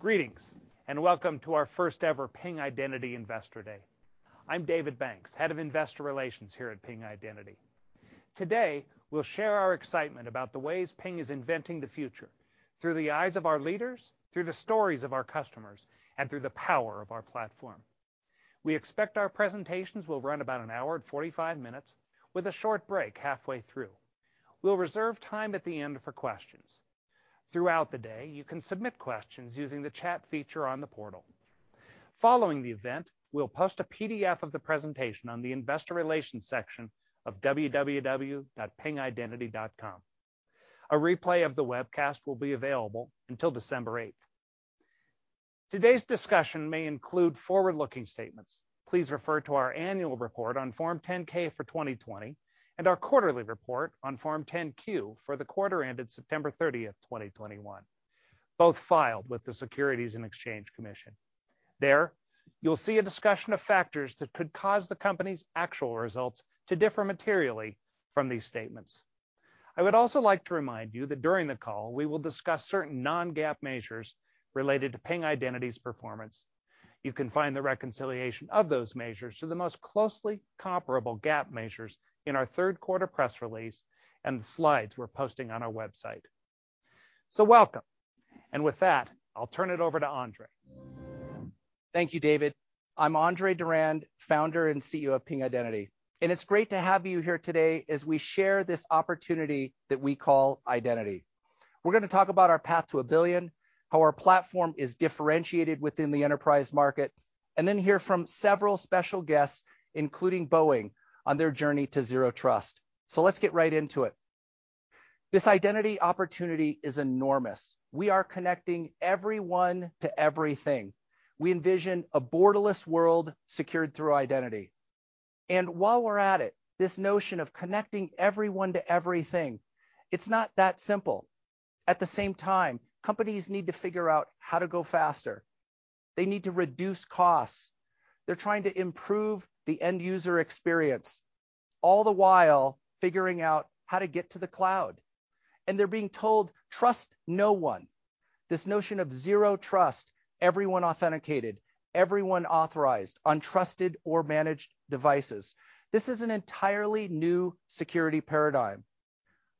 Greetings and welcome to our first-ever Ping Identity Investor Day. I'm David Banks, Head of Investor Relations here at Ping Identity. Today, we'll share our excitement about the ways Ping is inventing the future through the eyes of our leaders, through the stories of our customers, and through the power of our platform. We expect our presentations will run about 1 hour and 45 minutes with a short break halfway through. We'll reserve time at the end for questions. Throughout the day, you can submit questions using the chat feature on the portal. Following the event, we'll post a PDF of the presentation on the investor relations section of www.pingidentity.com. A replay of the webcast will be available until December 8. Today's discussion may include forward-looking statements. Please refer to our annual report on Form 10-K for 2020 and our quarterly report on Form 10-Q for the quarter ended September 30, 2021, both filed with the Securities and Exchange Commission. There, you'll see a discussion of factors that could cause the company's actual results to differ materially from these statements. I would also like to remind you that during the call, we will discuss certain non-GAAP measures related to Ping Identity's performance. You can find the reconciliation of those measures to the most closely comparable GAAP measures in our third quarter press release and the slides we're posting on our website. Welcome. With that, I'll turn it over to Andre. Thank you, David. I'm Andre Durand, founder and CEO of Ping Identity. It's great to have you here today as we share this opportunity that we call identity. We're going to talk about our path to a billion, how our platform is differentiated within the enterprise market, and then hear from several special guests, including Boeing, on their journey to zero trust. Let's get right into it. This identity opportunity is enormous. We are connecting everyone to everything. We envision a borderless world secured through identity. While we're at it, this notion of connecting everyone to everything, it's not that simple. At the same time, companies need to figure out how to go faster. They need to reduce costs. They're trying to improve the end user experience, all the while figuring out how to get to the cloud. They're being told, "Trust no one." This notion of zero trust, everyone authenticated, everyone authorized on trusted or managed devices. This is an entirely new security paradigm.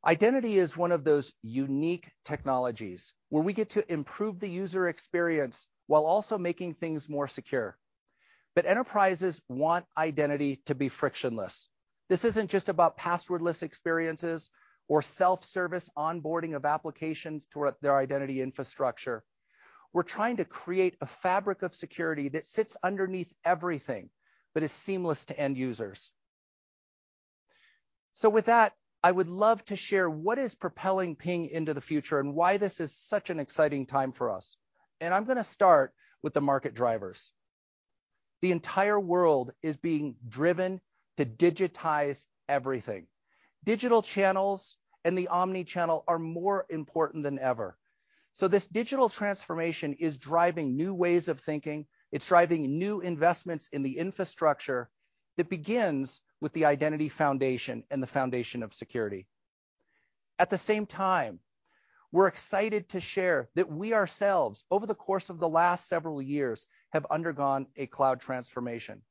Identity is one of those unique technologies where we get to improve the user experience while also making things more secure. Enterprises want identity to be frictionless. This isn't just about passwordless experiences or self-service onboarding of applications toward their identity infrastructure. We're trying to create a fabric of security that sits underneath everything but is seamless to end users. With that, I would love to share what is propelling Ping into the future and why this is such an exciting time for us. I'm going to start with the market drivers. The entire world is being driven to digitize everything. Digital channels and the omni-channel are more important than ever. This digital transformation is driving new ways of thinking. It's driving new investments in the infrastructure that begins with the identity foundation and the foundation of security. At the same time, we're excited to share that we ourselves, over the course of the last several years, have undergone a cloud transformation.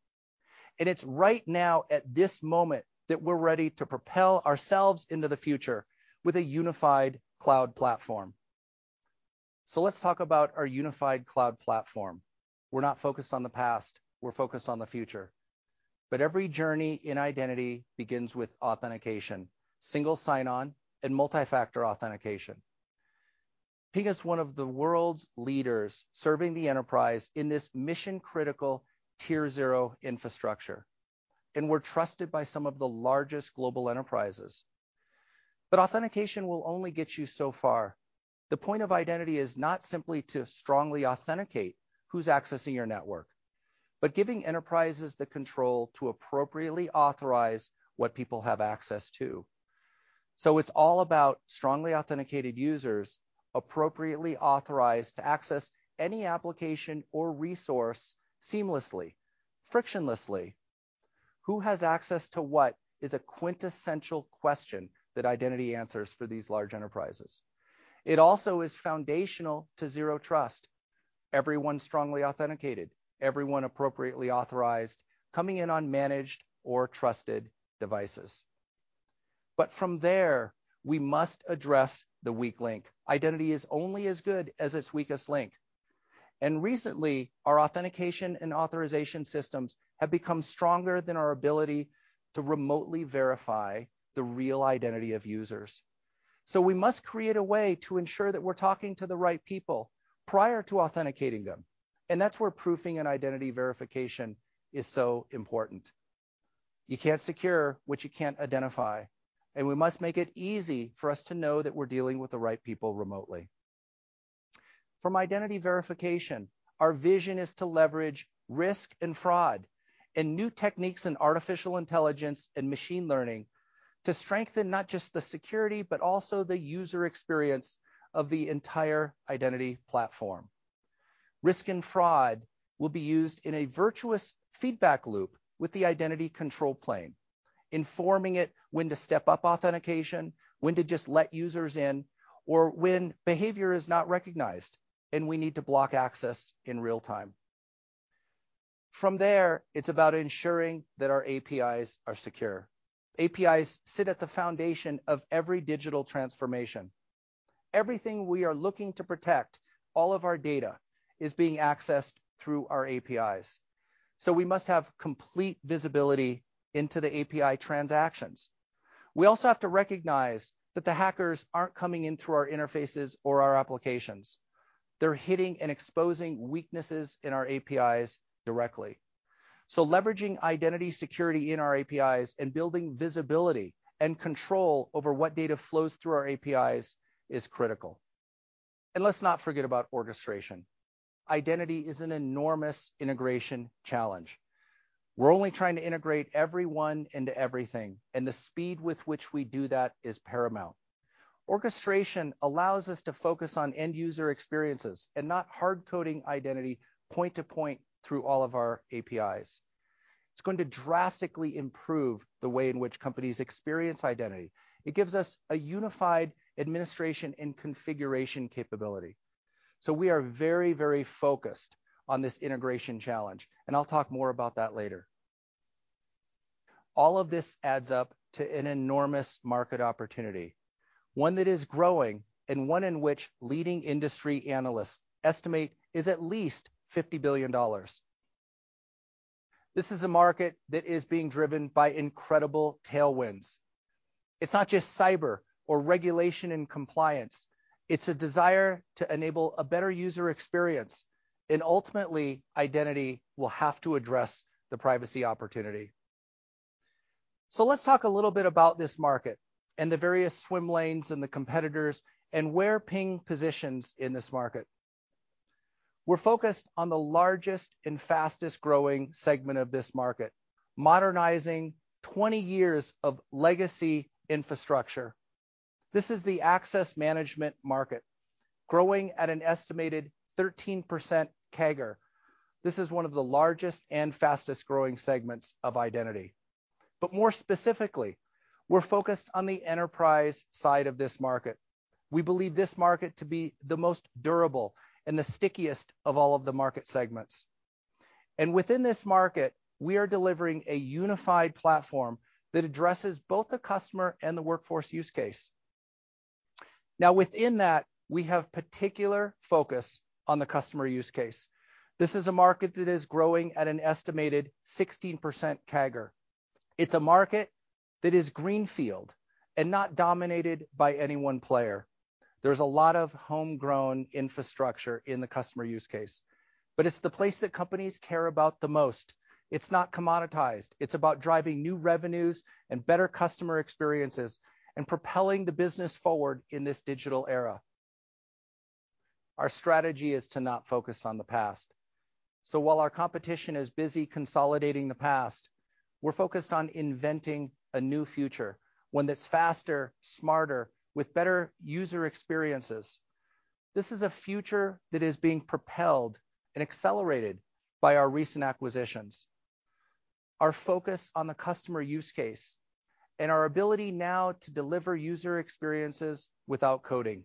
It's right now at this moment that we're ready to propel ourselves into the future with a unified cloud platform. Let's talk about our unified cloud platform. We're not focused on the past. We're focused on the future. Every journey in identity begins with authentication, single sign-on, and multi-factor authentication. Ping is one of the world's leaders serving the enterprise in this mission-critical tier zero infrastructure, and we're trusted by some of the largest global enterprises. Authentication will only get you so far. The point of identity is not simply to strongly authenticate who's accessing your network, but giving enterprises the control to appropriately authorize what people have access to. It's all about strongly authenticated users appropriately authorized to access any application or resource seamlessly, frictionlessly. Who has access to what is a quintessential question that identity answers for these large enterprises. It also is foundational to zero trust. Everyone strongly authenticated, everyone appropriately authorized, coming in on managed or trusted devices. From there, we must address the weak link. Identity is only as good as its weakest link. Recently, our authentication and authorization systems have become stronger than our ability to remotely verify the real identity of users. We must create a way to ensure that we're talking to the right people prior to authenticating them. That's where proofing and identity verification is so important. You can't secure what you can't identify, and we must make it easy for us to know that we're dealing with the right people remotely. From identity verification, our vision is to leverage risk and fraud and new techniques in artificial intelligence and machine learning to strengthen not just the security, but also the user experience of the entire identity platform. Risk and fraud will be used in a virtuous feedback loop with the identity control plane. Informing it when to step up authentication, when to just let users in, or when behavior is not recognized, and we need to block access in real time. From there, it's about ensuring that our APIs are secure. APIs sit at the foundation of every digital transformation. Everything we are looking to protect, all of our data is being accessed through our APIs. We must have complete visibility into the API transactions. We also have to recognize that the hackers aren't coming in through our interfaces or our applications. They're hitting and exposing weaknesses in our APIs directly. Leveraging identity security in our APIs and building visibility and control over what data flows through our APIs is critical. Let's not forget about orchestration. Identity is an enormous integration challenge. We're only trying to integrate everyone into everything, and the speed with which we do that is paramount. Orchestration allows us to focus on end user experiences and not hard coding identity point to point through all of our APIs. It's going to drastically improve the way in which companies experience identity. It gives us a unified administration and configuration capability. We are very, very focused on this integration challenge, and I'll talk more about that later. All of this adds up to an enormous market opportunity, one that is growing and one in which leading industry analysts estimate is at least $50 billion. This is a market that is being driven by incredible tailwinds. It's not just cyber or regulation and compliance, it's a desire to enable a better user experience, and ultimately, identity will have to address the privacy opportunity. So let's talk a little bit about this market and the various swim lanes and the competitors, and where Ping positions in this market. We're focused on the largest and fastest-growing segment of this market, modernizing 20 years of legacy infrastructure. This is the access management market, growing at an estimated 13% CAGR. This is one of the largest and fastest-growing segments of identity. More specifically, we're focused on the enterprise side of this market. We believe this market to be the most durable and the stickiest of all of the market segments. Within this market, we are delivering a unified platform that addresses both the customer and the workforce use case. Now, within that, we have particular focus on the customer use case. This is a market that is growing at an estimated 16% CAGR. It's a market that is greenfield and not dominated by any one player. There's a lot of homegrown infrastructure in the customer use case, but it's the place that companies care about the most. It's not commoditized. It's about driving new revenues and better customer experiences and propelling the business forward in this digital era. Our strategy is to not focus on the past. While our competition is busy consolidating the past, we're focused on inventing a new future, one that's faster, smarter, with better user experiences. This is a future that is being propelled and accelerated by our recent acquisitions, our focus on the customer use case, and our ability now to deliver user experiences without coding.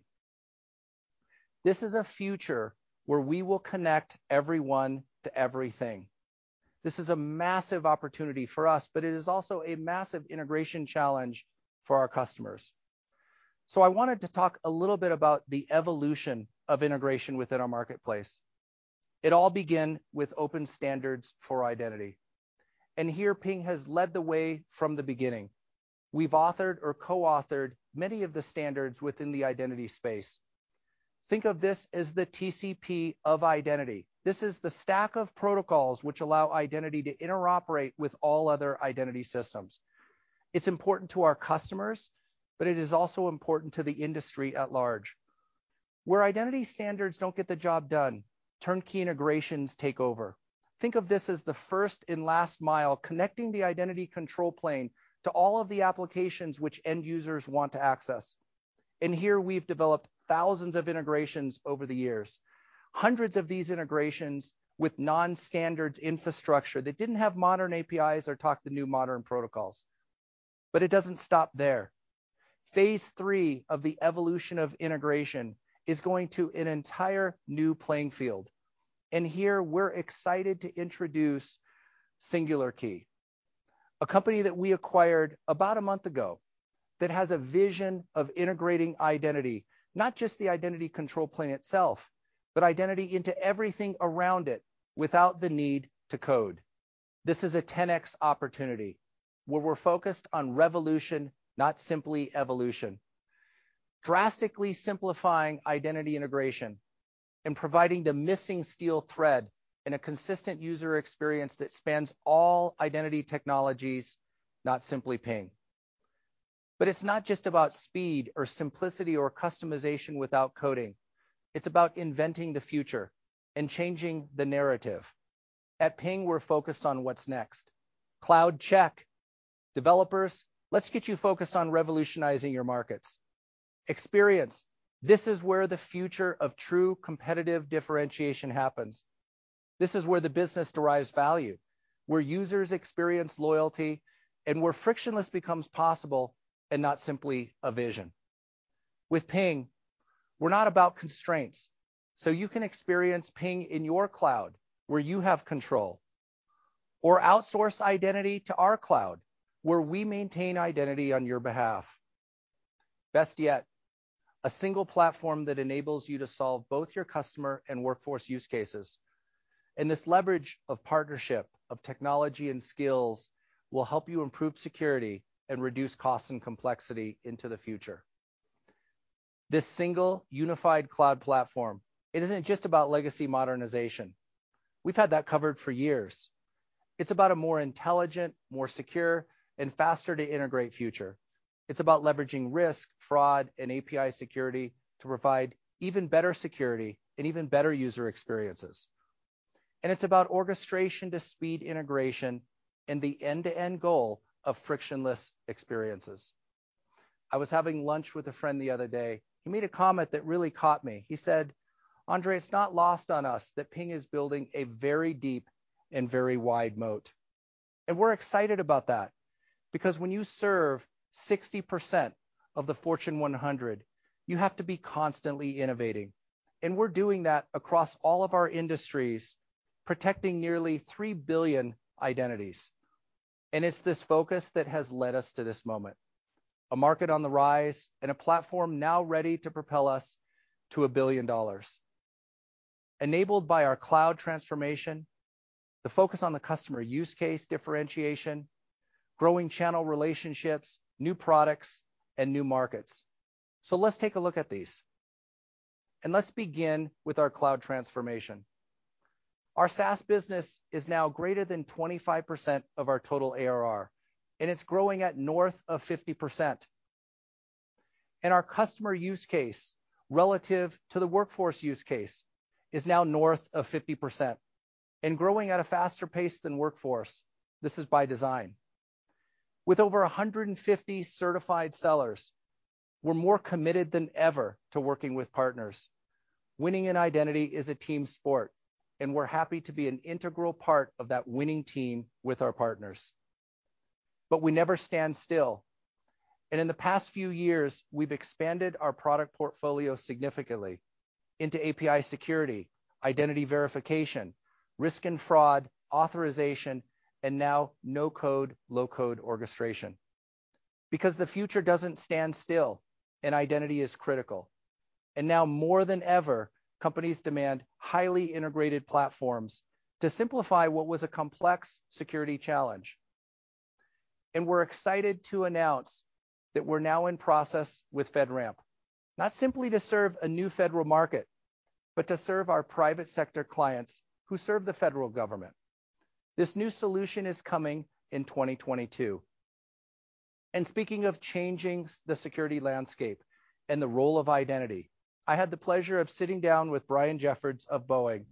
This is a future where we will connect everyone to everything. This is a massive opportunity for us, but it is also a massive integration challenge for our customers. I wanted to talk a little bit about the evolution of integration within our marketplace. It all began with open standards for identity, and here Ping has led the way from the beginning. We've authored or co-authored many of the standards within the identity space. Think of this as the TCP of identity. This is the stack of protocols which allow identity to interoperate with all other identity systems. It's important to our customers, but it is also important to the industry at large. Where identity standards don't get the job done, turnkey integrations take over. Think of this as the first and last mile connecting the identity control plane to all of the applications which end users want to access. Here we've developed thousands of integrations over the years. Hundreds of these integrations with non-standard infrastructure that didn't have modern APIs or talk the new modern protocols. It doesn't stop there. Phase III of the evolution of integration is going to an entire new playing field. Here we're excited to introduce Singular Key, a company that we acquired about a month ago that has a vision of integrating identity, not just the identity control plane itself, but identity into everything around it without the need to code. This is a 10x opportunity where we're focused on revolution, not simply evolution. Drastically simplifying identity integration and providing the missing steel thread in a consistent user experience that spans all identity technologies, not simply Ping. It's not just about speed or simplicity or customization without coding. It's about inventing the future and changing the narrative. At Ping, we're focused on what's next. Cloud, check. Developers, let's get you focused on revolutionizing your markets. Experience, this is where the future of true competitive differentiation happens. This is where the business derives value, where users experience loyalty, and where frictionless becomes possible and not simply a vision. With Ping, we're not about constraints, so you can experience Ping in your cloud where you have control, or outsource identity to our cloud, where we maintain identity on your behalf. Best yet, a single platform that enables you to solve both your customer and workforce use cases. This leverage of partnership of technology and skills will help you improve security and reduce cost and complexity into the future. This single unified cloud platform, it isn't just about legacy modernization. We've had that covered for years. It's about a more intelligent, more secure, and faster to integrate future. It's about leveraging risk, fraud, and API security to provide even better security and even better user experiences. It's about orchestration to speed integration and the end-to-end goal of frictionless experiences. I was having lunch with a friend the other day. He made a comment that really caught me. He said, "Andre, it's not lost on us that Ping is building a very deep and very wide moat."We're excited about that because when you serve 60% of the Fortune 100, you have to be constantly innovating. We're doing that across all of our industries, protecting nearly 3 billion identities. It's this focus that has led us to this moment. A market on the rise, and a platform now ready to propel us to $1 billion. Enabled by our cloud transformation, the focus on the customer use case differentiation, growing channel relationships, new products, and new markets. Let's take a look at these. Let's begin with our cloud transformation. Our SaaS business is now greater than 25% of our total ARR, and it's growing at north of 50%. Our customer use case relative to the workforce use case is now north of 50% and growing at a faster pace than workforce. This is by design. With over 150 certified sellers, we're more committed than ever to working with partners. Winning an identity is a team sport, and we're happy to be an integral part of that winning team with our partners. We never stand still, and in the past few years we've expanded our product portfolio significantly into API security, identity verification, risk and fraud, authorization, and now no-code/low-code orchestration. Because the future doesn't stand still, and identity is critical. Now more than ever, companies demand highly integrated platforms to simplify what was a complex security challenge. We're excited to announce that we're now in process with FedRAMP, not simply to serve a new federal market, but to serve our private sector clients who serve the federal government. This new solution is coming in 2022. Speaking of changing the security landscape and the role of identity, I had the pleasure of sitting down with Brian Jeffords of Boeing.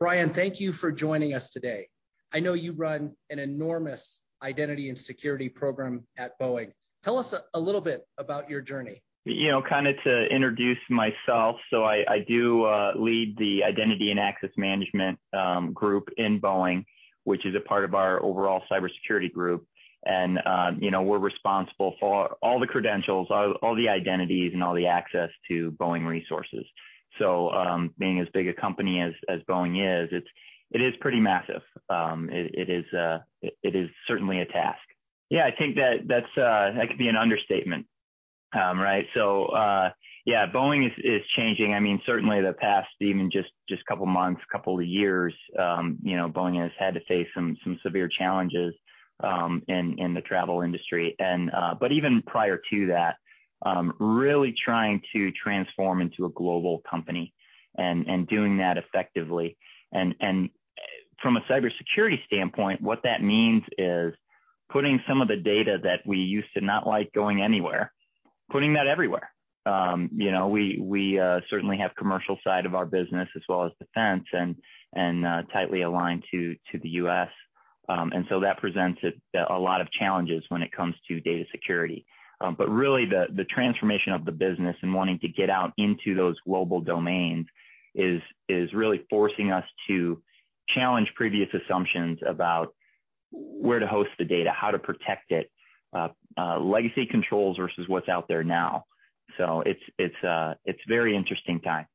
Brian, thank you for joining us today. I know you run an enormous identity and security program at Boeing. Tell us a little bit about your journey. You know, kinda to introduce myself, so I do lead the Identity and Access Management group in Boeing, which is a part of our overall cybersecurity group. You know, we're responsible for all the credentials, all the identities and all the access to Boeing resources. Being as big a company as Boeing is, it is pretty massive. It is certainly a task. Yeah, I think that could be an understatement. Right? Yeah, Boeing is changing. I mean, certainly the past even just couple months, couple of years, you know, Boeing has had to face some severe challenges in the travel industry. But even prior to that, really trying to transform into a global company and doing that effectively. From a cybersecurity standpoint, what that means is putting some of the data that we used to not like going anywhere, putting that everywhere. You know, we certainly have commercial side of our business as well as defense and tightly aligned to the U.S., and so that presents a lot of challenges when it comes to data security. Really the transformation of the business and wanting to get out into those global domains is really forcing us to challenge previous assumptions about where to host the data, how to protect it, legacy controls versus what's out there now. It's a very interesting time.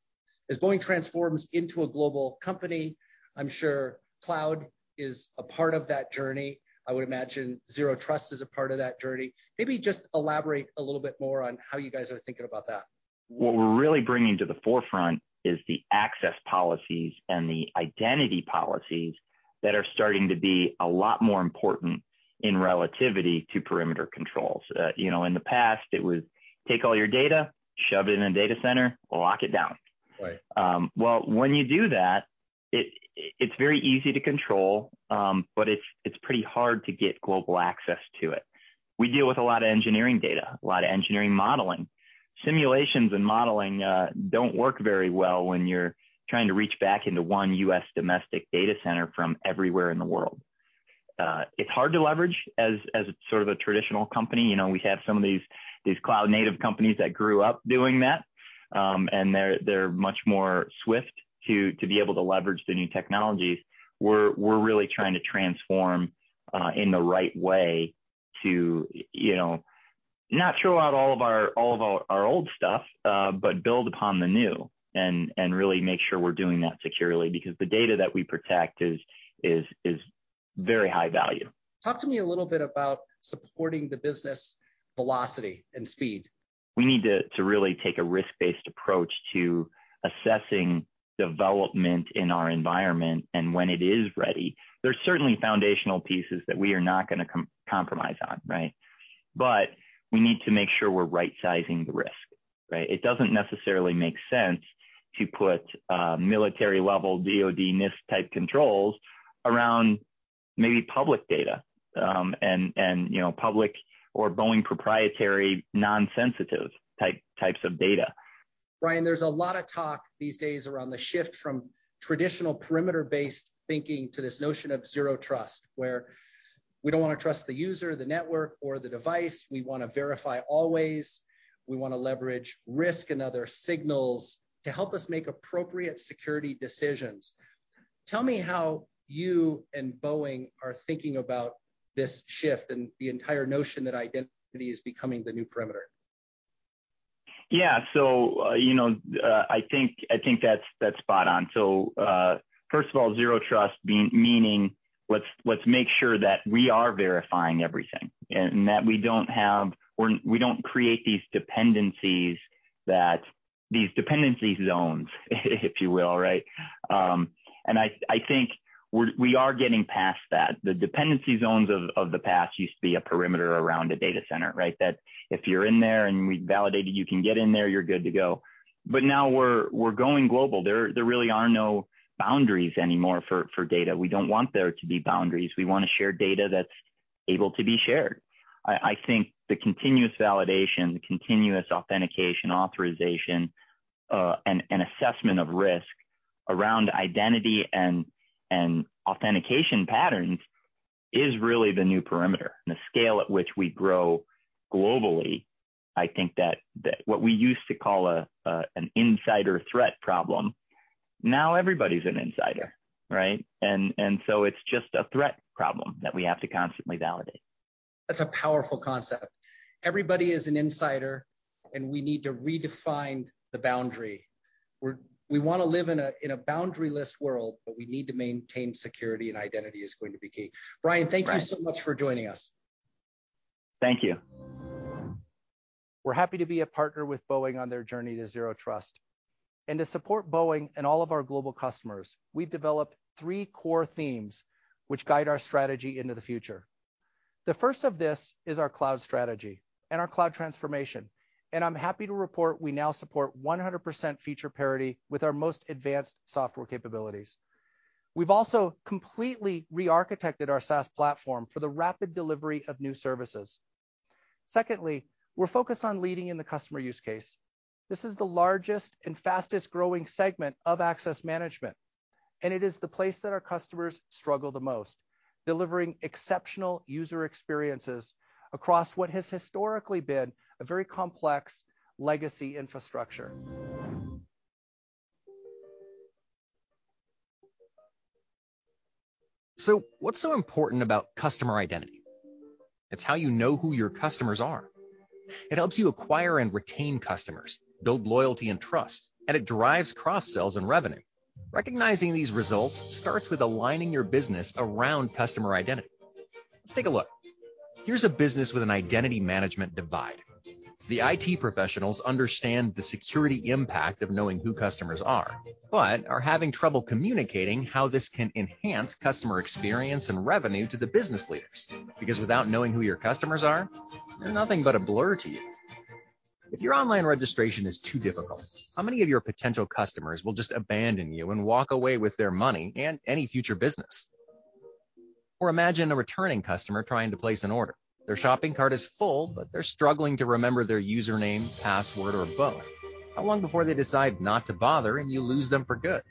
As Boeing transforms into a global company, I'm sure cloud is a part of that journey. I would imagine zero trust is a part of that journey. Maybe just elaborate a little bit more on how you guys are thinking about that. What we're really bringing to the forefront is the access policies and the identity policies that are starting to be a lot more important in relation to perimeter controls. You know, in the past it was take all your data, shove it in a data center, lock it down. Right. Well, when you do that, it's very easy to control, but it's pretty hard to get global access to it. We deal with a lot of engineering data, a lot of engineering modeling. Simulations and modeling don't work very well when you're trying to reach back into one U.S. domestic data center from everywhere in the world. It's hard to leverage as sort of a traditional company. You know, we have some of these cloud-native companies that grew up doing that, and they're much more swift to be able to leverage the new technologies. We're really trying to transform in the right way to, you know, not throw out all of our old stuff, but build upon the new and really make sure we're doing that securely because the data that we protect is very high value. Talk to me a little bit about supporting the business velocity and speed. We need to really take a risk-based approach to assessing development in our environment and when it is ready. There's certainly foundational pieces that we are not gonna compromise on, right? We need to make sure we're right-sizing the risk, right? It doesn't necessarily make sense to put military-level DoD NIST type controls around maybe public data, and you know, public or Boeing proprietary non-sensitive types of data. Brian, there's a lot of talk these days around the shift from traditional perimeter-based thinking to this notion of zero trust, where we don't wanna trust the user, the network, or the device. We wanna verify always. We wanna leverage risk and other signals to help us make appropriate security decisions. Tell me how you and Boeing are thinking about this shift and the entire notion that identity is becoming the new perimeter. Yeah. You know, I think that's spot on. First of all, zero trust meaning let's make sure that we are verifying everything, and that we don't create these dependencies that these dependency zones, if you will, right? I think we are getting past that. The dependency zones of the past used to be a perimeter around a data center, right? That if you're in there and we validated you can get in there, you're good to go. Now we're going global. There really are no boundaries anymore for data. We don't want there to be boundaries. We wanna share data that's able to be shared. I think the continuous validation, the continuous authentication, authorization, and assessment of risk around identity and authentication patterns is really the new perimeter. The scale at which we grow globally, I think that what we used to call an insider threat problem, now everybody's an insider, right? It's just a threat problem that we have to constantly validate. That's a powerful concept. Everybody is an insider, and we need to redefine the boundary. We wanna live in a boundaryless world, but we need to maintain security, and identity is going to be key. Brian. Right. Thank you so much for joining us. Thank you. We're happy to be a partner with Boeing on their journey to zero trust. To support Boeing and all of our global customers, we've developed three core themes which guide our strategy into the future. The first of this is our cloud strategy and our cloud transformation, and I'm happy to report we now support 100% feature parity with our most advanced software capabilities. We've also completely rearchitected our SaaS platform for the rapid delivery of new services. Secondly, we're focused on leading in the customer use case. This is the largest and fastest-growing segment of access management, and it is the place that our customers struggle the most, delivering exceptional user experiences across what has historically been a very complex legacy infrastructure. What's so important about customer identity? It's how you know who your customers are. It helps you acquire and retain customers, build loyalty and trust, and it drives cross-sales and revenue. Recognizing these results starts with aligning your business around customer identity. Let's take a look. Here's a business with an identity management divide. The IT professionals understand the security impact of knowing who customers are but are having trouble communicating how this can enhance customer experience and revenue to the business leaders. Because without knowing who your customers are, they're nothing but a blur to you. If your online registration is too difficult, how many of your potential customers will just abandon you and walk away with their money and any future business? Imagine a returning customer trying to place an order. Their shopping cart is full, but they're struggling to remember their username, password, or both. How long before they decide not to bother, and you lose them for good?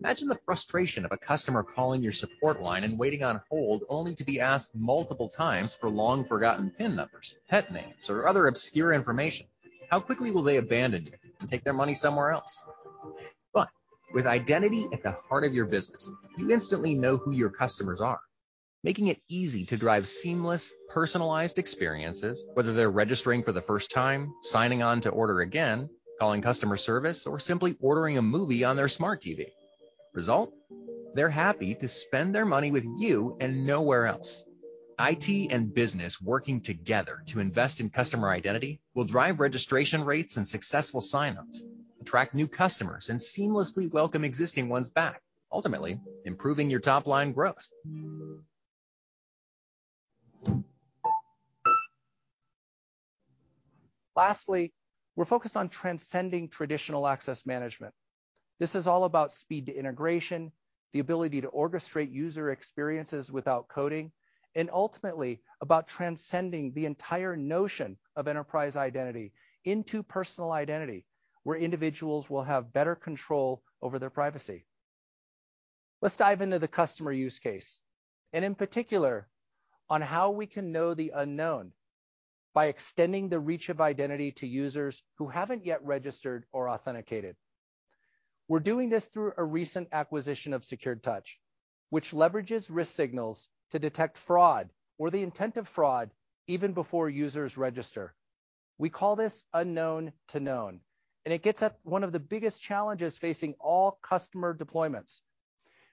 Imagine the frustration of a customer calling your support line and waiting on hold, only to be asked multiple times for long-forgotten PIN numbers, pet names, or other obscure information. How quickly will they abandon you and take their money somewhere else? With identity at the heart of your business, you instantly know who your customers are, making it easy to drive seamless, personalized experiences, whether they're registering for the first time, signing on to order again, calling customer service, or simply ordering a movie on their smart TV. Result? They're happy to spend their money with you and nowhere else. IT and business working together to invest in customer identity will drive registration rates and successful sign-ups, attract new customers, and seamlessly welcome existing ones back, ultimately improving your top-line growth. Lastly, we're focused on transcending traditional access management. This is all about speed to integration, the ability to orchestrate user experiences without coding. Ultimately about transcending the entire notion of enterprise identity into personal identity, where individuals will have better control over their privacy. Let's dive into the customer use case, and in particular, on how we can know the unknown by extending the reach of identity to users who haven't yet registered or authenticated. We're doing this through a recent acquisition of SecuredTouch, which leverages risk signals to detect fraud or the intent of fraud even before users register. We call this unknown to known, and it gets at one of the biggest challenges facing all customer deployments,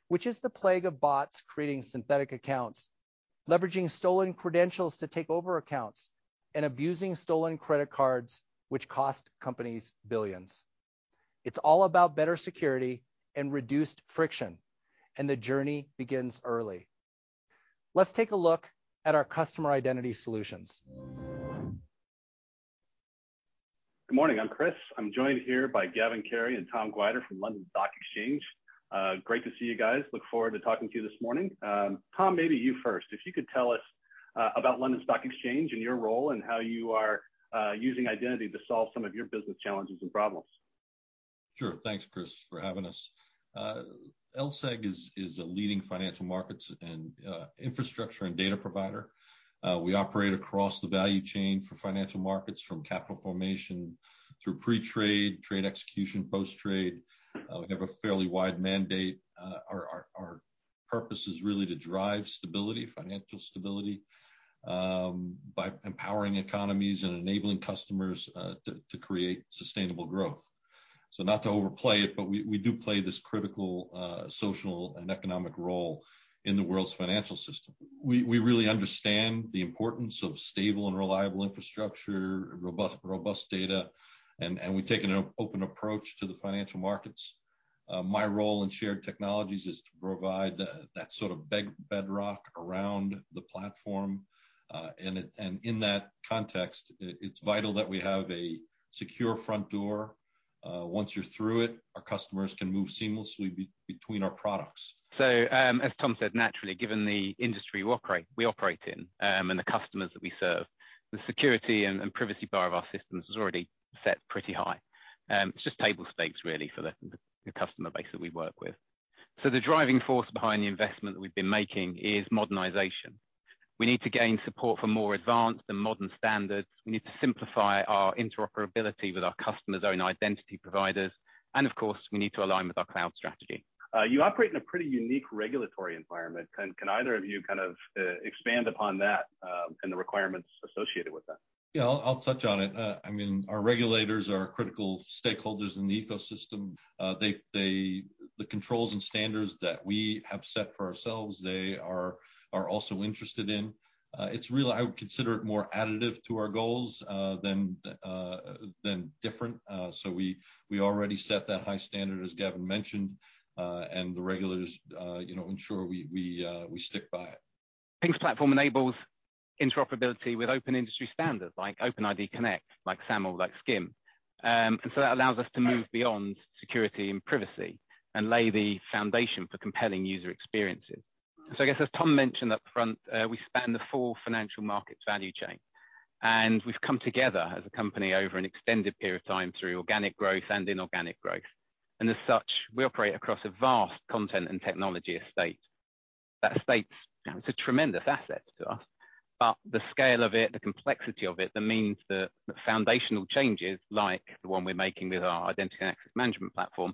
which is the plague of bots creating synthetic accounts, leveraging stolen credentials to take over accounts, and abusing stolen credit cards which cost companies billions. It's all about better security and reduced friction, and the journey begins early. Let's take a look at our customer identity solutions. Good morning, I'm Chris. I'm joined here by Gavin Carey and Tom Mayger from London Stock Exchange. Great to see you guys. Look forward to talking to you this morning. Tom, maybe you first. If you could tell us about London Stock Exchange and your role and how you are using identity to solve some of your business challenges and problems. Sure. Thanks, Chris, for having us. LSEG is a leading financial markets and infrastructure and data provider. We operate across the value chain for financial markets, from capital formation through pre-trade, trade execution, post-trade. We have a fairly wide mandate. Our purpose is really to drive stability, financial stability, by empowering economies and enabling customers to create sustainable growth. Not to overplay it, but we do play this critical social and economic role in the world's financial system. We really understand the importance of stable and reliable infrastructure, robust data, and we take an open approach to the financial markets. My role in shared technologies is to provide that sort of bedrock around the platform. And it... In that context, it's vital that we have a secure front door. Once you're through it, our customers can move seamlessly between our products. As Tom said, naturally, given the industry we operate in and the customers that we serve, the security and privacy bar of our systems is already set pretty high. It's just table stakes really for the customer base that we work with. The driving force behind the investment that we've been making is modernization. We need to gain support for more advanced and modern standards. We need to simplify our interoperability with our customers' own identity providers, and of course, we need to align with our cloud strategy. You operate in a pretty unique regulatory environment. Can either of you kind of expand upon that, and the requirements associated with that? Yeah, I'll touch on it. I mean, our regulators are critical stakeholders in the ecosystem. They are also interested in the controls and standards that we have set for ourselves. I would consider it more additive to our goals than different. We already set that high standard, as Gavin mentioned, and the regulators, you know, ensure we stick by it. Ping's platform enables interoperability with open industry standards, like OpenID Connect, like SAML, like SCIM. That allows us to move beyond security and privacy and lay the foundation for compelling user experiences. I guess as Tom mentioned up front, we span the full financial markets value chain, and we've come together as a company over an extended period of time through organic growth and inorganic growth, and as such, we operate across a vast content and technology estate. That estate's a tremendous asset to us, but the scale of it, the complexity of it, that means the foundational changes like the one we're making with our identity and access management platform,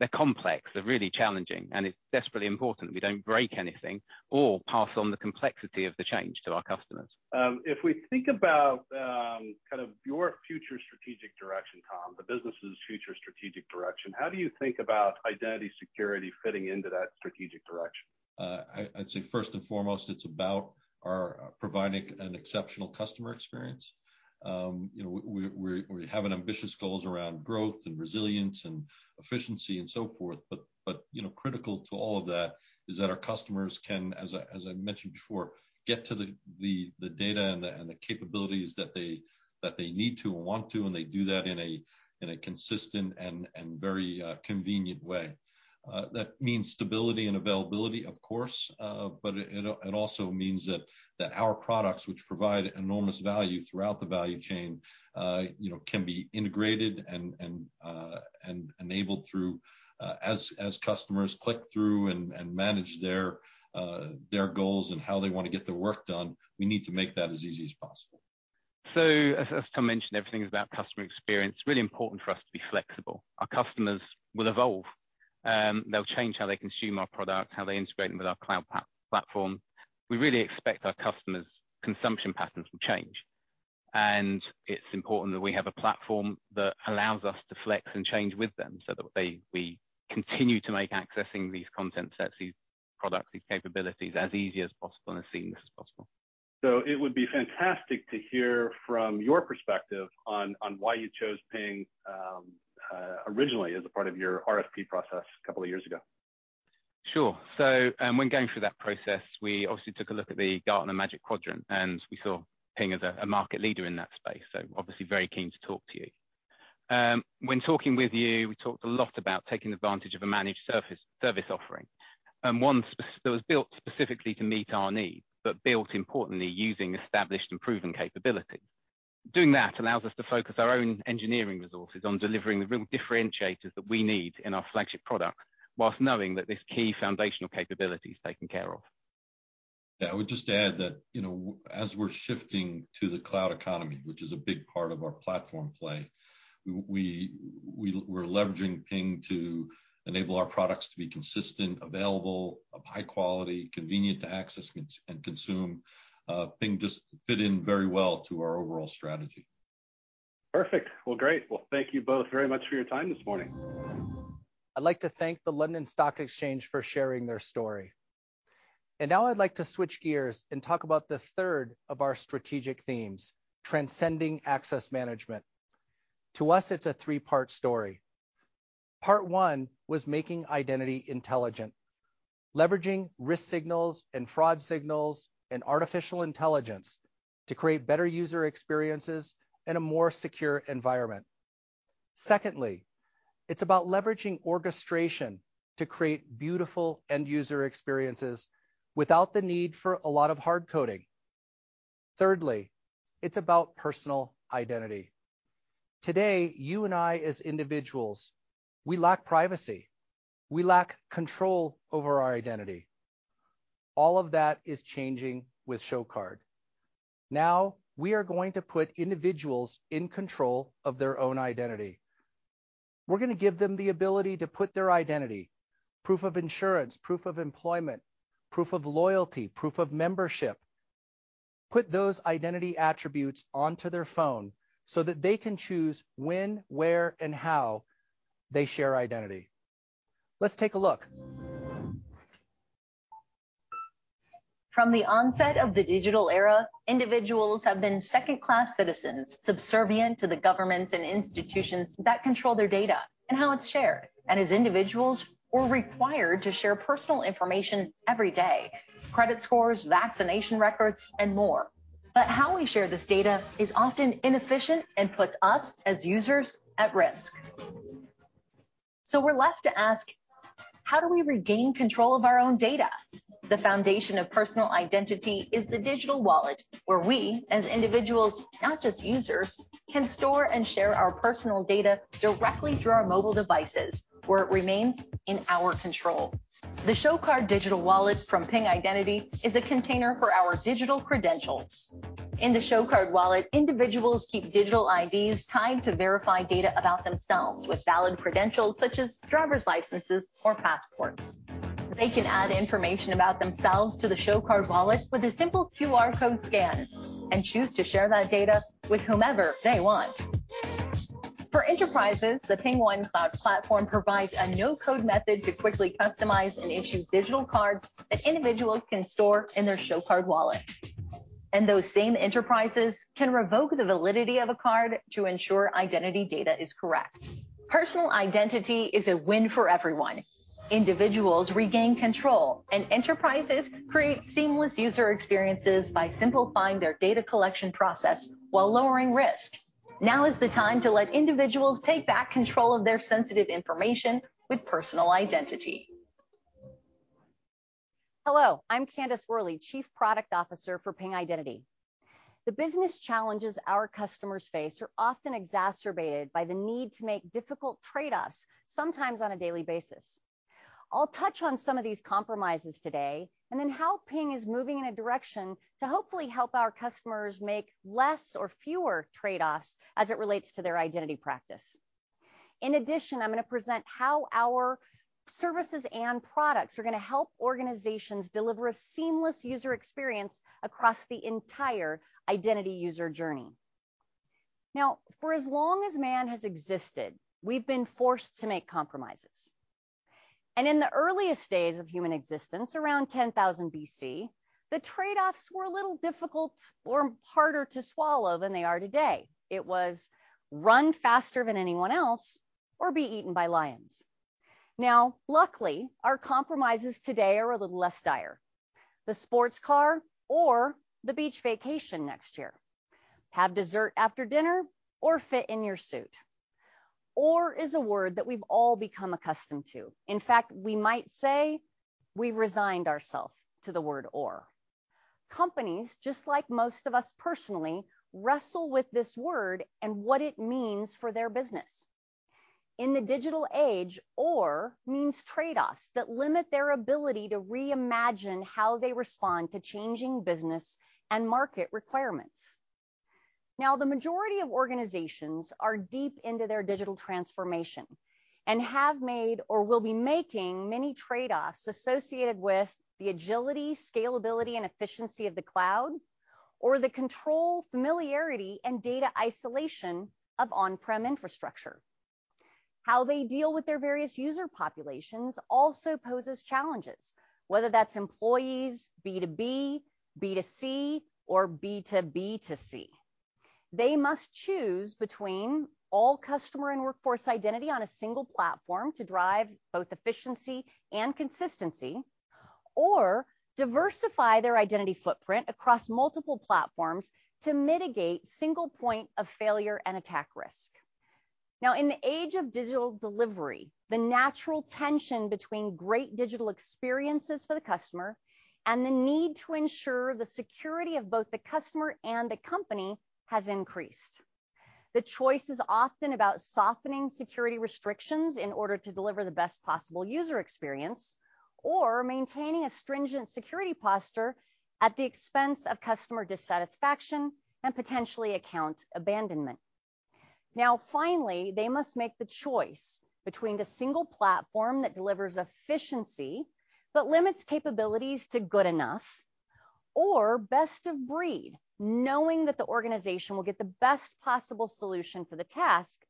they're complex, they're really challenging, and it's desperately important we don't break anything or pass on the complexity of the change to our customers. If we think about kind of your future strategic direction, Tom, the business's future strategic direction, how do you think about identity security fitting into that strategic direction? I'd say first and foremost it's about our providing an exceptional customer experience. You know, we have an ambitious goals around growth and resilience and efficiency and so forth, but you know, critical to all of that is that our customers can, as I mentioned before, get to the data and the capabilities that they need to and want to, and they do that in a consistent and very convenient way. That means stability and availability, of course, but it also means that our products, which provide enormous value throughout the value chain, you know, can be integrated and enabled through, as customers click through and manage their goals and how they wanna get their work done, we need to make that as easy as possible. As Tom mentioned, everything is about customer experience. Really important for us to be flexible. Our customers will evolve. They'll change how they consume our product, how they integrate them with our cloud platform. We really expect our customers' consumption patterns will change, and it's important that we have a platform that allows us to flex and change with them so that we continue to make accessing these content sets, these products, these capabilities as easy as possible and as seamless as possible. It would be fantastic to hear from your perspective on why you chose Ping originally as a part of your RFP process a couple of years ago. Sure. When going through that process, we obviously took a look at the Gartner Magic Quadrant, and we saw Ping as a market leader in that space, so obviously very keen to talk to you. When talking with you, we talked a lot about taking advantage of a managed service offering, and one specifically that was built to meet our needs, but built importantly using established and proven capability. Doing that allows us to focus our own engineering resources on delivering the real differentiators that we need in our flagship product while knowing that this key foundational capability is taken care of. Yeah, I would just add that, you know, as we're shifting to the cloud economy, which is a big part of our platform play, we're leveraging Ping to enable our products to be consistent, available, of high quality, convenient to access, and consume. Ping just fit in very well to our overall strategy. Perfect. Well, great. Well, thank you both very much for your time this morning. I'd like to thank the London Stock Exchange for sharing their story. Now I'd like to switch gears and talk about the third of our strategic themes, transcending access management. To us, it's a three-part story. Part one was making identity intelligent, leveraging risk signals and fraud signals and artificial intelligence to create better user experiences and a more secure environment. Secondly, it's about leveraging orchestration to create beautiful end user experiences without the need for a lot of hard coding. Thirdly, it's about personal identity. Today, you and I as individuals, we lack privacy. We lack control over our identity. All of that is changing with ShoCard. Now, we are going to put individuals in control of their own identity. We're gonna give them the ability to put their identity, proof of insurance, proof of employment, proof of loyalty, proof of membership, put those identity attributes onto their phone so that they can choose when, where, and how they share identity. Let's take a look. From the onset of the digital era, individuals have been second-class citizens, subservient to the governments and institutions that control their data and how it's shared. As individuals, we're required to share personal information every day, credit scores, vaccination records, and more. How we share this data is often inefficient and puts us as users at risk. We're left to ask, "How do we regain control of our own data?" The foundation of personal identity is the digital wallet, where we as individuals, not just users, can store and share our personal data directly through our mobile devices, where it remains in our control. The ShoCard digital wallet from Ping Identity is a container for our digital credentials. In the ShoCard wallet, individuals keep digital IDs tied to verified data about themselves with valid credentials such as driver's licenses or passports. They can add information about themselves to the ShoCard wallet with a simple QR code scan and choose to share that data with whomever they want. For enterprises, the PingOne Cloud Platform provides a no-code method to quickly customize and issue digital cards that individuals can store in their ShoCard wallet. Those same enterprises can revoke the validity of a card to ensure identity data is correct. Personal identity is a win for everyone. Individuals regain control, and enterprises create seamless user experiences by simplifying their data collection process while lowering risk. Now is the time to let individuals take back control of their sensitive information with personal identity. Hello, I'm Candace Worley, Chief Product Officer for Ping Identity. The business challenges our customers face are often exacerbated by the need to make difficult trade-offs, sometimes on a daily basis. I'll touch on some of these compromises today, and then how Ping is moving in a direction to hopefully help our customers make less or fewer trade-offs as it relates to their identity practice. In addition, I'm going to present how our services and products are going to help organizations deliver a seamless user experience across the entire identity user journey. Now, for as long as man has existed, we've been forced to make compromises. In the earliest days of human existence, around 10,000 BC, the trade-offs were a little difficult or harder to swallow than they are today. It was run faster than anyone else or be eaten by lions. Now, luckily, our compromises today are a little less dire. The sports car or the beach vacation next year. Have dessert after dinner or fit in your suit. Or is a word that we've all become accustomed to. In fact, we might say we've resigned ourselves to the word or. Companies, just like most of us personally, wrestle with this word and what it means for their business. In the digital age or means trade-offs that limit their ability to reimagine how they respond to changing business and market requirements. Now, the majority of organizations are deep into their digital transformation and have made or will be making many trade-offs associated with the agility, scalability, and efficiency of the cloud or the control, familiarity, and data isolation of on-prem infrastructure. How they deal with their various user populations also poses challenges, whether that's employees, B2B, B2C, or B2B2C. They must choose between all customer and workforce identity on a single platform to drive both efficiency and consistency or diversify their identity footprint across multiple platforms to mitigate single point of failure and attack risk. In the age of digital delivery, the natural tension between great digital experiences for the customer and the need to ensure the security of both the customer and the company has increased. The choice is often about softening security restrictions in order to deliver the best possible user experience or maintaining a stringent security posture at the expense of customer dissatisfaction and potentially account abandonment. Now, finally, they must make the choice between the single platform that delivers efficiency but limits capabilities to good enough or best of breed, knowing that the organization will get the best possible solution for the task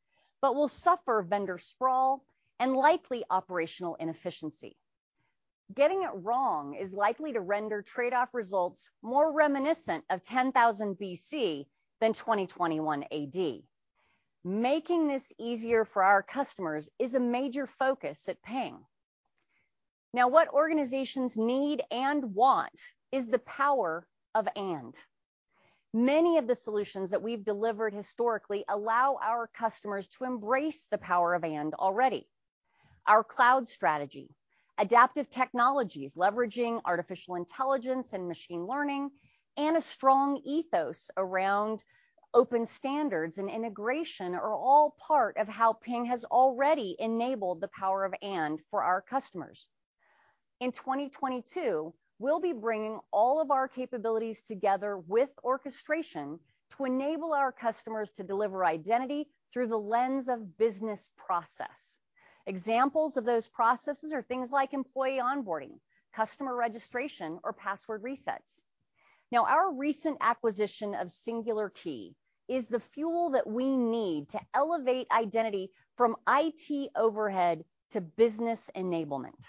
but will suffer vendor sprawl and likely operational inefficiency. Getting it wrong is likely to render trade-off results more reminiscent of 10,000 BC than 2021 AD. Making this easier for our customers is a major focus at Ping. Now, what organizations need and want is the power of "and". Many of the solutions that we've delivered historically allow our customers to embrace the power of "and" already. Our cloud strategy, adaptive technologies, leveraging artificial intelligence and machine learning, and a strong ethos around open standards and integration are all part of how Ping has already enabled the power of "and" for our customers. In 2022, we'll be bringing all of our capabilities together with orchestration to enable our customers to deliver identity through the lens of business process. Examples of those processes are things like employee onboarding, customer registration, or password resets. Now, our recent acquisition of Singular Key is the fuel that we need to elevate identity from IT overhead to business enablement.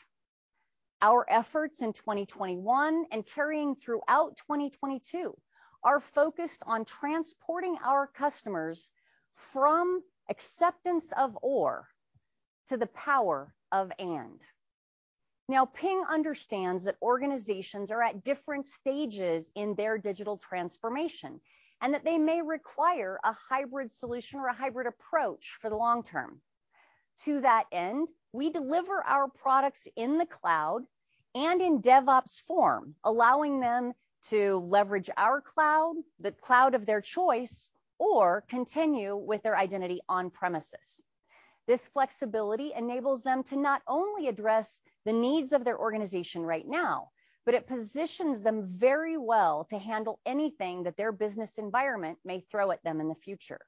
Our efforts in 2021 and carrying throughout 2022 are focused on transporting our customers from acceptance of "or" to the power of "and". Now, Ping understands that organizations are at different stages in their digital transformation, and that they may require a hybrid solution or a hybrid approach for the long term. To that end, we deliver our products in the cloud and in DevOps form, allowing them to leverage our cloud, the cloud of their choice, or continue with their identity on premises. This flexibility enables them to not only address the needs of their organization right now, but it positions them very well to handle anything that their business environment may throw at them in the future.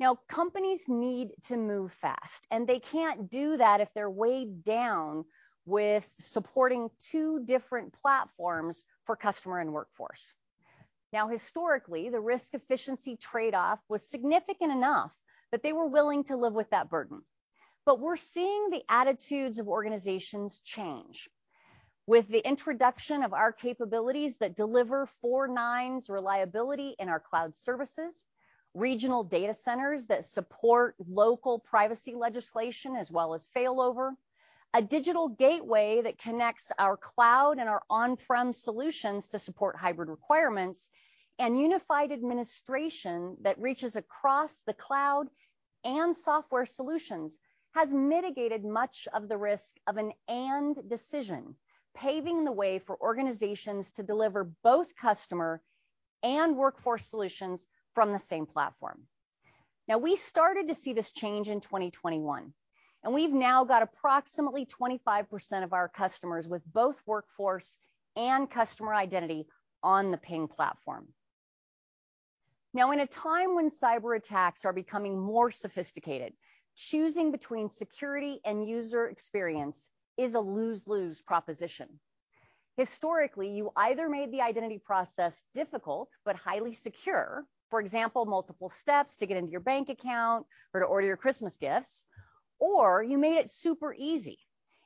Now, companies need to move fast, and they can't do that if they're weighed down with supporting two different platforms for customer and workforce. Now, historically, the risk-efficiency trade-off was significant enough that they were willing to live with that burden. We're seeing the attitudes of organizations change. With the introduction of our capabilities that deliver four nines reliability in our cloud services, regional data centers that support local privacy legislation as well as failover, a digital gateway that connects our cloud and our on-prem solutions to support hybrid requirements, and unified administration that reaches across the cloud and software solutions has mitigated much of the risk of an "and" decision, paving the way for organizations to deliver both customer and workforce solutions from the same platform. Now, we started to see this change in 2021, and we've now got approximately 25% of our customers with both workforce and customer identity on the Ping platform. Now, in a time when cyberattacks are becoming more sophisticated, choosing between security and user experience is a lose-lose proposition. Historically, you either made the identity process difficult but highly secure, for example, multiple steps to get into your bank account or to order your Christmas gifts, or you made it super easy,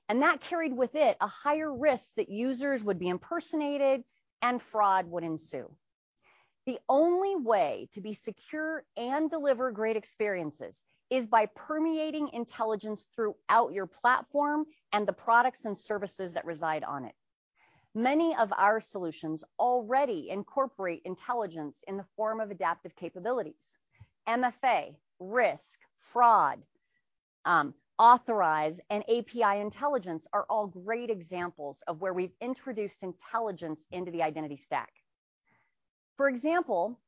and that carried with it a higher risk that users would be impersonated and fraud would ensue. The only way to be secure and deliver great experiences is by permeating intelligence throughout your platform and the products and services that reside on it. Many of our solutions already incorporate intelligence in the form of adaptive capabilities. MFA, risk, fraud, authorize, and API intelligence are all great examples of where we've introduced intelligence into the identity stack. For example,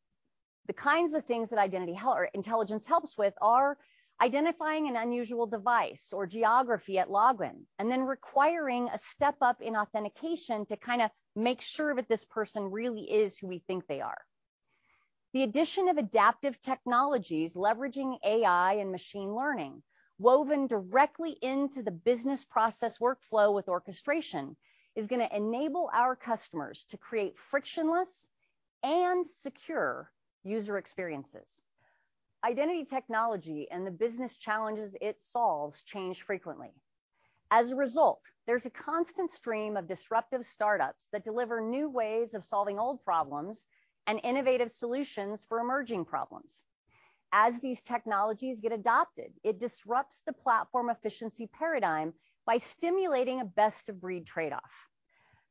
the kinds of things that identity or intelligence helps with are identifying an unusual device or geography at login and then requiring a step up in authentication to kind of make sure that this person really is who we think they are. The addition of adaptive technologies leveraging AI and machine learning, woven directly into the business process workflow with orchestration, is going to enable our customers to create frictionless and secure user experiences. Identity technology and the business challenges it solves change frequently. As a result, there's a constant stream of disruptive startups that deliver new ways of solving old problems and innovative solutions for emerging problems. As these technologies get adopted, it disrupts the platform efficiency paradigm by stimulating a best of breed trade-off.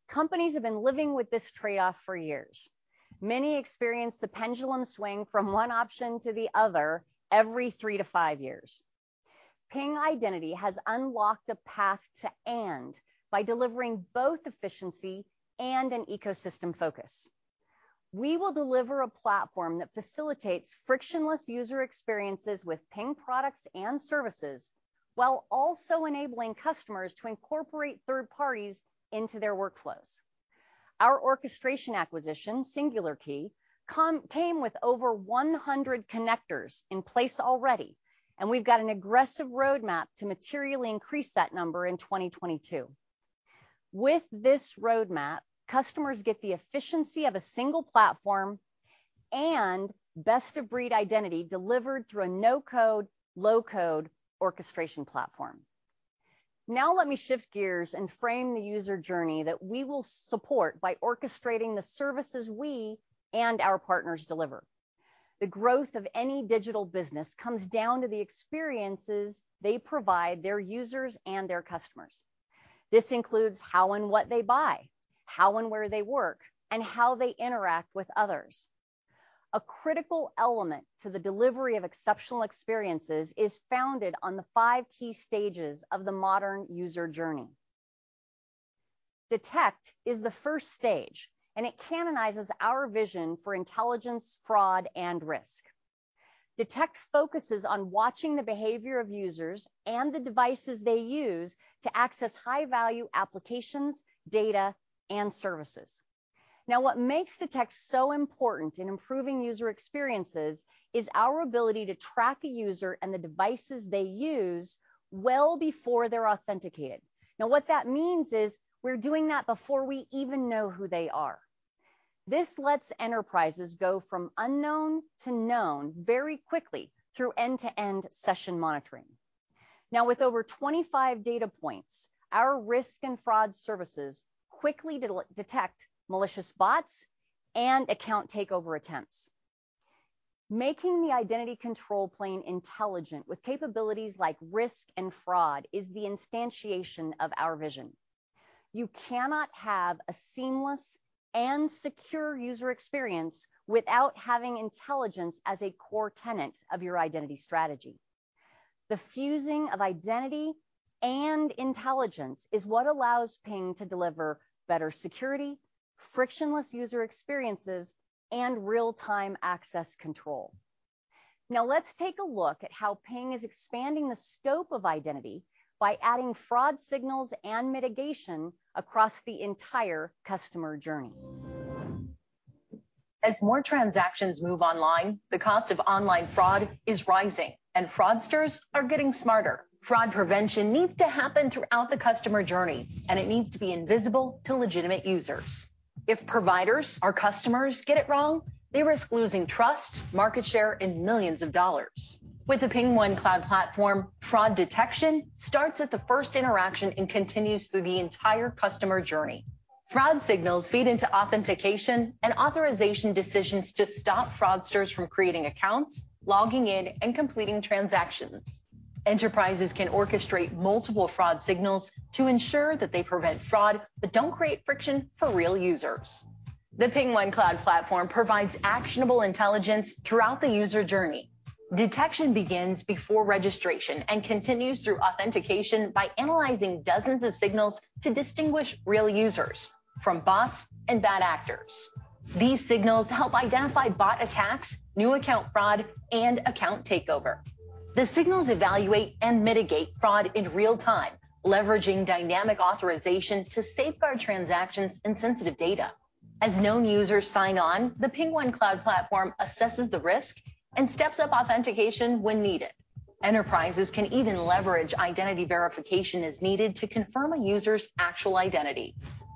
Companies have been living with this trade-off for years. Many experience the pendulum swing from one option to the other every three to five years. Ping Identity has unlocked a path to and by delivering both efficiency and an ecosystem focus. We will deliver a platform that facilitates frictionless user experiences with Ping products and services, while also enabling customers to incorporate third parties into their workflows. Our orchestration acquisition, Singular Key, came with over 100 connectors in place already, and we've got an aggressive roadmap to materially increase that number in 2022. With this roadmap, customers get the efficiency of a single platform and best of breed identity delivered through a no-code/low-code orchestration platform. Now let me shift gears and frame the user journey that we will support by orchestrating the services we and our partners deliver. The growth of any digital business comes down to the experiences they provide their users and their customers. This includes how and what they buy, how and where they work, and how they interact with others. A critical element to the delivery of exceptional experiences is founded on the five key stages of the modern user journey. Detect is the first stage, and it canonizes our vision for intelligence, fraud, and risk. Detect focuses on watching the behavior of users and the devices they use to access high-value applications, data, and services. Now, what makes Detect so important in improving user experiences is our ability to track a user and the devices they use well before they're authenticated. Now, what that means is we're doing that before we even know who they are. This lets enterprises go from unknown to known very quickly through end-to-end session monitoring. Now, with over 25 data points, our risk and fraud services quickly detect malicious bots and account takeover attempts. Making the identity control plane intelligent with capabilities like risk and fraud is the instantiation of our vision. You cannot have a seamless and secure user experience without having intelligence as a core tenet of your identity strategy. The fusing of identity and intelligence is what allows Ping to deliver better security, frictionless user experiences, and real-time access control. Now let's take a look at how Ping is expanding the scope of identity by adding fraud signals and mitigation across the entire customer journey. As more transactions move online, the cost of online fraud is rising and fraudsters are getting smarter. Fraud prevention needs to happen throughout the customer journey, and it needs to be invisible to legitimate users. If providers, our customers, get it wrong, they risk losing trust, market share, and millions of dollars. With the PingOne Cloud Platform, fraud detection starts at the first interaction and continues through the entire customer journey. Fraud signals feed into authentication and authorization decisions to stop fraudsters from creating accounts, logging in, and completing transactions. Enterprises can orchestrate multiple fraud signals to ensure that they prevent fraud, but don't create friction for real users. The PingOne Cloud Platform provides actionable intelligence throughout the user journey. Detection begins before registration and continues through authentication by analyzing dozens of signals to distinguish real users from bots and bad actors. These signals help identify bot attacks, new account fraud, and account takeover. The signals evaluate and mitigate fraud in real time, leveraging dynamic authorization to safeguard transactions and sensitive data. As known users sign on, the PingOne Cloud Platform assesses the risk and steps up authentication when needed. Enterprises can even leverage identity verification as needed to confirm a user's actual identity.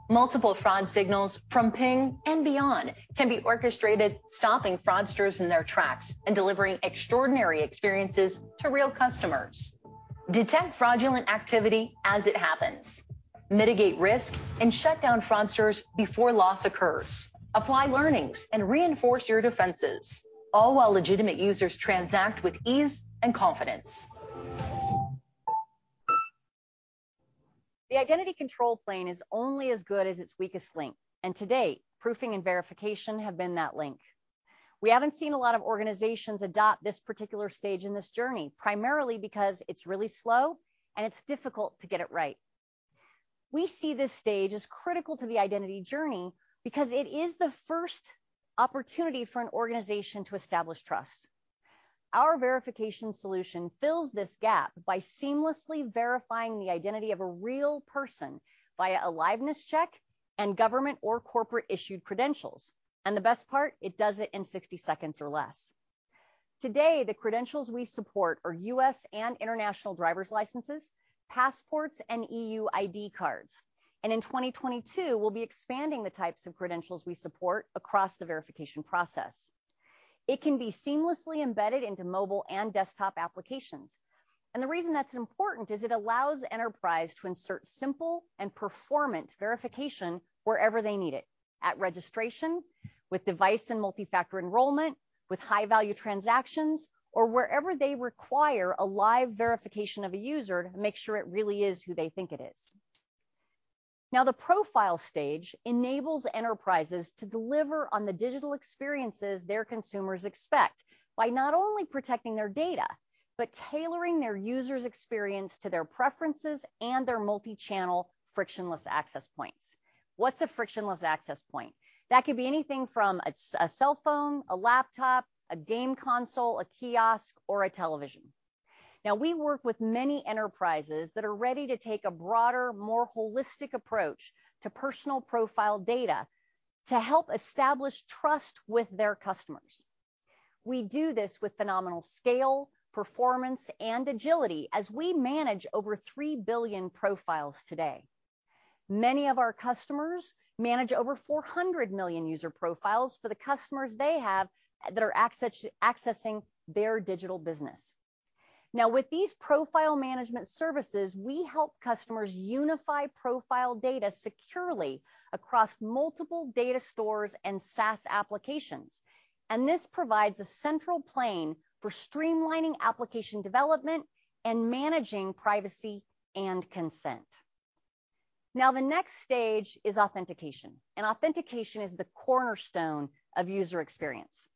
Multiple fraud signals from Ping and beyond can be orchestrated, stopping fraudsters in their tracks and delivering extraordinary experiences to real customers. Detect fraudulent activity as it happens. Mitigate risk and shut down fraudsters before loss occurs. Apply learnings and reinforce your defenses, all while legitimate users transact with ease and confidence. The identity control plane is only as good as its weakest link, and to date, proofing and verification have been that link. We haven't seen a lot of organizations adopt this particular stage in this journey, primarily because it's really slow and it's difficult to get it right. We see this stage as critical to the identity journey because it is the first opportunity for an organization to establish trust. Our verification solution fills this gap by seamlessly verifying the identity of a real person via a liveness check and government or corporate issued credentials. The best part, it does it in 60 seconds or less. Today, the credentials we support are U.S. and international driver's licenses, passports, and E.U. ID cards. In 2022, we'll be expanding the types of credentials we support across the verification process. It can be seamlessly embedded into mobile and desktop applications. The reason that's important is it allows enterprise to insert simple and performant verification wherever they need it, at registration, with device and multi-factor enrollment, with high-value transactions, or wherever they require a live verification of a user to make sure it really is who they think it is. Now, the profile stage enables enterprises to deliver on the digital experiences their consumers expect by not only protecting their data, but tailoring their user's experience to their preferences and their multi-channel frictionless access points. What's a frictionless access point? That could be anything from a cell phone, a laptop, a game console, a kiosk, or a television. Now, we work with many enterprises that are ready to take a broader, more holistic approach to personal profile data to help establish trust with their customers. We do this with phenomenal scale, performance, and agility as we manage over 3 billion profiles today. Many of our customers manage over 400 million user profiles for the customers they have that are accessing their digital business. Now, with these profile management services, we help customers unify profile data securely across multiple data stores and SaaS applications. This provides a central plane for streamlining application development and managing privacy and consent. Now, the next stage is authentication, and authentication is the cornerstone of user experience.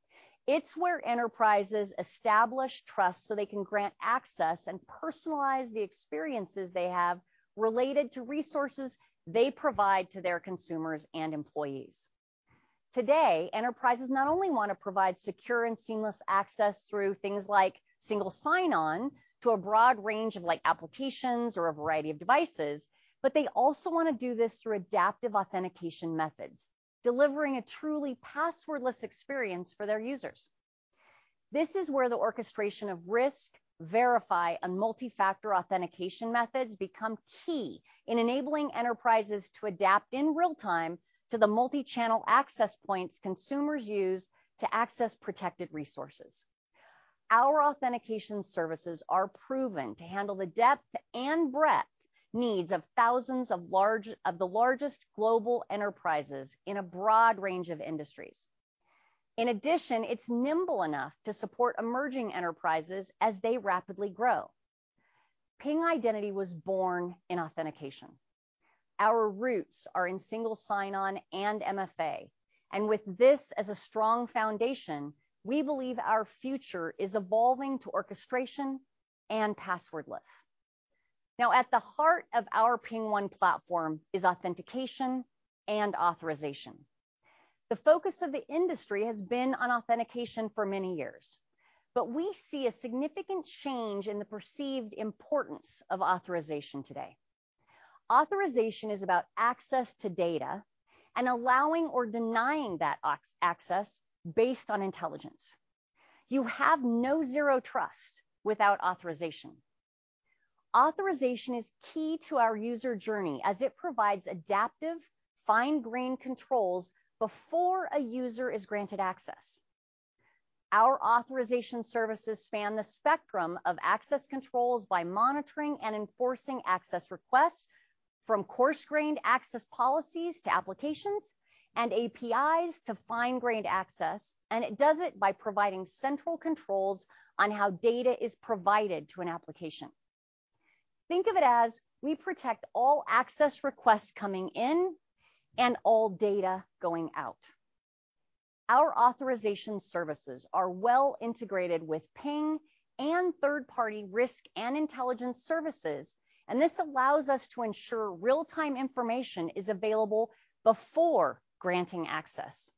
It's where enterprises establish trust so they can grant access and personalize the experiences they have related to resources they provide to their consumers and employees. Today, enterprises not only want to provide secure and seamless access through things like single sign-on to a broad range of, like, applications or a variety of devices, but they also want to do this through adaptive authentication methods, delivering a truly passwordless experience for their users. This is where the orchestration of risk, verify, and multi-factor authentication methods become key in enabling enterprises to adapt in real time to the multi-channel access points consumers use to access protected resources. Our authentication services are proven to handle the depth and breadth needs of thousands of the largest global enterprises in a broad range of industries. In addition, it's nimble enough to support emerging enterprises as they rapidly grow. Ping Identity was born in authentication. Our roots are in single sign-on and MFA. With this as a strong foundation, we believe our future is evolving to orchestration and passwordless. Now, at the heart of our PingOne platform is authentication and authorization. The focus of the industry has been on authentication for many years, but we see a significant change in the perceived importance of authorization today. Authorization is about access to data and allowing or denying that access based on intelligence. You have no zero trust without authorization. Authorization is key to our user journey as it provides adaptive, fine-grained controls before a user is granted access. Our authorization services span the spectrum of access controls by monitoring and enforcing access requests from coarse-grained access policies to applications and APIs to fine-grained access, and it does it by providing central controls on how data is provided to an application. Think of it as we protect all access requests coming in and all data going out. Our authorization services are well integrated with Ping and third-party risk and intelligence services, and this allows us to ensure real-time information is available before granting access.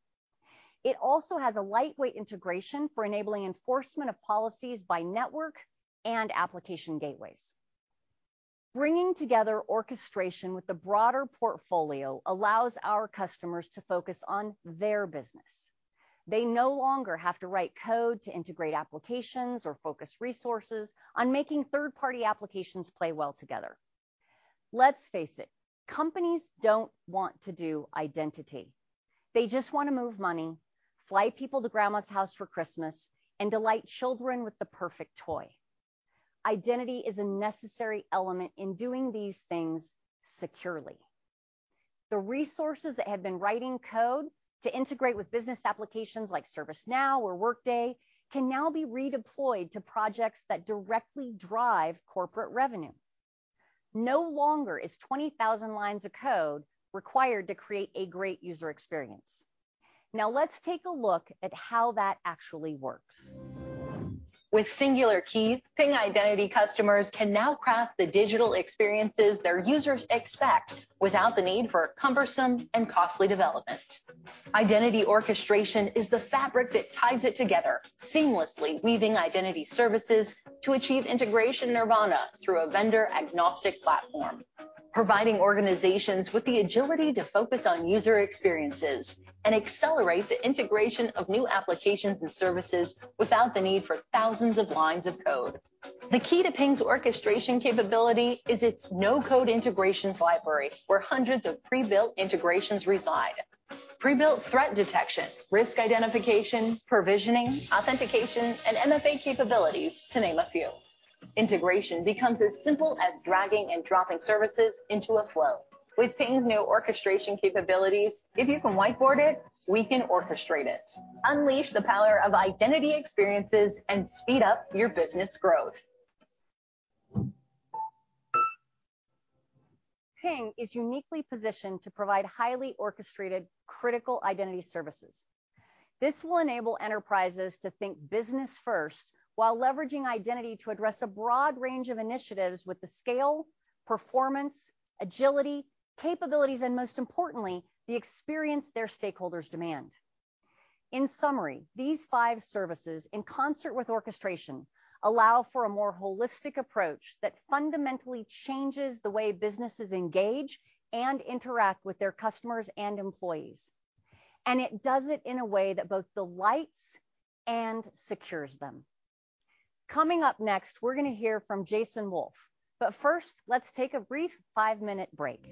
It also has a lightweight integration for enabling enforcement of policies by network and application gateways. Bringing together orchestration with the broader portfolio allows our customers to focus on their business. They no longer have to write code to integrate applications or focus resources on making third-party applications play well together. Let's face it, companies don't want to do identity. They just want to move money, fly people to grandma's house for Christmas, and delight children with the perfect toy. Identity is a necessary element in doing these things securely. The resources that had been writing code to integrate with business applications like ServiceNow or Workday can now be redeployed to projects that directly drive corporate revenue. No longer is 20,000 lines of code required to create a great user experience. Now let's take a look at how that actually works. With Singular Key, Ping Identity customers can now craft the digital experiences their users expect without the need for cumbersome and costly development. Identity orchestration is the fabric that ties it together, seamlessly weaving identity services to achieve integration nirvana through a vendor-agnostic platform, providing organizations with the agility to focus on user experiences and accelerate the integration of new applications and services without the need for thousands of lines of code. The key to Ping's orchestration capability is its no-code integrations library, where hundreds of pre-built integrations reside. Pre-built threat detection, risk identification, provisioning, authentication, and MFA capabilities to name a few. Integration becomes as simple as dragging and dropping services into a flow. With Ping's new orchestration capabilities, if you can whiteboard it, we can orchestrate it. Unleash the power of identity experiences and speed up your business growth. Ping is uniquely positioned to provide highly orchestrated critical identity services. This will enable enterprises to think business first, while leveraging identity to address a broad range of initiatives with the scale, performance, agility, capabilities, and most importantly, the experience their stakeholders demand. In summary, these five services in concert with orchestration allow for a more holistic approach that fundamentally changes the way businesses engage and interact with their customers and employees. It does it in a way that both delights and secures them. Coming up next, we're gonna hear from Jason Wolf. First, let's take a brief five-minute break.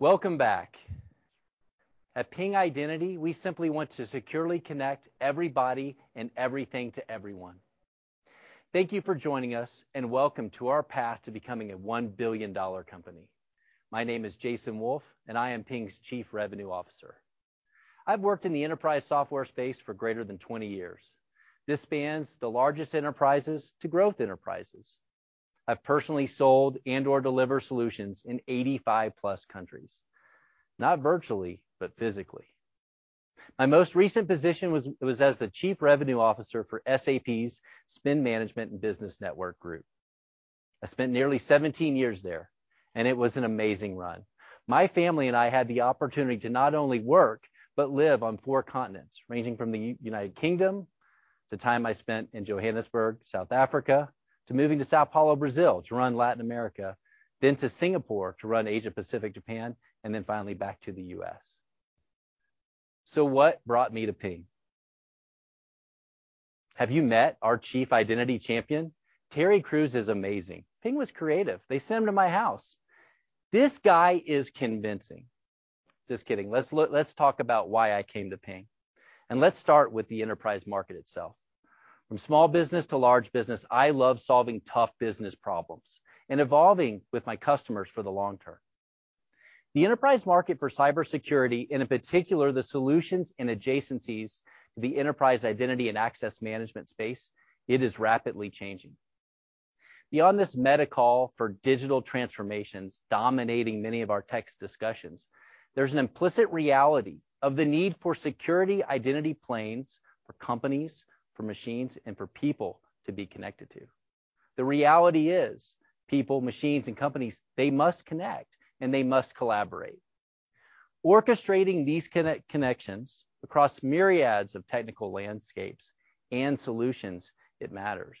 Welcome back. At Ping Identity, we simply want to securely connect everybody and everything to everyone. Thank you for joining us, and welcome to our path to becoming a $1 billion company. My name is Jason Wolf, and I am Ping's Chief Revenue Officer. I've worked in the enterprise software space for greater than 20 years. This spans the largest enterprises to growth enterprises. I've personally sold and/or delivered solutions in 85+ countries, not virtually, but physically. My most recent position was as the Chief Revenue Officer for SAP's Spend Management and Business Network Group. I spent nearly 17 years there, and it was an amazing run. My family and I had the opportunity to not only work but live on four continents, ranging from the United Kingdom, to the time I spent in Johannesburg, South Africa, to moving to São Paulo, Brazil, to run Latin America, then to Singapore to run Asia-Pacific, Japan, and then finally back to the U.S. What brought me to Ping? Have you met our Chief Identity Champion? Terry Crews is amazing. Ping was creative. They sent him to my house. This guy is convincing. Just kidding. Let's talk about why I came to Ping. Let's start with the enterprise market itself. From small business to large business, I love solving tough business problems and evolving with my customers for the long term. The enterprise market for cybersecurity, and in particular, the solutions and adjacencies to the enterprise identity and access management space, it is rapidly changing. Beyond this meta call for digital transformations dominating many of our text discussions, there's an implicit reality of the need for security identity planes for companies, for machines, and for people to be connected to. The reality is people, machines, and companies, they must connect, and they must collaborate. Orchestrating these connections across myriads of technical landscapes and solutions, it matters.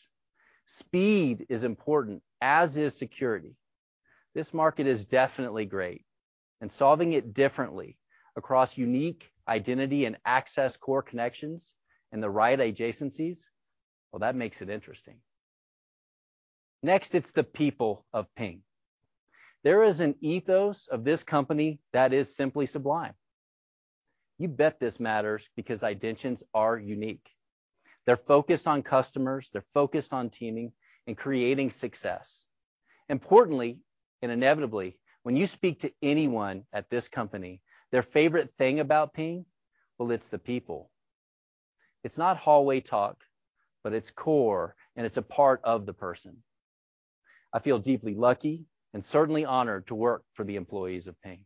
Speed is important, as is security. This market is definitely great, and solving it differently across unique identity and access core connections in the right adjacencies, well, that makes it interesting. Next, it's the people of Ping. There is an ethos of this company that is simply sublime. You bet this matters because identities are unique. They're focused on customers, they're focused on teaming and creating success. Importantly, and inevitably, when you speak to anyone at this company, their favorite thing about Ping, well, it's the people. It's not hallway talk, but it's core, and it's a part of the person. I feel deeply lucky and certainly honored to work for the employees of Ping.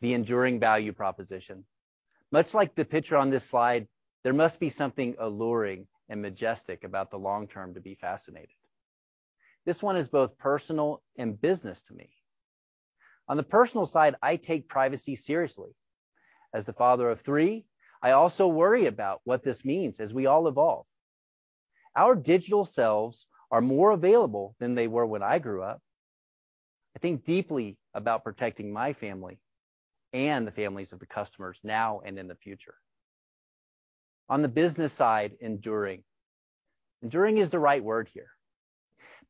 The enduring value proposition. Much like the picture on this slide, there must be something alluring and majestic about the long term to be fascinated. This one is both personal and business to me. On the personal side, I take privacy seriously. As the father of three, I also worry about what this means as we all evolve. Our digital selves are more available than they were when I grew up. I think deeply about protecting my family and the families of the customers now and in the future. On the business side, enduring. Enduring is the right word here.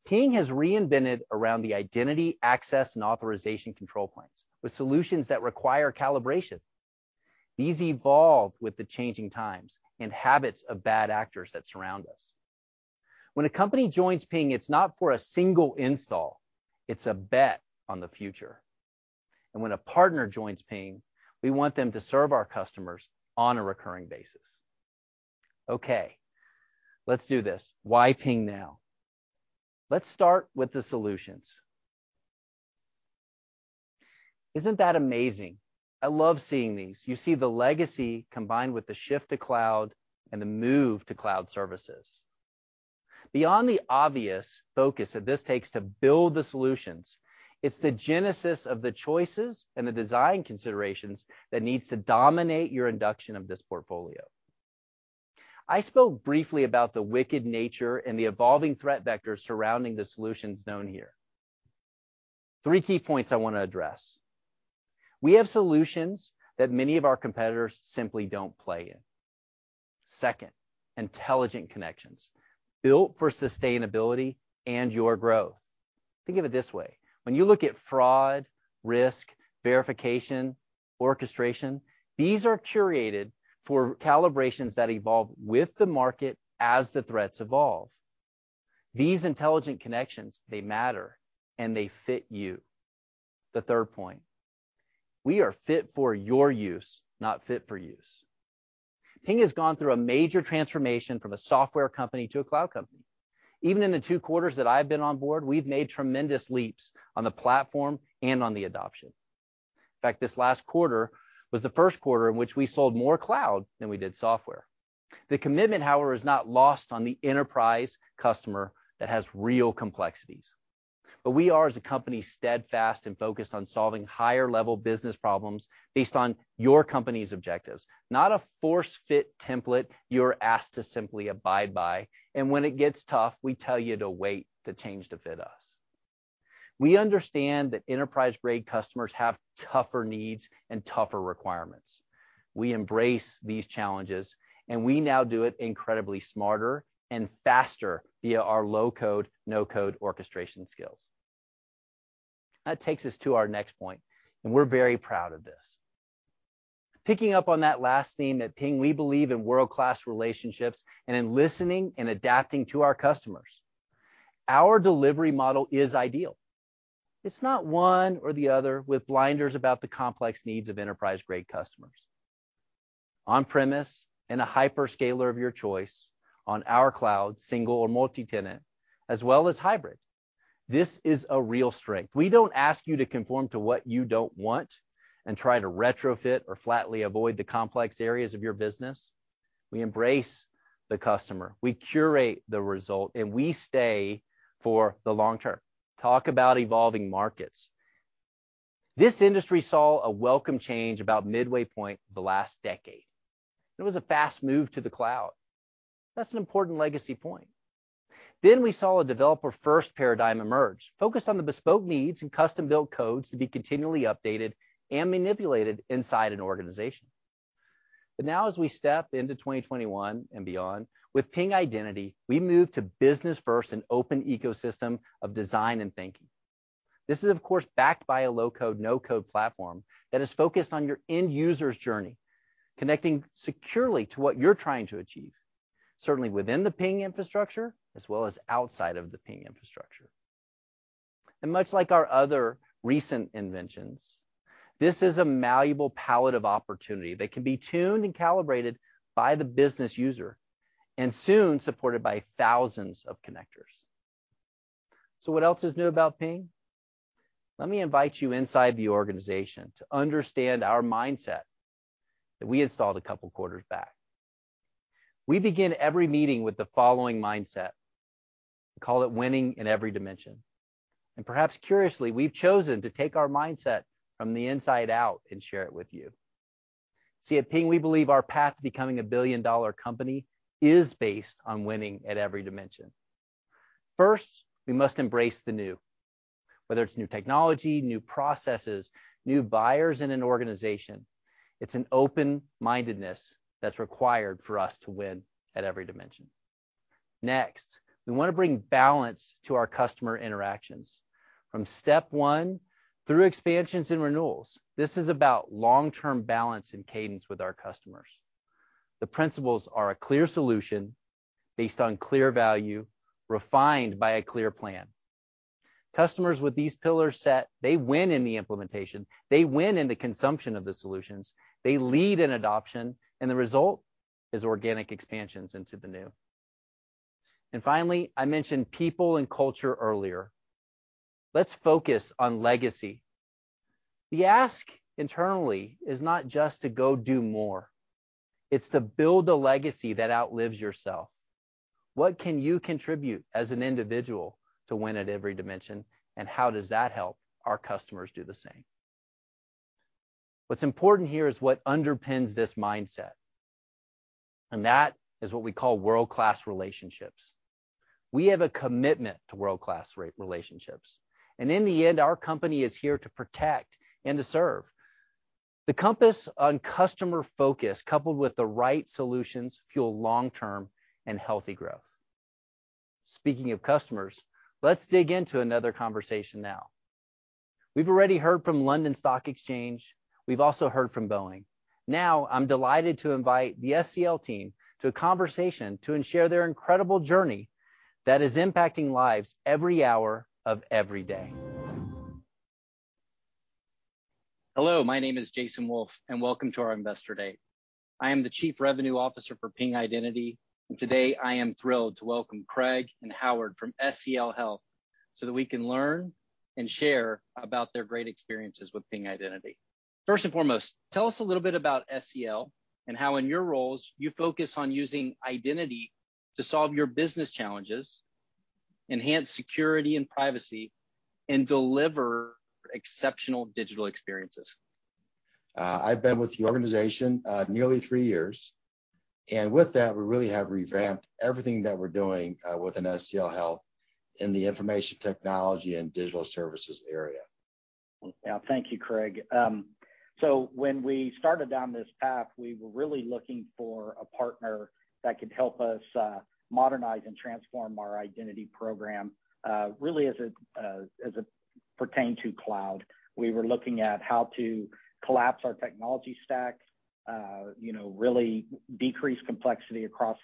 Ping has reinvented around the identity, access, and authorization control planes with solutions that require calibration. These evolve with the changing times and habits of bad actors that surround us. When a company joins Ping, it's not for a single install, it's a bet on the future. When a partner joins Ping, we want them to serve our customers on a recurring basis. Okay, let's do this. Why Ping now? Let's start with the solutions. Isn't that amazing? I love seeing these. You see the legacy combined with the shift to cloud and the move to cloud services. Beyond the obvious focus that this takes to build the solutions, it's the genesis of the choices and the design considerations that needs to dominate your induction of this portfolio. I spoke briefly about the wicked nature and the evolving threat vectors surrounding the solutions known here. Three key points I wanna address. We have solutions that many of our competitors simply don't play in. Second, intelligent connections built for sustainability and your growth. Think of it this way. When you look at fraud, risk, verification, orchestration, these are curated for calibrations that evolve with the market as the threats evolve. These intelligent connections, they matter, and they fit you. The third point, we are fit for your use, not fit for use. Ping has gone through a major transformation from a software company to a cloud company. Even in the two quarters that I've been on board, we've made tremendous leaps on the platform and on the adoption. In fact, this last quarter was the first quarter in which we sold more cloud than we did software. The commitment, however, is not lost on the enterprise customer that has real complexities. We are, as a company, steadfast and focused on solving higher level business problems based on your company's objectives, not a force-fit template you're asked to simply abide by, and when it gets tough, we tell you to wait to change to fit us. We understand that enterprise-grade customers have tougher needs and tougher requirements. We embrace these challenges, and we now do it incredibly smarter and faster via our low-code, no-code orchestration skills. That takes us to our next point, and we're very proud of this. Picking up on that last theme, at Ping, we believe in world-class relationships and in listening and adapting to our customers. Our delivery model is ideal. It's not one or the other with blinders about the complex needs of enterprise-grade customers. On-premise and a hyperscaler of your choice, on our cloud, single or multi-tenant, as well as hybrid. This is a real strength. We don't ask you to conform to what you don't want and try to retrofit or flatly avoid the complex areas of your business. We embrace the customer, we curate the result, and we stay for the long term. Talk about evolving markets. This industry saw a welcome change about midway point the last decade. It was a fast move to the cloud. That's an important legacy point. Then we saw a developer-first paradigm emerge, focused on the bespoke needs and custom-built codes to be continually updated and manipulated inside an organization. Now as we step into 2021 and beyond, with Ping Identity, we move to business-first and open ecosystem of design and thinking. This is, of course, backed by a low-code, no-code platform that is focused on your end user's journey, connecting securely to what you're trying to achieve, certainly within the Ping infrastructure, as well as outside of the Ping infrastructure. Much like our other recent inventions, this is a malleable palette of opportunity that can be tuned and calibrated by the business user, and soon supported by thousands of connectors. What else is new about Ping? Let me invite you inside the organization to understand our mindset that we installed a couple quarters back. We begin every meeting with the following mindset. We call it winning in every dimension. Perhaps curiously, we've chosen to take our mindset from the inside out and share it with you. See, at Ping, we believe our path to becoming a billion-dollar company is based on winning at every dimension. First, we must embrace the new, whether it's new technology, new processes, new buyers in an organization. It's an open-mindedness that's required for us to win at every dimension. Next, we wanna bring balance to our customer interactions from step one through expansions and renewals. This is about long-term balance and cadence with our customers. The principles are a clear solution based on clear value, refined by a clear plan. Customers with these pillars set, they win in the implementation, they win in the consumption of the solutions, they lead in adoption, and the result is organic expansions into the new. Finally, I mentioned people and culture earlier. Let's focus on legacy. The ask internally is not just to go do more. It's to build a legacy that outlives yourself. What can you contribute as an individual to win at every dimension, and how does that help our customers do the same? What's important here is what underpins this mindset, and that is what we call world-class relationships. We have a commitment to world-class relationships, and in the end, our company is here to protect and to serve. The compass on customer focus, coupled with the right solutions, fuel long-term and healthy growth. Speaking of customers, let's dig into another conversation now. We've already heard from London Stock Exchange. We've also heard from Boeing. Now I'm delighted to invite the SCL Health team to a conversation and share their incredible journey that is impacting lives every hour of every day. Hello, my name is Jason Wolf, and welcome to our Investor Day. I am the Chief Revenue Officer for Ping Identity, and today I am thrilled to welcome Craig and Howard from SCL Health so that we can learn and share about their great experiences with Ping Identity. First and foremost, tell us a little bit about SCL and how in your roles you focus on using identity to solve your business challenges, enhance security and privacy, and deliver exceptional digital experiences. I've been with the organization nearly three years, and with that we really have revamped everything that we're doing within SCL Health in the information technology and digital services area. Yeah. Thank you, Craig. So when we started down this path, we were really looking for a partner that could help us, modernize and transform our identity program, really as it pertained to cloud. We were looking at how to collapse our technology stack, you know, really decrease complexity across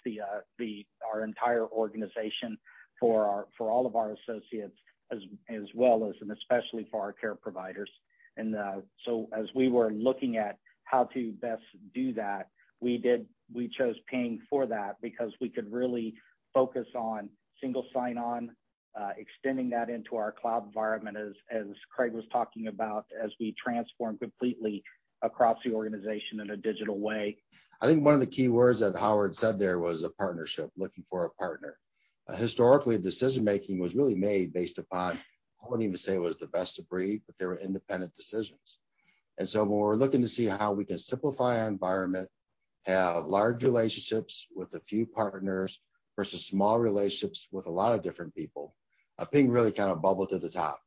our entire organization for all of our associates as well as, and especially for our care providers. As we were looking at how to best do that, we chose Ping for that because we could really focus on single sign-on, extending that into our cloud environment as Craig was talking about, as we transform completely across the organization in a digital way. I think one of the key words that Howard said there was a partnership, looking for a partner. Historically, decision-making was really made based upon, I wouldn't even say it was the best of breed, but there were independent decisions. When we're looking to see how we can simplify our environment, have large relationships with a few partners versus small relationships with a lot of different people, Ping really kind of bubbled to the top.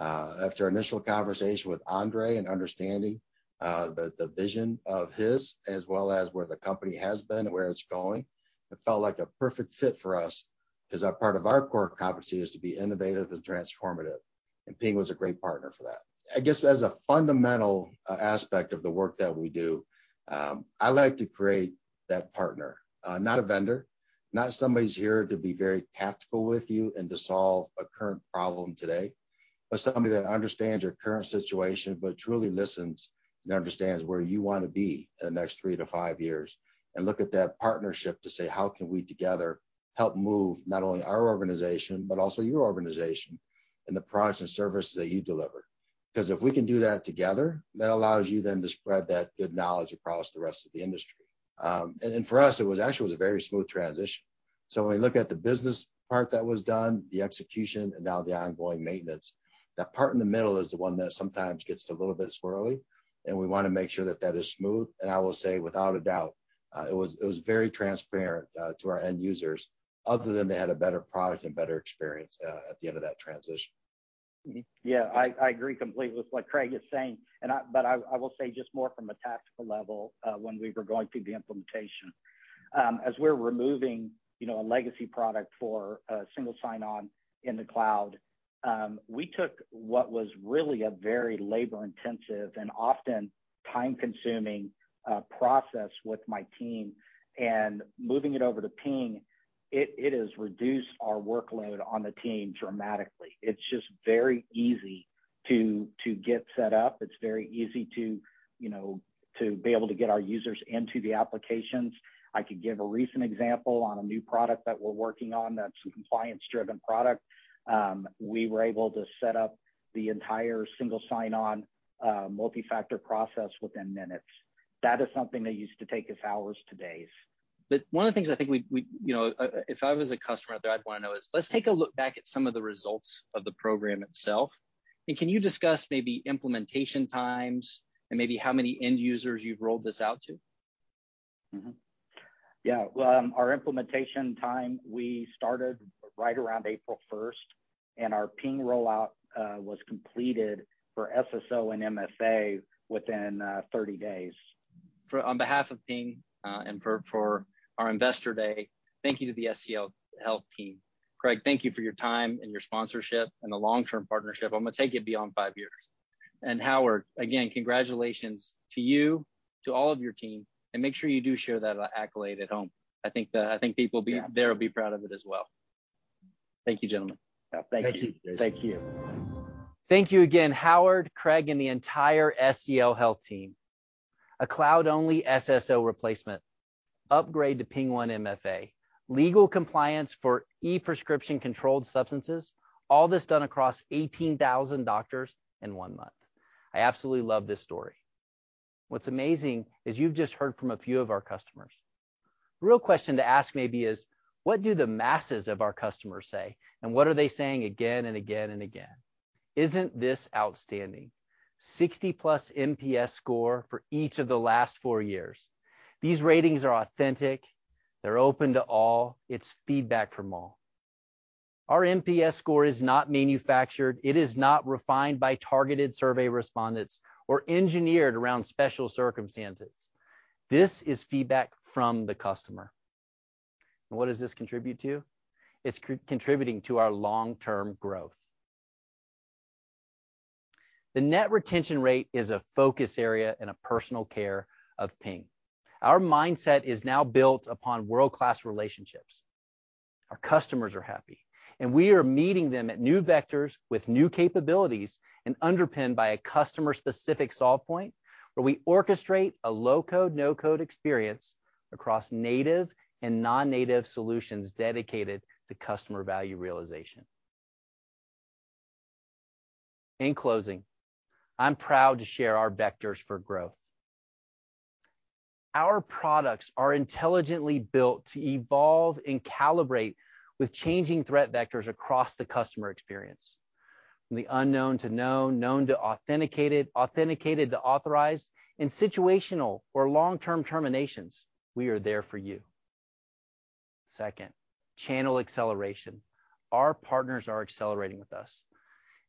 After initial conversation with Andre and understanding the vision of his as well as where the company has been and where it's going, it felt like a perfect fit for us 'cause part of our core competency is to be innovative and transformative, and Ping was a great partner for that. I guess as a fundamental aspect of the work that we do, I like to create that partner. Not a vendor, not somebody who's here to be very tactical with you and to solve a current problem today, but somebody that understands your current situation but truly listens and understands where you wanna be in the next three to five years and look at that partnership to say, "How can we together help move not only our organization but also your organization and the products and services that you deliver?" 'Cause if we can do that together, that allows you then to spread that good knowledge across the rest of the industry. For us, it was actually a very smooth transition. When we look at the business part that was done, the execution, and now the ongoing maintenance, that part in the middle is the one that sometimes gets a little bit squirrely, and we wanna make sure that that is smooth. I will say, without a doubt, it was very transparent to our end users other than they had a better product and better experience at the end of that transition. I agree completely with what Craig is saying. I will say just more from a tactical level, when we were going through the implementation. As we're removing, you know, a legacy product for a single sign-on in the cloud, we took what was really a very labor intensive and often time-consuming process with my team, and moving it over to Ping, it has reduced our workload on the team dramatically. It's just very easy to get set up. It's very easy to, you know, to be able to get our users into the applications. I could give a recent example on a new product that we're working on that's a compliance-driven product. We were able to set up the entire single sign-on, multi-factor process within minutes. That is something that used to take us hours to days. One of the things I think we You know, if I was a customer there, I'd wanna know is, let's take a look back at some of the results of the program itself, and can you discuss maybe implementation times and maybe how many end users you've rolled this out to? Well, our implementation time, we started right around April 1st, and our Ping rollout was completed for SSO and MFA within 30 days. On behalf of Ping, and for our Investor Day, thank you to the SCL Health team. Craig, thank you for your time and your sponsorship and the long-term partnership. I'm gonna take it beyond five years. Howard, again, congratulations to you, to all of your team, and make sure you do share that accolade at home. I think people- Yeah. They will be proud of it as well. Thank you, gentlemen. Yeah. Thank you. Thank you. Thank you. Thank you again, Howard, Craig, and the entire SCL Health team. A cloud-only SSO replacement, upgrade to PingOne MFA, legal compliance for e-prescription controlled substances, all this done across 18,000 doctors in one month. I absolutely love this story. What's amazing is you've just heard from a few of our customers. The real question to ask maybe is, what do the masses of our customers say, and what are they saying again and again and again? Isn't this outstanding? 60+ NPS score for each of the last four years. These ratings are authentic. They're open to all. It's feedback from all. Our NPS score is not manufactured. It is not refined by targeted survey respondents or engineered around special circumstances. This is feedback from the customer. What does this contribute to? It's contributing to our long-term growth. The net retention rate is a focus area and a personal care of Ping. Our mindset is now built upon world-class relationships. Our customers are happy, and we are meeting them at new vectors with new capabilities and underpinned by a customer-specific solve point, where we orchestrate a low-code, no-code experience across native and non-native solutions dedicated to customer value realization. In closing, I'm proud to share our vectors for growth. Our products are intelligently built to evolve and calibrate with changing threat vectors across the customer experience. From the unknown to known to authenticated to authorized, and situational or long-term terminations, we are there for you. Second, channel acceleration. Our partners are accelerating with us.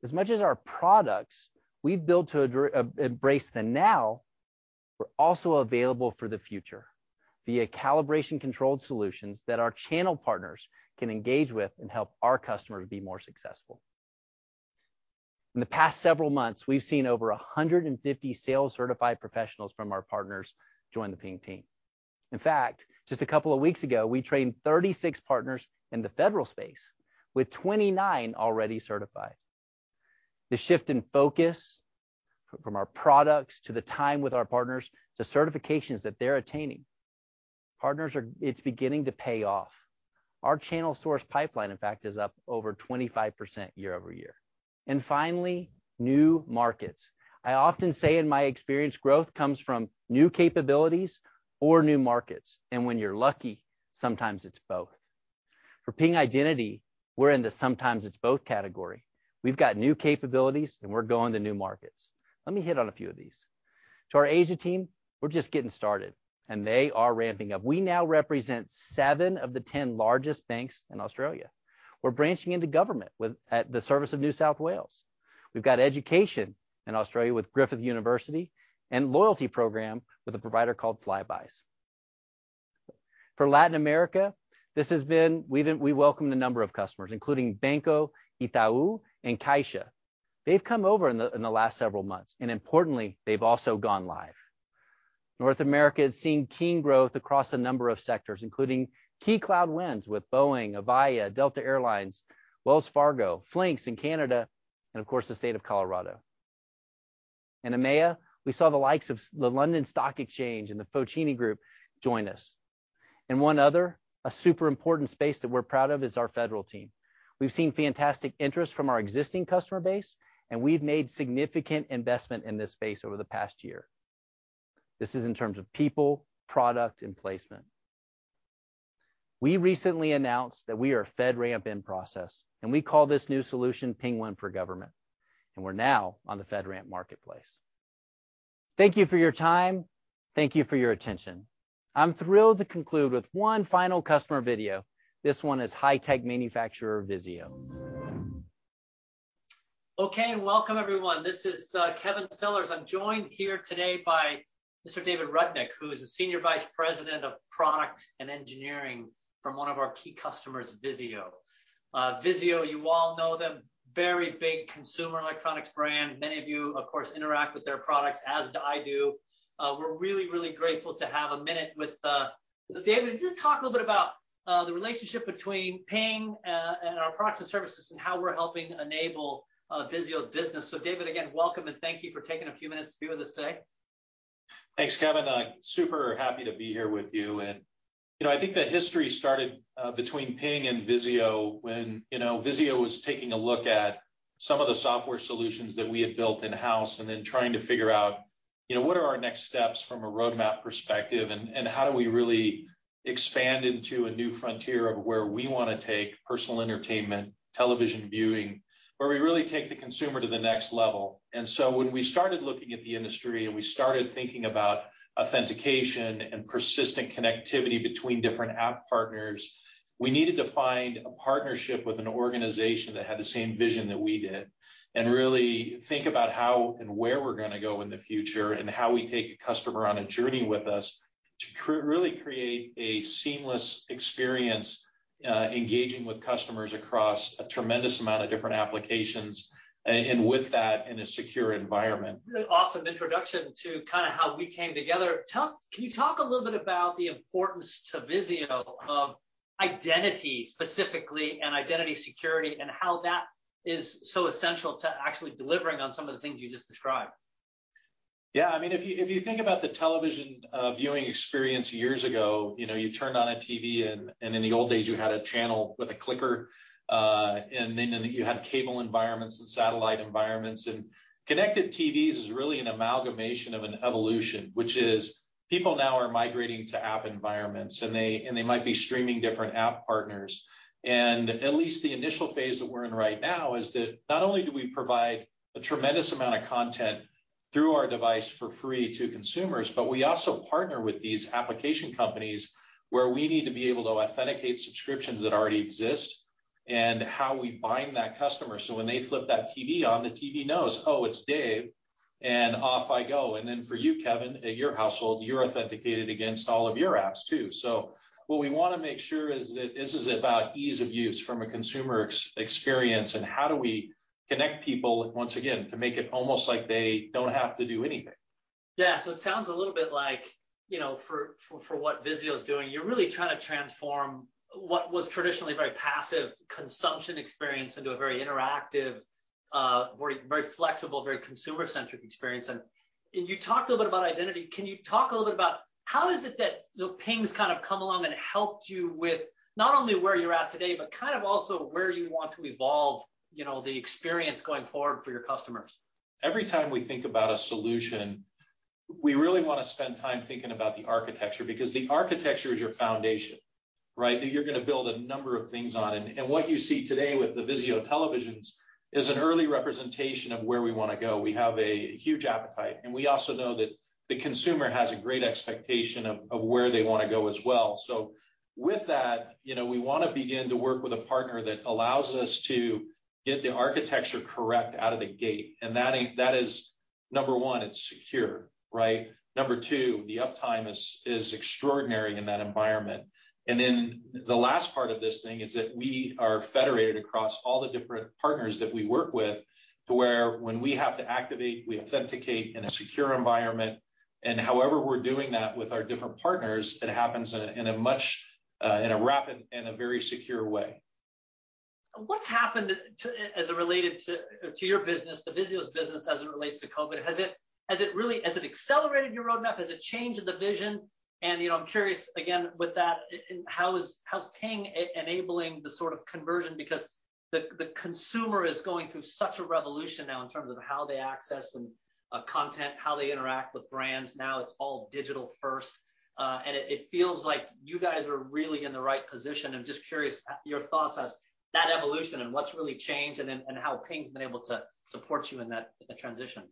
As much as our products we've built to embrace the now, we're also available for the future via calibration controlled solutions that our channel partners can engage with and help our customers be more successful. In the past several months, we've seen over 150 sales-certified professionals from our partners join the PingTeam. In fact, just a couple of weeks ago, we trained 36 partners in the federal space, with 29 already certified. The shift in focus from our products to the time with our partners to certifications that they're attaining, partners are. It's beginning to pay off. Our channel source pipeline, in fact, is up over 25% year-over-year. Finally, new markets. I often say in my experience, growth comes from new capabilities or new markets, and when you're lucky, sometimes it's both. For Ping Identity, we're in the sometimes it's both category. We've got new capabilities, and we're going to new markets. Let me hit on a few of these. To our Asia team, we're just getting started, and they are ramping up. We now represent seven of the ten largest banks in Australia. We're branching into government with Service NSW. We've got education in Australia with Griffith University, and loyalty program with a provider called flybuys. For Latin America, we've welcomed a number of customers, including Banco Itaú and Caixa. They've come over in the last several months, and importantly, they've also gone live. North America has seen keen growth across a number of sectors, including key cloud wins with Boeing, Avaya, Delta Air Lines, Wells Fargo, Flinks in Canada, and of course, the State of Colorado. In EMEA, we saw the likes of the London Stock Exchange and The Foschini Group join us. One other, a super important space that we're proud of is our federal team. We've seen fantastic interest from our existing customer base, and we've made significant investment in this space over the past year. This is in terms of people, product, and placement. We recently announced that we are FedRAMP in process, and we call this new solution PingOne for Government, and we're now on the FedRAMP marketplace. Thank you for your time. Thank you for your attention. I'm thrilled to conclude with one final customer video. This one is high-tech manufacturer VIZIO. Okay. Welcome, everyone. This is, Kevin Sellers. I'm joined here today by Mr. David Rudnick, who is the Senior Vice President of Product and Engineering from one of our key customers, VIZIO. VIZIO, you all know them, very big consumer electronics brand. Many of you, of course, interact with their products, as do I. We're really grateful to have a minute with David. Just talk a little bit about the relationship between Ping and our products and services and how we're helping enable VIZIO's business. David, again, welcome, and thank you for taking a few minutes to be with us today. Thanks, Kevin. Super happy to be here with you. You know, I think the history started between Ping and VIZIO when, you know, VIZIO was taking a look at some of the software solutions that we had built in-house, and then trying to figure out, you know, what are our next steps from a roadmap perspective, and how do we really expand into a new frontier of where we wanna take personal entertainment, television viewing, where we really take the consumer to the next level. When we started looking at the industry and we started thinking about authentication and persistent connectivity between different app partners, we needed to find a partnership with an organization that had the same vision that we did, and really think about how and where we're gonna go in the future, and how we take a customer on a journey with us to really create a seamless experience, engaging with customers across a tremendous amount of different applications and with that in a secure environment. Really awesome introduction to kinda how we came together. Can you talk a little bit about the importance to VIZIO of identity specifically and identity security, and how that is so essential to actually delivering on some of the things you just described? Yeah. I mean, if you think about the television viewing experience years ago, you know, you turned on a TV and in the old days, you had a channel with a clicker and then you had cable environments and satellite environments. Connected TVs is really an amalgamation of an evolution, which is people now are migrating to app environments, and they might be streaming different app partners. At least the initial phase that we're in right now is that not only do we provide a tremendous amount of content through our device for free to consumers, but we also partner with these application companies where we need to be able to authenticate subscriptions that already exist and how we bind that customer. When they flip that TV on, the TV knows, "Oh, it's Dave," and off I go. Then for you, Kevin, at your household, you're authenticated against all of your apps too. What we wanna make sure is that this is about ease of use from a consumer experience, and how do we connect people, once again, to make it almost like they don't have to do anything. Yeah. It sounds a little bit like, you know, for what VIZIO's doing, you're really trying to transform what was traditionally a very passive consumption experience into a very interactive, very, very flexible, very consumer-centric experience. You talked a little bit about identity. Can you talk a little bit about how is it that, you know, Ping's kind of come along and helped you with not only where you're at today, but kind of also where you want to evolve, you know, the experience going forward for your customers? Every time we think about a solution, we really wanna spend time thinking about the architecture because the architecture is your foundation, right? That you're gonna build a number of things on. What you see today with the VIZIO televisions is an early representation of where we wanna go. We have a huge appetite, and we also know that the consumer has a great expectation of where they wanna go as well. With that, you know, we wanna begin to work with a partner that allows us to get the architecture correct out of the gate, and that is, number one, it's secure, right? Number two, the uptime is extraordinary in that environment. The last part of this thing is that we are federated across all the different partners that we work with to where when we have to activate, we authenticate in a secure environment. However we're doing that with our different partners, it happens in a much more rapid and a very secure way. What's happened to your business, to VIZIO's business as it relates to COVID? Has it really accelerated your roadmap? Has it changed the vision? You know, I'm curious again with that, and how's Ping enabling the sort of conversion? Because- The consumer is going through such a revolution now in terms of how they access and content, how they interact with brands. Now it's all digital first. It feels like you guys are really in the right position. I'm just curious, your thoughts as that evolution and what's really changed and then how Ping's been able to support you in that, in the transition.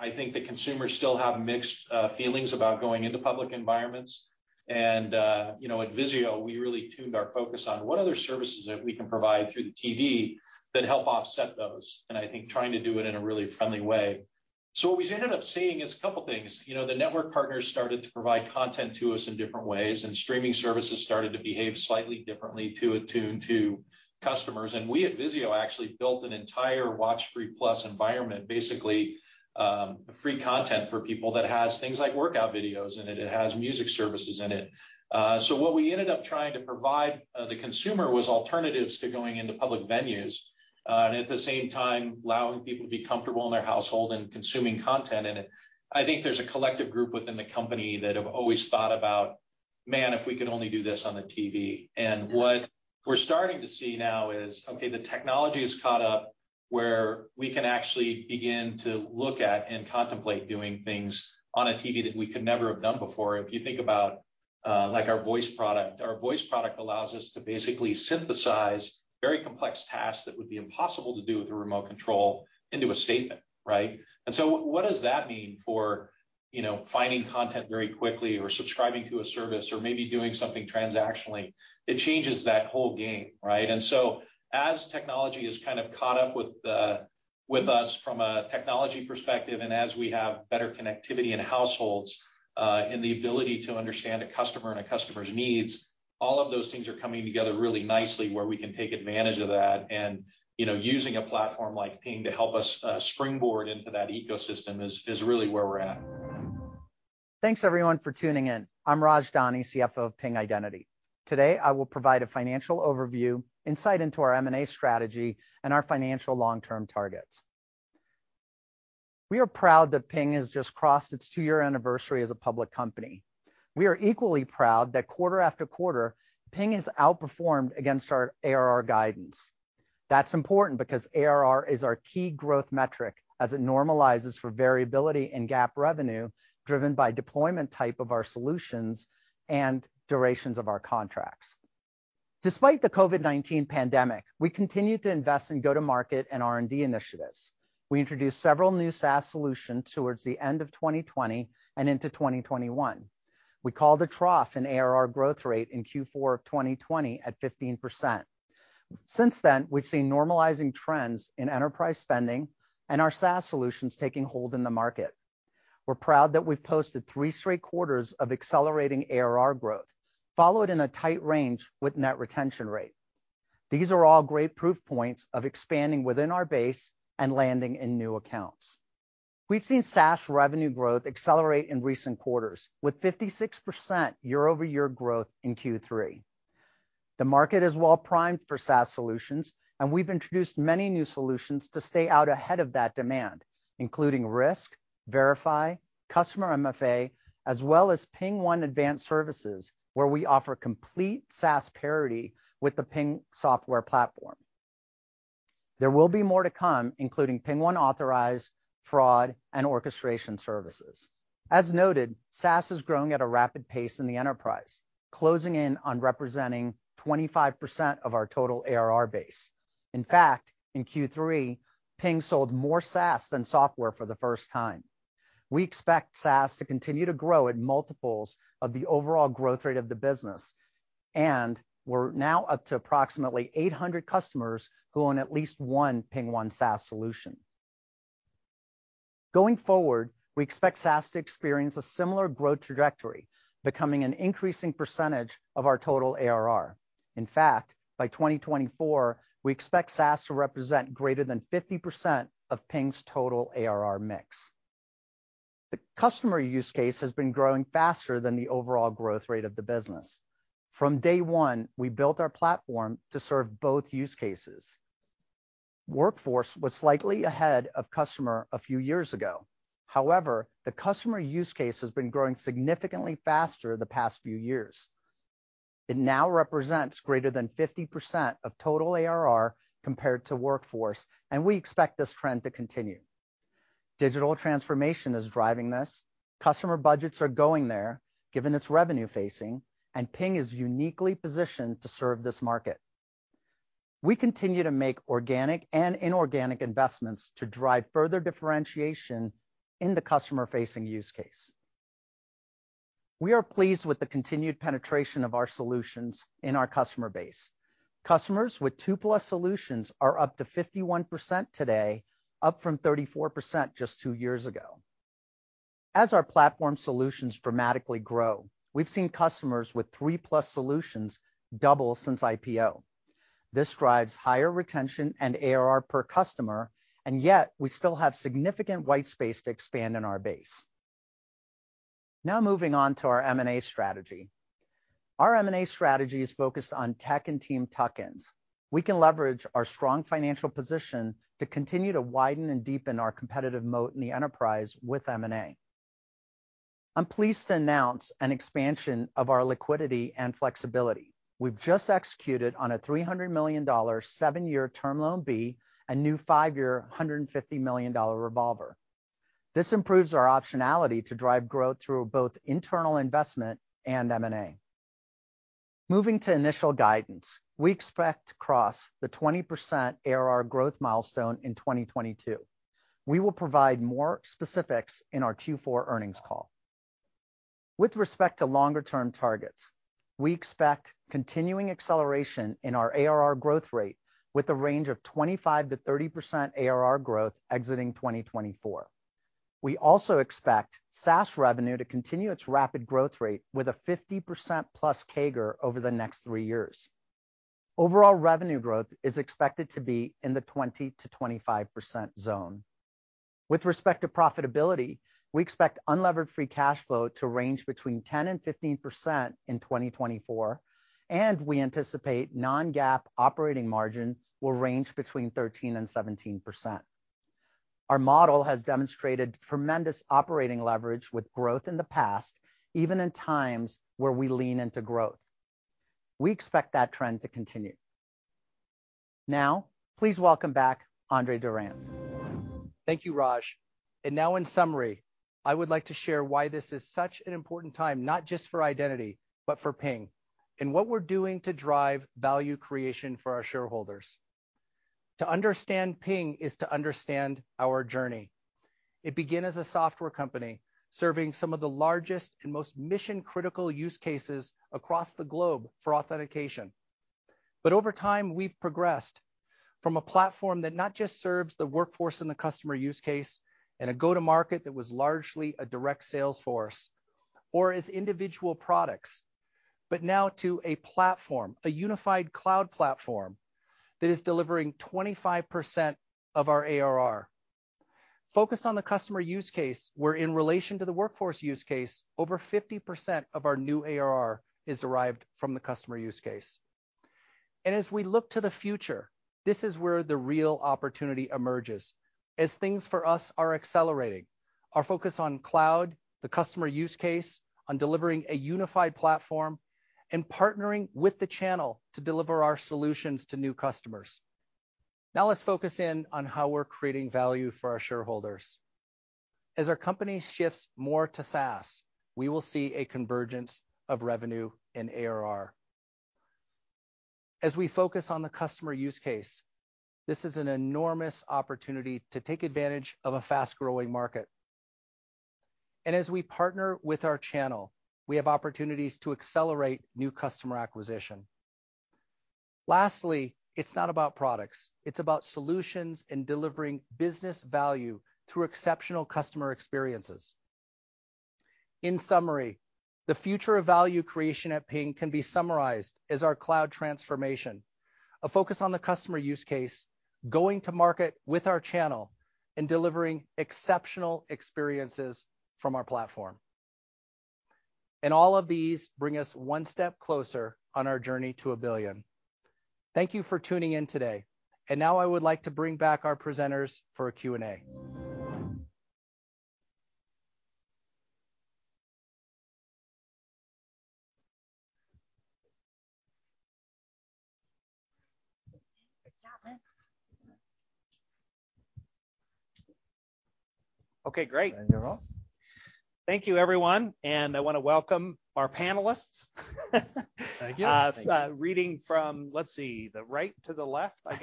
I think the consumers still have mixed feelings about going into public environments. You know, at VIZIO, we really tuned our focus on what other services that we can provide through the TV that help offset those, and I think trying to do it in a really friendly way. What we ended up seeing is a couple things. You know, the network partners started to provide content to us in different ways, and streaming services started to behave slightly differently to attune to customers. We at VIZIO actually built an entire WatchFree+ environment, basically, free content for people that has things like workout videos in it. It has music services in it. What we ended up trying to provide the consumer with alternatives to going into public venues and at the same time allowing people to be comfortable in their household and consuming content in it. I think there's a collective group within the company that have always thought about, "Man, if we could only do this on the TV." What we're starting to see now is, okay, the technology has caught up where we can actually begin to look at and contemplate doing things on a TV that we could never have done before. If you think about, like our voice product. Our voice product allows us to basically synthesize very complex tasks that would be impossible to do with a remote control into a statement, right? What does that mean for, you know, finding content very quickly or subscribing to a service or maybe doing something transactionally? It changes that whole game, right? As technology has kind of caught up with us from a technology perspective, and as we have better connectivity in households, and the ability to understand a customer and a customer's needs, all of those things are coming together really nicely where we can take advantage of that. You know, using a platform like Ping to help us springboard into that ecosystem is really where we're at. Thanks everyone for tuning in. I'm Raj Dani, CFO of Ping Identity. Today, I will provide a financial overview, insight into our M&A strategy, and our financial long-term targets. We are proud that Ping has just crossed its two-year anniversary as a public company. We are equally proud that quarter after quarter, Ping has outperformed against our ARR guidance. That's important because ARR is our key growth metric as it normalizes for variability in GAAP revenue, driven by deployment type of our solutions and durations of our contracts. Despite the COVID-19 pandemic, we continue to invest in go-to-market and R&D initiatives. We introduced several new SaaS solutions towards the end of 2020 and into 2021. We called a trough in ARR growth rate in Q4 of 2020 at 15%. Since then, we've seen normalizing trends in enterprise spending and our SaaS solutions taking hold in the market. We're proud that we've posted three straight quarters of accelerating ARR growth, followed in a tight range with net retention rate. These are all great proof points of expanding within our base and landing in new accounts. We've seen SaaS revenue growth accelerate in recent quarters, with 56% year-over-year growth in Q3. The market is well primed for SaaS solutions, and we've introduced many new solutions to stay out ahead of that demand, including Risk, Verify, Customer MFA, as well as PingOne Advanced Services, where we offer complete SaaS parity with the Ping software platform. There will be more to come, including PingOne Authorize, Fraud, and Orchestration services. As noted, SaaS is growing at a rapid pace in the enterprise, closing in on representing 25% of our total ARR base. In fact, in Q3, Ping sold more SaaS than software for the first time. We expect SaaS to continue to grow at multiples of the overall growth rate of the business, and we're now up to approximately 800 customers who own at least one PingOne SaaS solution. Going forward, we expect SaaS to experience a similar growth trajectory, becoming an increasing percentage of our total ARR. In fact, by 2024, we expect SaaS to represent greater than 50% of Ping's total ARR mix. The customer use case has been growing faster than the overall growth rate of the business. From day one, we built our platform to serve both use cases. Workforce was slightly ahead of customer a few years ago. However, the customer use case has been growing significantly faster the past few years. It now represents greater than 50% of total ARR compared to Workforce, and we expect this trend to continue. Digital transformation is driving this. Customer budgets are going there, given it's revenue facing, and Ping is uniquely positioned to serve this market. We continue to make organic and inorganic investments to drive further differentiation in the customer-facing use case. We are pleased with the continued penetration of our solutions in our customer base. Customers with two-plus solutions are up to 51% today, up from 34% just two years ago. As our platform solutions dramatically grow, we've seen customers with three-plus solutions double since IPO. This drives higher retention and ARR per customer, and yet we still have significant white space to expand in our base. Now moving on to our M&A strategy. Our M&A strategy is focused on tech and team tuck-ins. We can leverage our strong financial position to continue to widen and deepen our competitive moat in the enterprise with M&A. I'm pleased to announce an expansion of our liquidity and flexibility. We've just executed on a $300 million seven-year Term Loan B, a new five-year $150 million revolver. This improves our optionality to drive growth through both internal investment and M&A. Moving to initial guidance, we expect to cross the 20% ARR growth milestone in 2022. We will provide more specifics in our Q4 earnings call. With respect to longer-term targets, we expect continuing acceleration in our ARR growth rate with a range of 25%-30% ARR growth exiting 2024. We also expect SaaS revenue to continue its rapid growth rate with a 50%+ CAGR over the next three years. Overall revenue growth is expected to be in the 20%-25% zone. With respect to profitability, we expect unlevered free cash flow to range between 10%-15% in 2024, and we anticipate non-GAAP operating margin will range between 13%-17%. Our model has demonstrated tremendous operating leverage with growth in the past, even in times where we lean into growth. We expect that trend to continue. Now, please welcome back Andre Durand. Thank you, Raj. Now in summary, I would like to share why this is such an important time, not just for identity, but for Ping, and what we're doing to drive value creation for our shareholders. To understand Ping is to understand our journey. It began as a software company serving some of the largest and most mission-critical use cases across the globe for authentication. Over time, we've progressed from a platform that not just serves the workforce and the customer use case in a go-to-market that was largely a direct sales force or as individual products, but now to a platform, a unified cloud platform that is delivering 25% of our ARR. Focus on the customer use case, where in relation to the workforce use case, over 50% of our new ARR is derived from the customer use case. As we look to the future, this is where the real opportunity emerges as things for us are accelerating. Our focus on cloud, the customer use case, on delivering a unified platform, and partnering with the channel to deliver our solutions to new customers. Now let's focus in on how we're creating value for our shareholders. As our company shifts more to SaaS, we will see a convergence of revenue and ARR. As we focus on the customer use case, this is an enormous opportunity to take advantage of a fast-growing market. As we partner with our channel, we have opportunities to accelerate new customer acquisition. Lastly, it's not about products. It's about solutions and delivering business value through exceptional customer experiences. In summary, the future of value creation at Ping can be summarized as our cloud transformation, a focus on the customer use case, going to market with our channel, and delivering exceptional experiences from our platform. All of these bring us one step closer on our journey to a billion. Thank you for tuning in today. Now I would like to bring back our presenters for a Q&A. Good job, man. Okay, great. You're off. Thank you, everyone, and I wanna welcome our panelists. Thank you.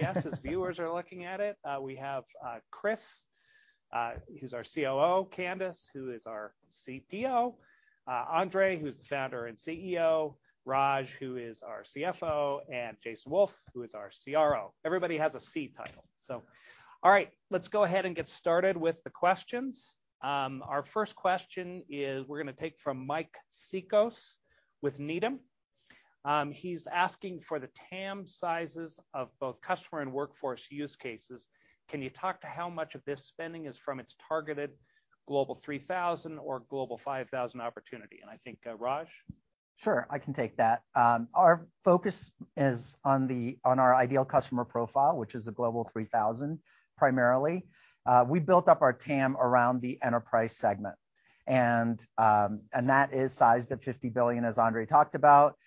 As viewers are looking at it, we have Chris, who's our COO, Candace, who is our CPO, Andre, who's the founder and CEO, Raj, who is our CFO, and Jason Wolf, who is our CRO. Everybody has a C title. All right, let's go ahead and get started with the questions. Our first question is we're gonna take from Mike Cikos with Needham. He's asking for the TAM sizes of both customer and workforce use cases. Can you talk to how much of this spending is from its targeted Global 3,000 or Global 5,000 opportunity? I think Raj? Sure, I can take that. Our focus is on our ideal customer profile, which is a Global 3000, primarily. We built up our TAM around the enterprise segment. That is sized at $50 billion, as Andre talked about.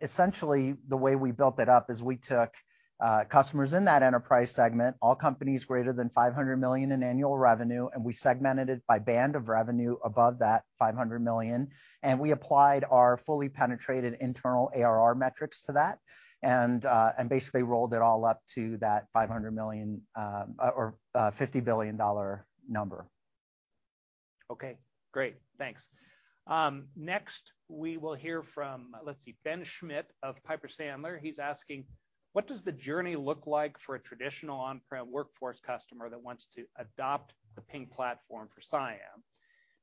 Essentially, the way we built it up is we took customers in that enterprise segment, all companies greater than $500 million in annual revenue, and we segmented it by band of revenue above that $500 million, and we applied our fully penetrated internal ARR metrics to that and basically rolled it all up to that $50 billion number. Okay, great. Thanks. Next we will hear from, let's see, Ben Schmidt of Piper Sandler. He's asking, what does the journey look like for a traditional on-prem workforce customer that wants to adopt the Ping platform for CIAM?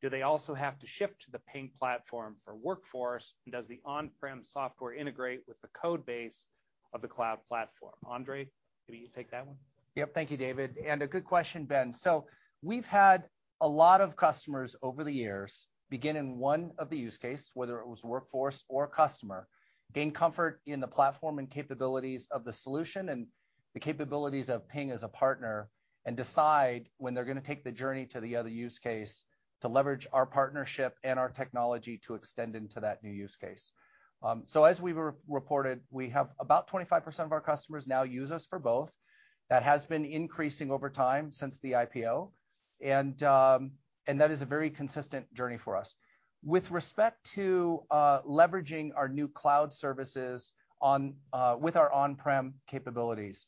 Do they also have to shift to the Ping platform for Workforce, and does the on-prem software integrate with the code base? Of the cloud platform. Andre, can you take that one? Yep. Thank you, David. A good question, Ben. We've had a lot of customers over the years begin in one of the use case, whether it was Workforce or Customer, gain comfort in the platform and capabilities of the solution and the capabilities of Ping as a partner, and decide when they're gonna take the journey to the other use case to leverage our partnership and our technology to extend into that new use case. As we reported, we have about 25% of our customers now use us for both. That has been increasing over time since the IPO, and that is a very consistent journey for us. With respect to leveraging our new cloud services with our on-prem capabilities,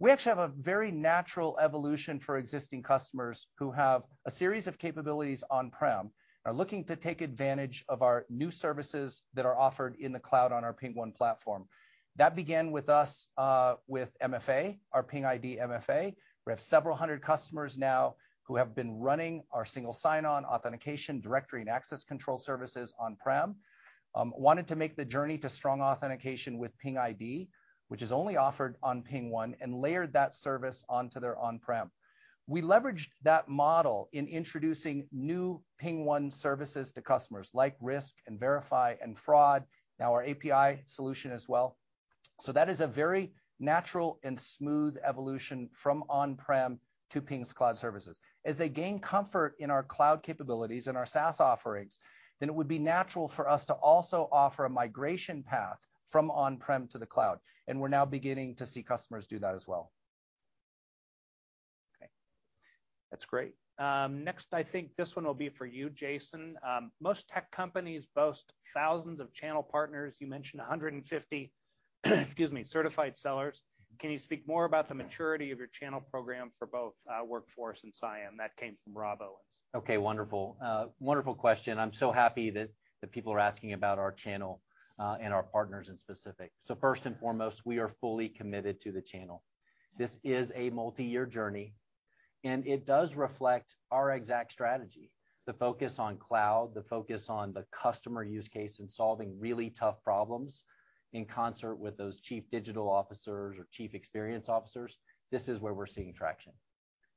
we actually have a very natural evolution for existing customers who have a series of capabilities on-prem, are looking to take advantage of our new services that are offered in the cloud on our PingOne platform. That began with us with MFA, our PingID MFA. We have several hundred customers now who have been running our single sign-on authentication directory and access control services on-prem, wanted to make the journey to strong authentication with PingID, which is only offered on PingOne, and layered that service onto their on-prem. We leveraged that model in introducing new PingOne services to customers, like Risk and Verify and Fraud. Now our API solution as well. That is a very natural and smooth evolution from on-prem to Ping's Cloud services. As they gain comfort in our cloud capabilities and our SaaS offerings, then it would be natural for us to also offer a migration path from on-prem to the cloud, and we're now beginning to see customers do that as well. Okay. That's great. Next, I think this one will be for you, Jason. Most tech companies boast thousands of channel partners. You mentioned 150, excuse me, certified sellers. Can you speak more about the maturity of your channel program for both, Workforce and CIAM? That came from Rob Owens. Okay, wonderful. Wonderful question. I'm so happy that people are asking about our channel and our partners in specific. First and foremost, we are fully committed to the channel. This is a multi-year journey, and it does reflect our exact strategy. The focus on cloud, the focus on the customer use case and solving really tough problems in concert with those chief digital officers or chief experience officers, this is where we're seeing traction.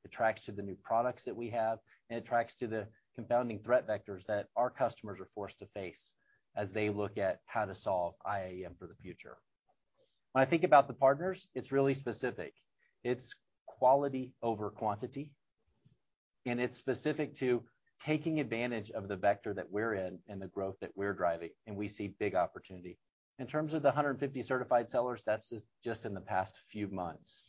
It tracks to the new products that we have, and it tracks to the confounding threat vectors that our customers are forced to face as they look at how to solve IAM for the future. When I think about the partners, it's really specific. It's quality over quantity, and it's specific to taking advantage of the vector that we're in and the growth that we're driving, and we see big opportunity. In terms of the 150 certified sellers, that's just in the past few months.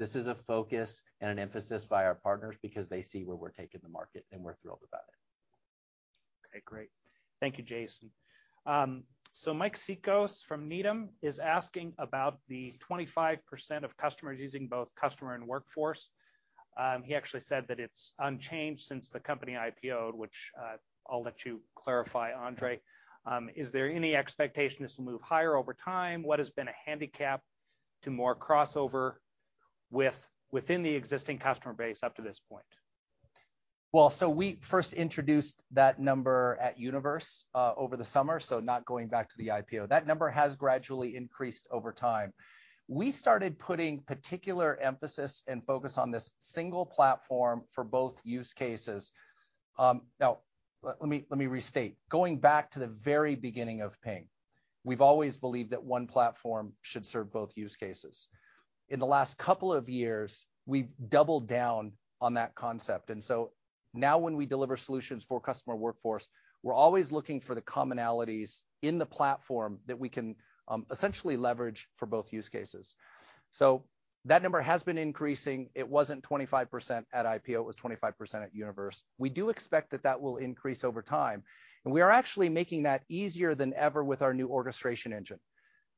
This is a focus and an emphasis by our partners because they see where we're taking the market, and we're thrilled about it. Okay, great. Thank you, Jason. Mike Cikos from Needham is asking about the 25% of customers using both Customer and Workforce. He actually said that it's unchanged since the company IPO'd, which, I'll let you clarify, Andre. Is there any expectation this will move higher over time? What has been a handicap to more crossover within the existing customer base up to this point? Well, we first introduced that number at Youniverse over the summer, so not going back to the IPO. That number has gradually increased over time. We started putting particular emphasis and focus on this single platform for both use cases. Now, let me restate. Going back to the very beginning of Ping, we've always believed that one platform should serve both use cases. In the last couple of years, we've doubled down on that concept. Now when we deliver solutions for Customer and Workforce, we're always looking for the commonalities in the platform that we can essentially leverage for both use cases. That number has been increasing. It wasn't 25% at IPO, it was 25% at Youniverse. We do expect that that will increase over time. We are actually making that easier than ever with our new orchestration engine.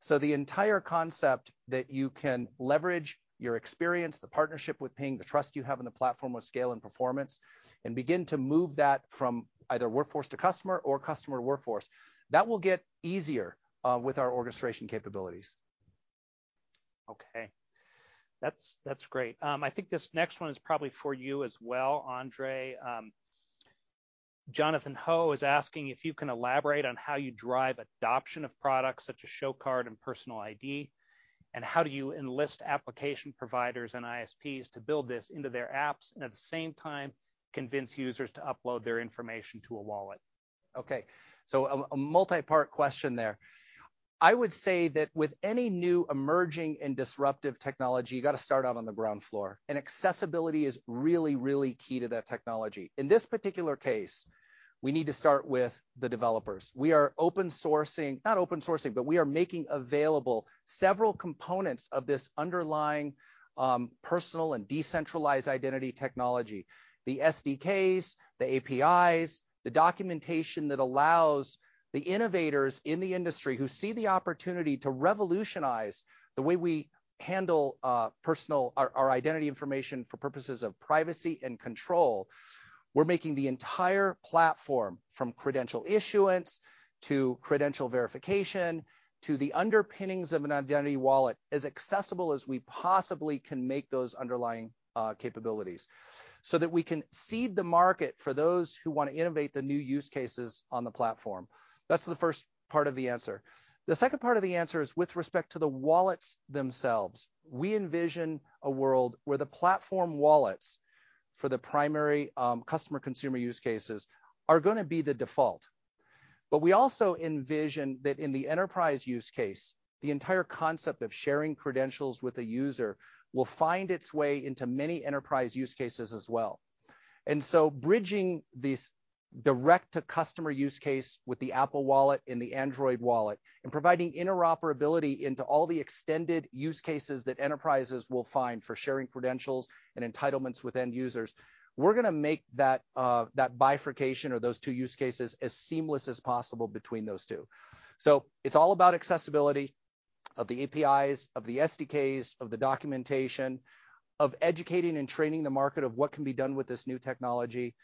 The entire concept that you can leverage your experience, the partnership with Ping, the trust you have in the platform of scale and performance, and begin to move that from either Workforce to Customer or Customer to Workforce, that will get easier with our orchestration capabilities. That's great. I think this next one is probably for you as well, Andre. Jonathan Ho is asking if you can elaborate on how you drive adoption of products such as ShoCard and PingID, and how do you enlist application providers and ISPs to build this into their apps, and at the same time convince users to upload their information to a wallet? Okay, multi-part question there. I would say that with any new emerging and disruptive technology, you gotta start out on the ground floor, and accessibility is really key to that technology. In this particular case, we need to start with the developers. We are making available several components of this underlying personal and decentralized identity technology. The SDKs, the APIs, the documentation that allows the innovators in the industry who see the opportunity to revolutionize the way we handle personal our identity information for purposes of privacy and control. We're making the entire platform, from credential issuance to credential verification to the underpinnings of an identity wallet, as accessible as we possibly can make those underlying capabilities. That we can seed the market for those who want to innovate the new use cases on the platform. That's the first part of the answer. The second part of the answer is with respect to the wallets themselves. We envision a world where the platform wallets for the primary customer consumer use cases are gonna be the default. We also envision that in the enterprise use case, the entire concept of sharing credentials with a user will find its way into many enterprise use cases as well. Bridging these direct-to-customer use case with the Apple Wallet and the Google Wallet, and providing interoperability into all the extended use cases that enterprises will find for sharing credentials and entitlements with end users, we're gonna make that bifurcation or those two use cases as seamless as possible between those two. It's all about accessibility of the APIs, of the SDKs, of the documentation, of educating and training the market of what can be done with this new technology,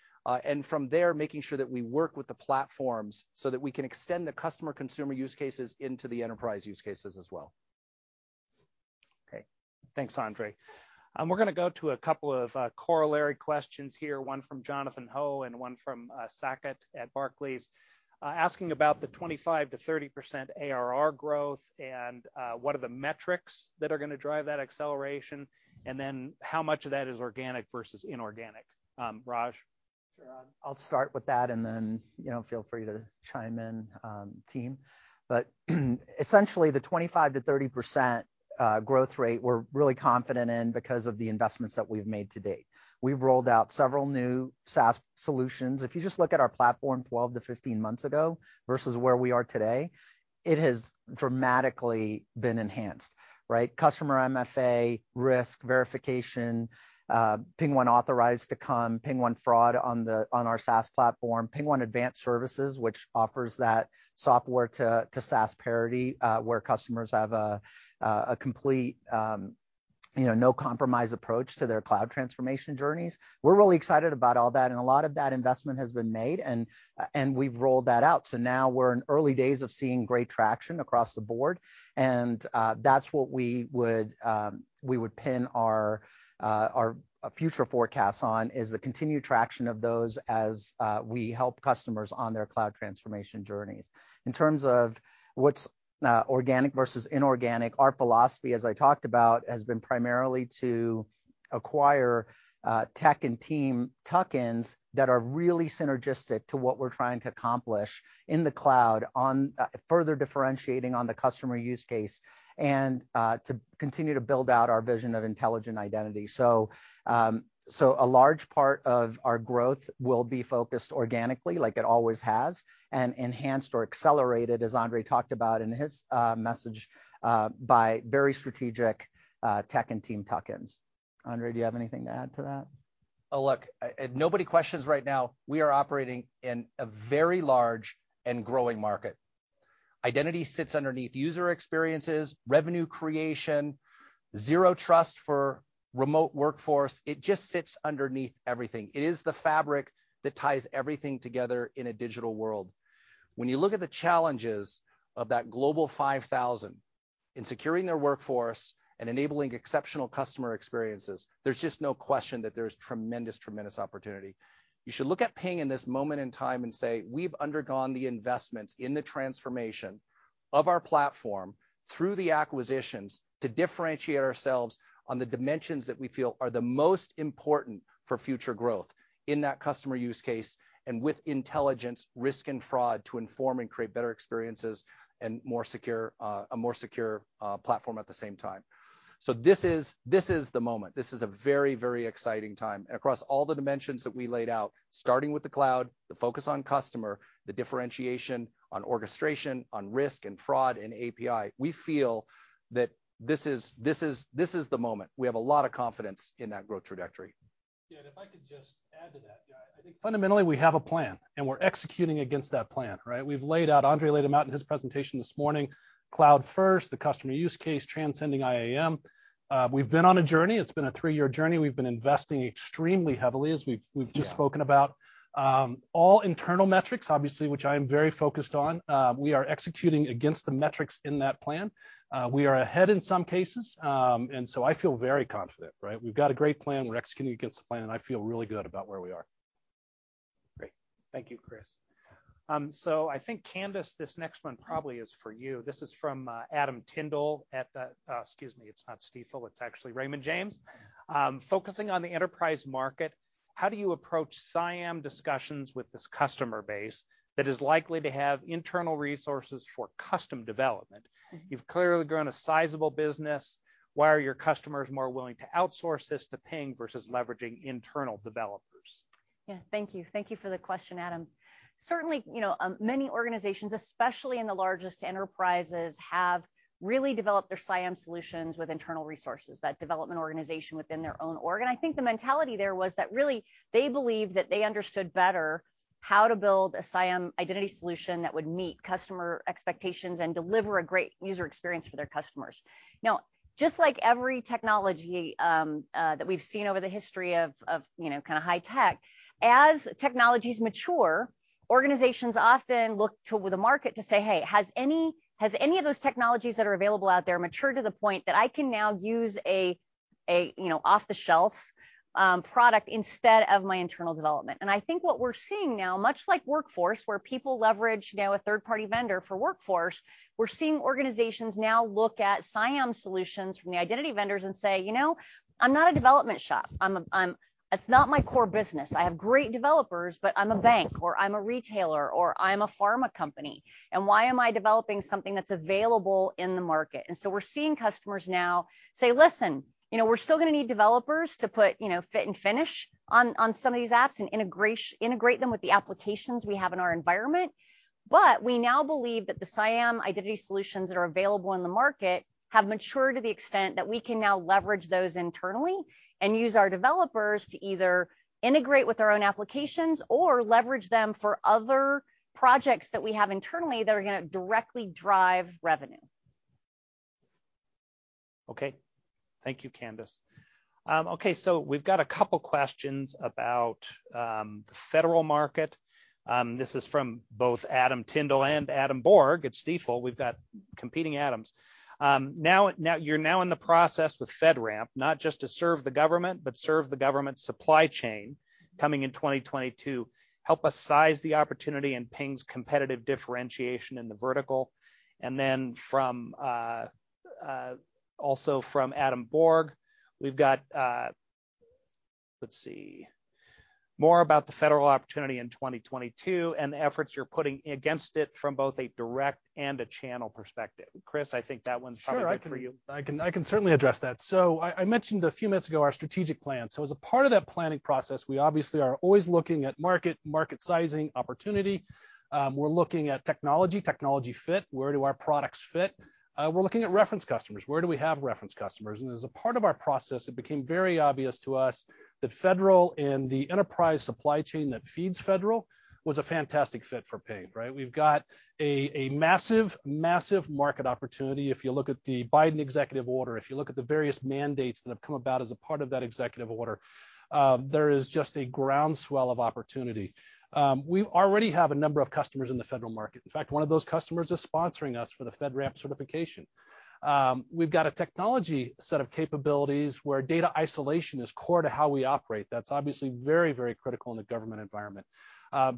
and from there, making sure that we work with the platforms so that we can extend the customer consumer use cases into the enterprise use cases as well. Okay. Thanks, Andre. We're gonna go to a couple of corollary questions here, one from Jonathan Ho and one from Saket at Barclays, asking about the 25%-30% ARR growth and what are the metrics that are gonna drive that acceleration, and then how much of that is organic versus inorganic. Raj? Sure. I'll start with that, and then, you know, feel free to chime in, team. Essentially, the 25%-30% growth rate, we're really confident in because of the investments that we've made to date. We've rolled out several new SaaS solutions. If you just look at our platform 12-15 months ago versus where we are today, it has dramatically been enhanced, right? Customer MFA, risk verification, PingOne Authorize to come, PingOne Fraud on our SaaS platform, PingOne Advanced Services, which offers that software to SaaS parity, where customers have a complete, you know, no compromise approach to their cloud transformation journeys. We're really excited about all that, and a lot of that investment has been made, and we've rolled that out. Now we're in early days of seeing great traction across the board, and that's what we would pin our future forecasts on is the continued traction of those as we help customers on their cloud transformation journeys. In terms of what's organic versus inorganic, our philosophy, as I talked about, has been primarily to acquire tech and team tuck-ins that are really synergistic to what we're trying to accomplish in the cloud on further differentiating on the customer use case and to continue to build out our vision of intelligent identity. So a large part of our growth will be focused organically, like it always has, and enhanced or accelerated, as Andre talked about in his message, by very strategic tech and team tuck-ins. Andre, do you have anything to add to that? Oh, look, nobody questions right now we are operating in a very large and growing market. Identity sits underneath user experiences, revenue creation, zero trust for remote workforce. It just sits underneath everything. It is the fabric that ties everything together in a digital world. When you look at the challenges of that Global 5,000 in securing their workforce and enabling exceptional customer experiences, there's just no question that there's tremendous opportunity. You should look at Ping in this moment in time and say, "We've undergone the investments in the transformation of our platform through the acquisitions to differentiate ourselves on the dimensions that we feel are the most important for future growth in that customer use case and with intelligence, risk and fraud, to inform and create better experiences and more secure, a more secure, platform at the same time." This is the moment. This is a very, very exciting time. Across all the dimensions that we laid out, starting with the cloud, the focus on customer, the differentiation on orchestration, on risk and fraud and API, we feel that this is the moment. We have a lot of confidence in that growth trajectory. Yeah, if I could just add to that. Yeah, I think fundamentally we have a plan, and we're executing against that plan, right? We've laid out, Andre laid them out in his presentation this morning, cloud first, the customer use case, transcending IAM. We've been on a journey. It's been a three-year journey. We've been investing extremely heavily as we've- Yeah We've just spoken about. All internal metrics, obviously, which I am very focused on, we are executing against the metrics in that plan. We are ahead in some cases. I feel very confident, right? We've got a great plan. We're executing against the plan, and I feel really good about where we are. Great. Thank you, Chris. I think, Candace, this next one probably is for you. This is from Adam Tindle. Excuse me, it's not Stifel, it's actually Raymond James. Focusing on the enterprise market, how do you approach CIAM discussions with this customer base that is likely to have internal resources for custom development? Mm-hmm. You've clearly grown a sizable business. Why are your customers more willing to outsource this to Ping versus leveraging internal developers? Yeah. Thank you. Thank you for the question, Adam. Certainly, you know, many organizations, especially in the largest enterprises, have really developed their CIAM solutions with internal resources, that development organization within their own org. I think the mentality there was that really they believed that they understood better how to build a CIAM identity solution that would meet customer expectations and deliver a great user experience for their customers. Now, just like every technology that we've seen over the history of, you know, kinda high tech, as technologies mature. Organizations often look to the market to say, "Hey, has any of those technologies that are available out there matured to the point that I can now use a, you know, off-the-shelf product instead of my internal development?" I think what we're seeing now, much like Workforce, where people leverage now a third-party vendor for Workforce, we're seeing organizations now look at CIAM solutions from the identity vendors and say, "You know, I'm not a development shop. It's not my core business. I have great developers, but I'm a bank," or, "I'm a retailer," or, "I'm a pharma company, and why am I developing something that's available in the market?" We're seeing customers now say, "Listen, you know, we're still gonna need developers to put, you know, fit and finish on some of these apps and integrate them with the applications we have in our environment. But we now believe that the CIAM identity solutions that are available in the market have matured to the extent that we can now leverage those internally and use our developers to either integrate with our own applications or leverage them for other projects that we have internally that are gonna directly drive revenue. Okay. Thank you, Candace. Okay, so we've got a couple questions about the federal market. This is from both Adam Tindle and Adam Borg at Stifel. We've got competing Adams. Now you're in the process with FedRAMP, not just to serve the government, but serve the government supply chain coming in 2022. Help us size the opportunity and Ping's competitive differentiation in the vertical. Then, also from Adam Borg, we've got, let's see, more about the federal opportunity in 2022 and the efforts you're putting against it from both a direct and a channel perspective. Chris, I think that one's probably good for you. Sure, I can certainly address that. I mentioned a few minutes ago our strategic plan. As a part of that planning process, we obviously are always looking at market sizing opportunity. We're looking at technology fit. Where do our products fit? We're looking at reference customers. Where do we have reference customers? As a part of our process, it became very obvious to us that federal and the enterprise supply chain that feeds federal was a fantastic fit for Ping, right? We've got a massive market opportunity. If you look at the Biden Executive Order, if you look at the various mandates that have come about as a part of that executive order, there is just a groundswell of opportunity. We already have a number of customers in the federal market. In fact, one of those customers is sponsoring us for the FedRAMP certification. We've got a technology set of capabilities where data isolation is core to how we operate. That's obviously very, very critical in a government environment.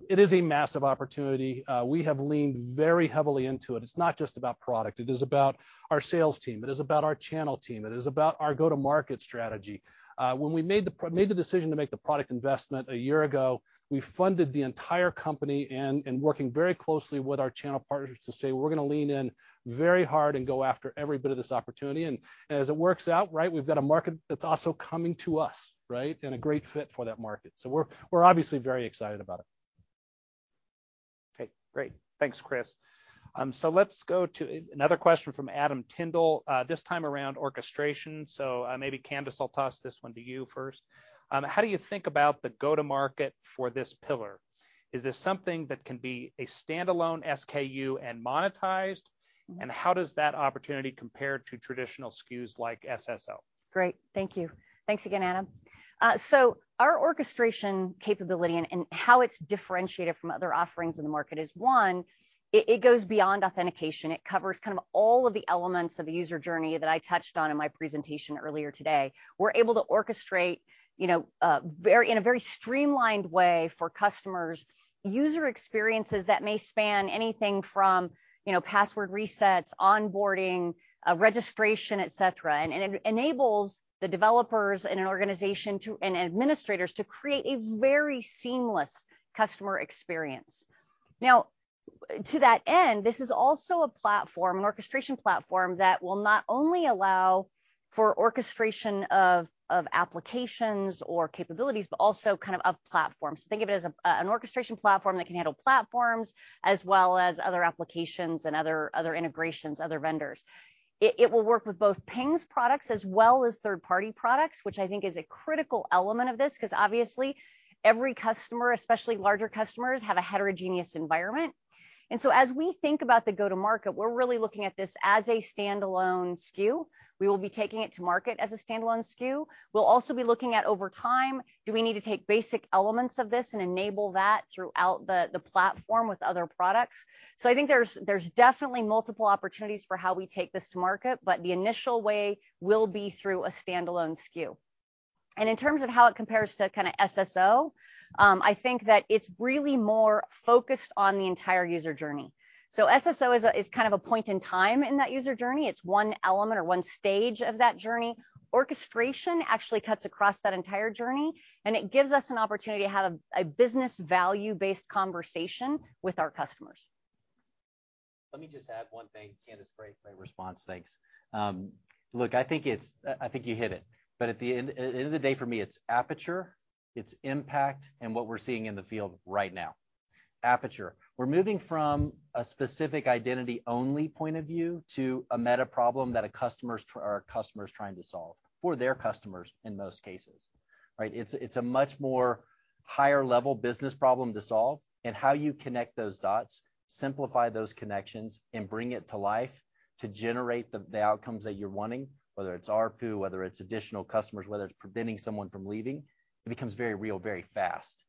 It is a massive opportunity. We have leaned very heavily into it. It's not just about product. It is about our sales team. It is about our channel team. It is about our go-to-market strategy. When we made the decision to make the product investment a year ago, we funded the entire company and working very closely with our channel partners to say, "We're gonna lean in very hard and go after every bit of this opportunity." As it works out, right, we've got a market that's also coming to us, right, and a great fit for that market. We're obviously very excited about it. Okay. Great. Thanks, Chris. Let's go to another question from Adam Tindle, this time around orchestration. Maybe Candace, I'll toss this one to you first. How do you think about the go-to-market for this pillar? Is this something that can be a standalone SKU and monetized? And how does that opportunity compare to traditional SKUs like SSO? Great. Thank you. Thanks again, Adam. So our orchestration capability and how it's differentiated from other offerings in the market is, one, it goes beyond authentication. It covers kind of all of the elements of the user journey that I touched on in my presentation earlier today. We're able to orchestrate in a very streamlined way for customers user experiences that may span anything from password resets, onboarding, registration, et cetera. It enables the developers in an organization and administrators to create a very seamless customer experience. Now, to that end, this is also a platform, an orchestration platform, that will not only allow for orchestration of applications or capabilities, but also kind of platforms. Think of it as an orchestration platform that can handle platforms as well as other applications and other integrations, other vendors. It will work with both Ping's products as well as third-party products, which I think is a critical element of this, 'cause obviously every customer, especially larger customers, have a heterogeneous environment. As we think about the go-to-market, we're really looking at this as a standalone SKU. We will be taking it to market as a standalone SKU. We'll also be looking at over time, do we need to take basic elements of this and enable that throughout the platform with other products? I think there's definitely multiple opportunities for how we take this to market, but the initial way will be through a standalone SKU. In terms of how it compares to kinda SSO, I think that it's really more focused on the entire user journey. SSO is kind of a point in time in that user journey. It's one element or one stage of that journey. Orchestration actually cuts across that entire journey, and it gives us an opportunity to have a business value-based conversation with our customers. Let me just add one thing. Candace, great response. Thanks. Look, I think you hit it. At the end of the day, for me, it's aperture, it's impact, and what we're seeing in the field right now. Aperture. We're moving from a specific identity-only point of view to a meta problem that our customer's trying to solve for their customers in most cases, right? It's a much more higher level business problem to solve and how you connect those dots. Simplify those connections and bring it to life to generate the outcomes that you're wanting, whether it's ARPU, whether it's additional customers, whether it's preventing someone from leaving. It becomes very real very fast.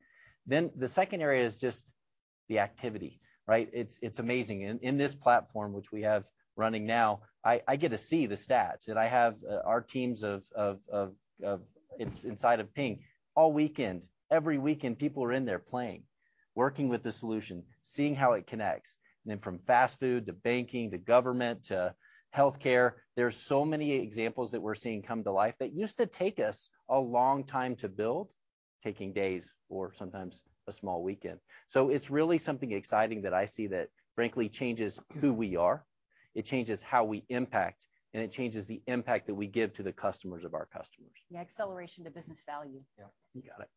The second area is just the activity, right? It's amazing. In this platform which we have running now, I get to see the stats, and I have our teams inside of Ping all weekend, every weekend, people are in there playing, working with the solution, seeing how it connects. From fast food to banking to government to healthcare, there's so many examples that we're seeing come to life that used to take us a long time to build, taking days or sometimes a small weekend. It's really something exciting that I see that frankly changes who we are, it changes how we impact, and it changes the impact that we give to the customers of our customers. The acceleration to business value. Yeah. You got it.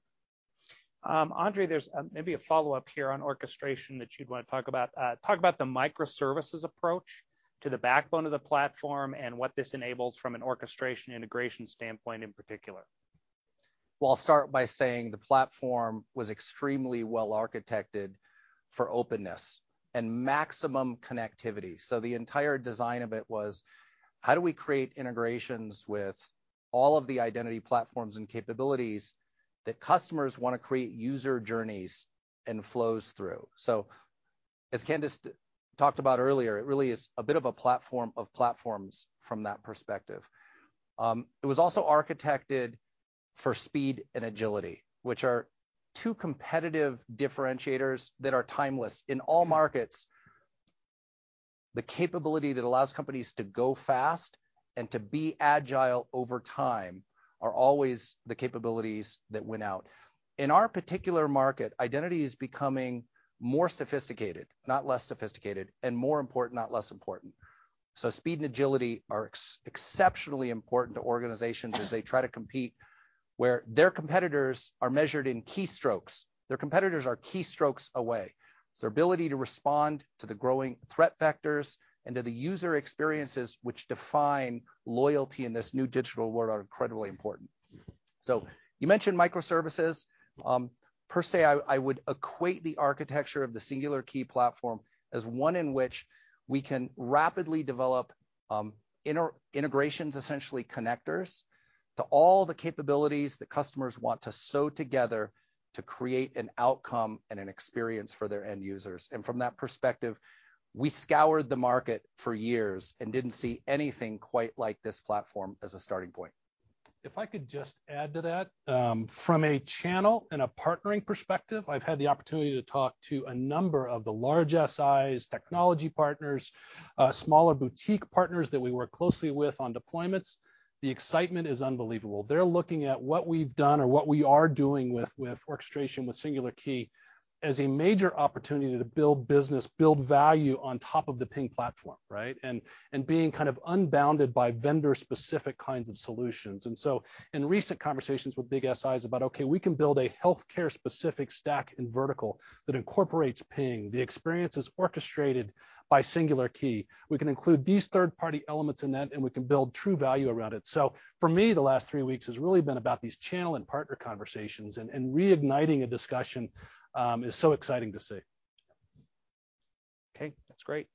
Andre, there's maybe a follow-up here on orchestration that you'd wanna talk about. Talk about the microservices approach to the backbone of the platform, and what this enables from an orchestration integration standpoint in particular. Well, I'll start by saying the platform was extremely well architected for openness and maximum connectivity. The entire design of it was, how do we create integrations with all of the identity platforms and capabilities that customers wanna create user journeys and flows through? As Candace talked about earlier, it really is a bit of a platform of platforms from that perspective. It was also architected for speed and agility, which are two competitive differentiators that are timeless. In all markets, the capability that allows companies to go fast and to be agile over time are always the capabilities that win out. In our particular market, identity is becoming more sophisticated, not less sophisticated, and more important, not less important. Speed and agility are exceptionally important to organizations as they try to compete where their competitors are measured in keystrokes. Their competitors are keystrokes away, so ability to respond to the growing threat vectors and to the user experiences which define loyalty in this new digital world are incredibly important. You mentioned microservices. Per se, I would equate the architecture of the Singular Key platform as one in which we can rapidly develop integrations, essentially connectors, to all the capabilities that customers want to sew together to create an outcome and an experience for their end users. From that perspective, we scoured the market for years and didn't see anything quite like this platform as a starting point. If I could just add to that, from a channel and a partnering perspective, I've had the opportunity to talk to a number of the large SIs, technology partners, smaller boutique partners that we work closely with on deployments. The excitement is unbelievable. They're looking at what we've done or what we are doing with orchestration, with Singular Key, as a major opportunity to build business, build value on top of the Ping platform, right? Being kind of unbounded by vendor-specific kinds of solutions. In recent conversations with big SIs about, okay, we can build a healthcare specific stack and vertical that incorporates Ping, the experience is orchestrated by Singular Key. We can include these third party elements in that, and we can build true value around it. For me, the last three weeks has really been about these channel and partner conversations and reigniting a discussion is so exciting to see. Okay. That's great.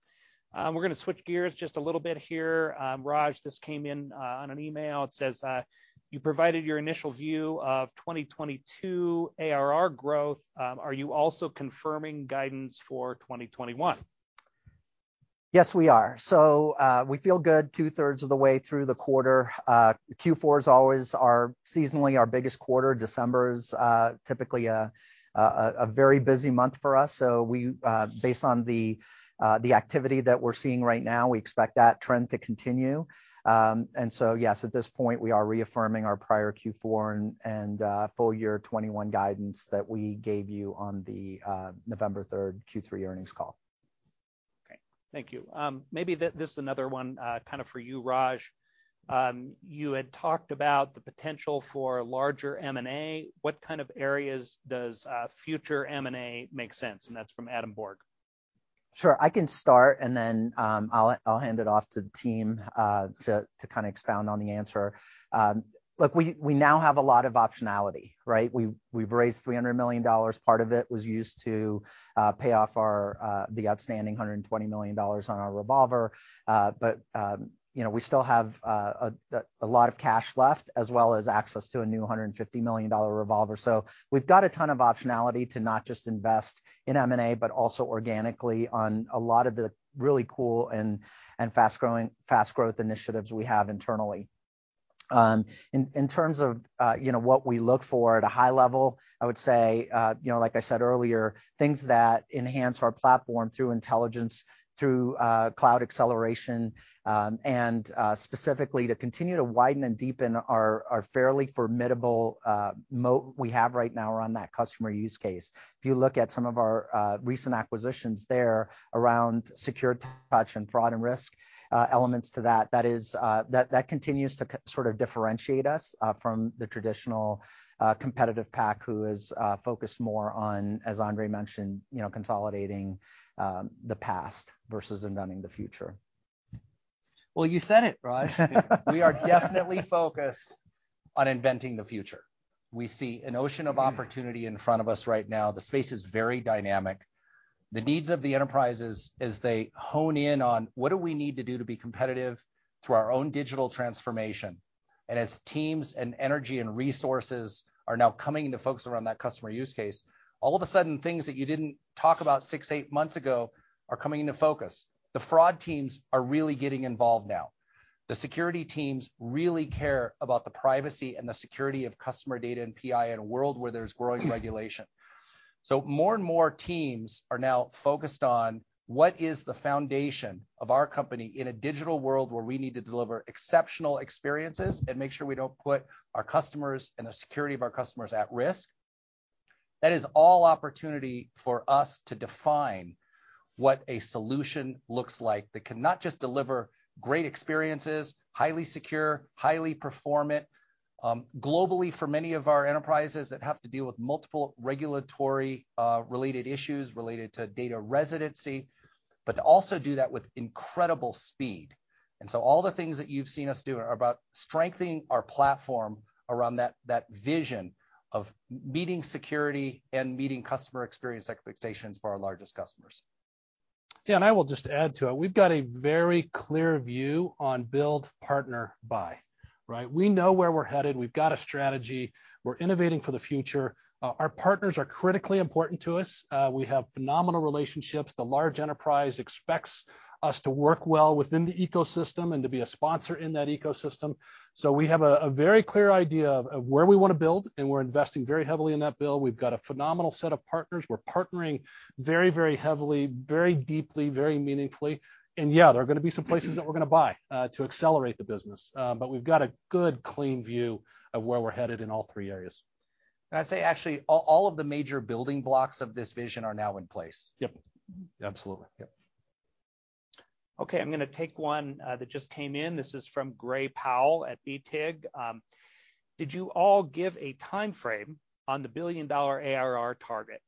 We're gonna switch gears just a little bit here. Raj, this came in on an email. It says, "You provided your initial view of 2022 ARR growth. Are you also confirming guidance for 2021? Yes, we are. We feel good two-thirds of the way through the quarter. Q4 is always our seasonally biggest quarter. December is typically a very busy month for us. We, based on the activity that we're seeing right now, expect that trend to continue. Yes, at this point, we are reaffirming our prior Q4 and full year 2021 guidance that we gave you on the November 3rd Q3 earnings call. Okay. Thank you. Maybe this is another one, kind of for you, Raj. You had talked about the potential for larger M&A. What kind of areas does future M&A make sense? That's from Adam Borg. Sure. I can start, and then I'll hand it off to the team to kind of expound on the answer. Look, we now have a lot of optionality, right? We've raised $300 million. Part of it was used to pay off the outstanding $120 million on our revolver. You know, we still have a lot of cash left as well as access to a new $150 million revolver. We've got a ton of optionality to not just invest in M&A, but also organically on a lot of the really cool and fast growing, fast growth initiatives we have internally. In terms of you know what we look for at a high level, I would say you know like I said earlier, things that enhance our platform through intelligence, through cloud acceleration, and specifically to continue to widen and deepen our fairly formidable moat we have right now around that customer use case. If you look at some of our recent acquisitions there around SecuredTouch and fraud and risk elements to that continues to sort of differentiate us from the traditional competitive pack who is focused more on, as Andre mentioned, you know, consolidating the past versus inventing the future. Well, you said it, Raj. We are definitely focused on inventing the future. We see an ocean of opportunity in front of us right now. The space is very dynamic. The needs of the enterprises as they hone in on what do we need to do to be competitive through our own digital transformation, and as teams and energy and resources are now coming into focus around that customer use case, all of a sudden things that you didn't talk about six, eight months ago are coming into focus. The fraud teams are really getting involved now. The security teams really care about the privacy and the security of customer data and PI in a world where there's growing regulation. More and more teams are now focused on what is the foundation of our company in a digital world where we need to deliver exceptional experiences and make sure we don't put our customers and the security of our customers at risk. That is all opportunity for us to define what a solution looks like that can not just deliver great experiences, highly secure, highly performant, globally for many of our enterprises that have to deal with multiple regulatory related issues related to data residency, but to also do that with incredible speed. All the things that you've seen us do are about strengthening our platform around that vision of meeting security and meeting customer experience expectations for our largest customers. Yeah, I will just add to it. We've got a very clear view on build, partner, buy, right? We know where we're headed. We've got a strategy. We're innovating for the future. Our partners are critically important to us. We have phenomenal relationships. The large enterprise expects us to work well within the ecosystem and to be a sponsor in that ecosystem. We have a very clear idea of where we wanna build, and we're investing very heavily in that build. We've got a phenomenal set of partners. We're partnering very, very heavily, very deeply, very meaningfully. Yeah, there are gonna be some places that we're gonna buy to accelerate the business. We've got a good clean view of where we're headed in all three areas. I'd say actually, all of the major building blocks of this vision are now in place. Yep. Absolutely, yep. Okay, I'm gonna take one that just came in. This is from Gray Powell at BTIG. Did you all give a timeframe on the $1 billion ARR target?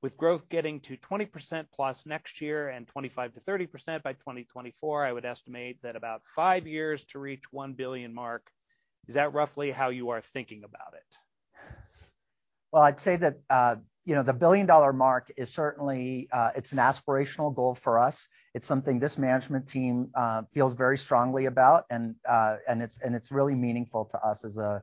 With growth getting to 20%+ next year and 25%-30% by 2024, I would estimate that about five years to reach the $1 billion mark. Is that roughly how you are thinking about it? Well, I'd say that, you know, the billion-dollar mark is certainly. It's an aspirational goal for us. It's something this management team feels very strongly about, and it's really meaningful to us as an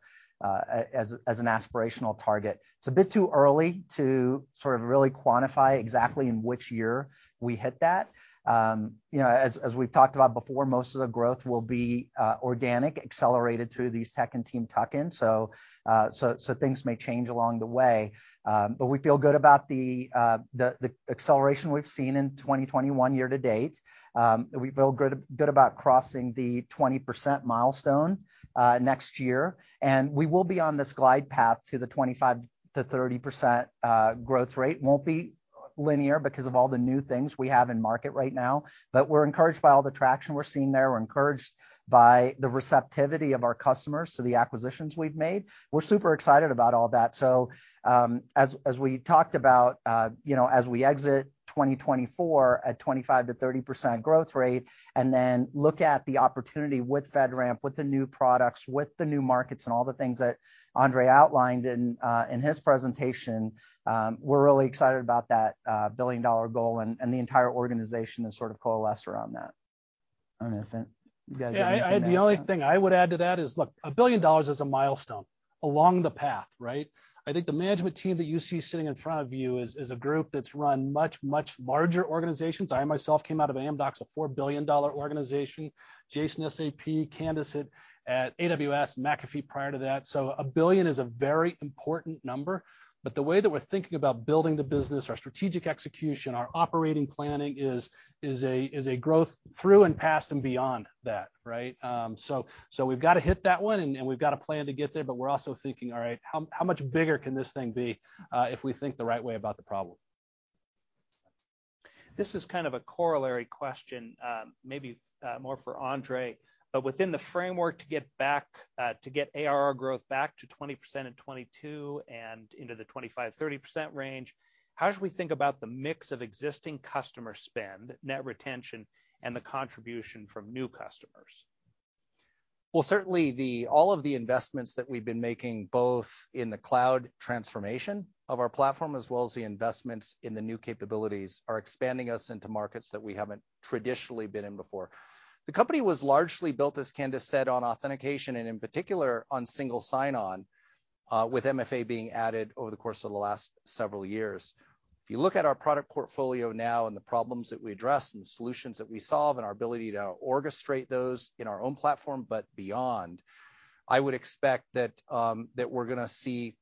aspirational target. It's a bit too early to sort of really quantify exactly in which year we hit that. You know, as we've talked about before, most of the growth will be organic, accelerated through these tech and team tuck-ins, so things may change along the way. We feel good about the acceleration we've seen in 2021 year to date. We feel good about crossing the 20% milestone next year, and we will be on this glide path to the 25%-30% growth rate. Won't be linear because of all the new things we have in market right now, but we're encouraged by all the traction we're seeing there. We're encouraged by the receptivity of our customers to the acquisitions we've made. We're super excited about all that. As we talked about, you know, as we exit 2024 at 25%-30% growth rate and then look at the opportunity with FedRAMP, with the new products, with the new markets, and all the things that Andre outlined in his presentation, we're really excited about that billion-dollar goal, and the entire organization has sort of coalesced around that. I don't know if you guys have anything to add to that. Yeah, the only thing I would add to that is, look, $1 billion is a milestone along the path, right? I think the management team that you see sitting in front of you is a group that's run much, much larger organizations. I myself came out of Amdocs, a $4 billion organization. Jason, SAP, Candace at AWS, McAfee prior to that. So $1 billion is a very important number, but the way that we're thinking about building the business, our strategic execution, our operating planning is a growth through and past and beyond that, right? So we've got to hit that one, and we've got a plan to get there, but we're also thinking, all right, how much bigger can this thing be, if we think the right way about the problem? This is kind of a corollary question, maybe more for Andre. Within the framework to get ARR growth back to 20% in 2022 and into the 25%-30% range, how should we think about the mix of existing customer spend, net retention, and the contribution from new customers? Well, certainly all of the investments that we've been making, both in the cloud transformation of our platform as well as the investments in the new capabilities, are expanding us into markets that we haven't traditionally been in before. The company was largely built, as Candace said, on authentication, and in particular, on single sign-on with MFA being added over the course of the last several years. If you look at our product portfolio now and the problems that we address and the solutions that we solve and our ability to orchestrate those in our own platform but beyond, I would expect that that we're gonna see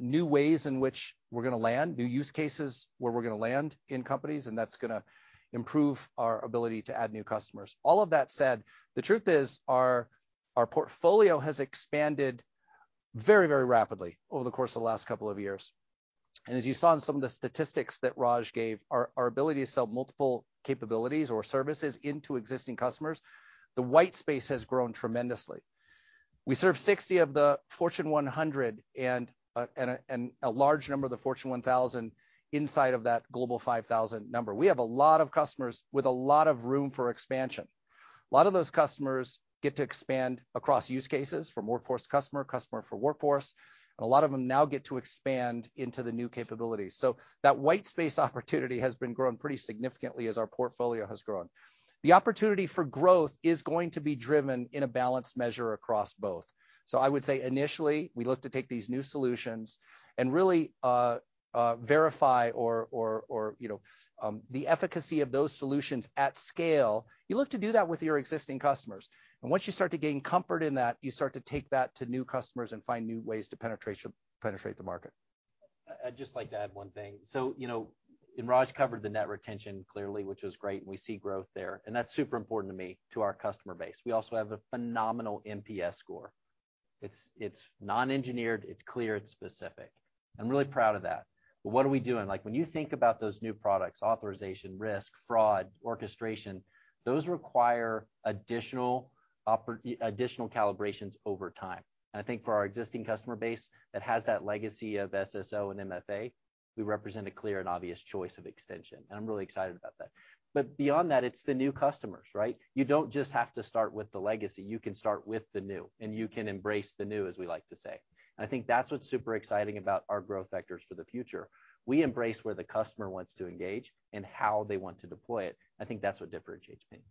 new ways in which we're gonna land, new use cases where we're gonna land in companies, and that's gonna improve our ability to add new customers. All of that said, the truth is, our portfolio has expanded very, very rapidly over the course of the last couple of years. As you saw in some of the statistics that Raj gave, our ability to sell multiple capabilities or services into existing customers, the white space has grown tremendously. We serve 60 of the Fortune 100 and a large number of the Fortune 1000 inside of that Global 5000 number. We have a lot of customers with a lot of room for expansion. A lot of those customers get to expand across use cases from workforce customer for workforce, and a lot of them now get to expand into the new capabilities. That white space opportunity has been growing pretty significantly as our portfolio has grown. The opportunity for growth is going to be driven in a balanced measure across both. I would say initially we look to take these new solutions and really verify the efficacy of those solutions at scale. You look to do that with your existing customers. Once you start to gain comfort in that, you start to take that to new customers and find new ways to penetrate the market. I'd just like to add one thing. You know, and Raj covered the net retention clearly, which was great, and we see growth there. That's super important to me, to our customer base. We also have a phenomenal NPS score. It's non-engineered, it's clear, it's specific. I'm really proud of that. What are we doing? Like, when you think about those new products, authorization, risk, fraud, orchestration, those require additional calibrations over time. I think for our existing customer base that has that legacy of SSO and MFA, we represent a clear and obvious choice of extension. I'm really excited about that. Beyond that, it's the new customers, right? You don't just have to start with the legacy. You can start with the new, and you can embrace the new, as we like to say. I think that's what's super exciting about our growth vectors for the future. We embrace where the customer wants to engage and how they want to deploy it. I think that's what differentiates Ping.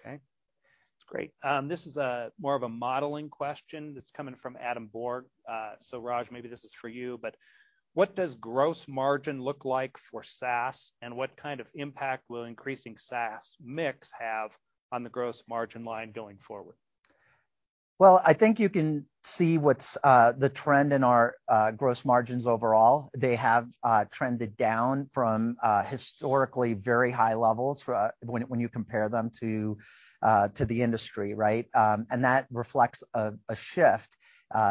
Okay. That's great. This is more of a modeling question that's coming from Adam Borg. So Raj, maybe this is for you. What does gross margin look like for SaaS? And what kind of impact will increasing SaaS mix have on the gross margin line going forward? Well, I think you can see what's the trend in our gross margins overall. They have trended down from historically very high levels for when you compare them to the industry, right? That reflects a shift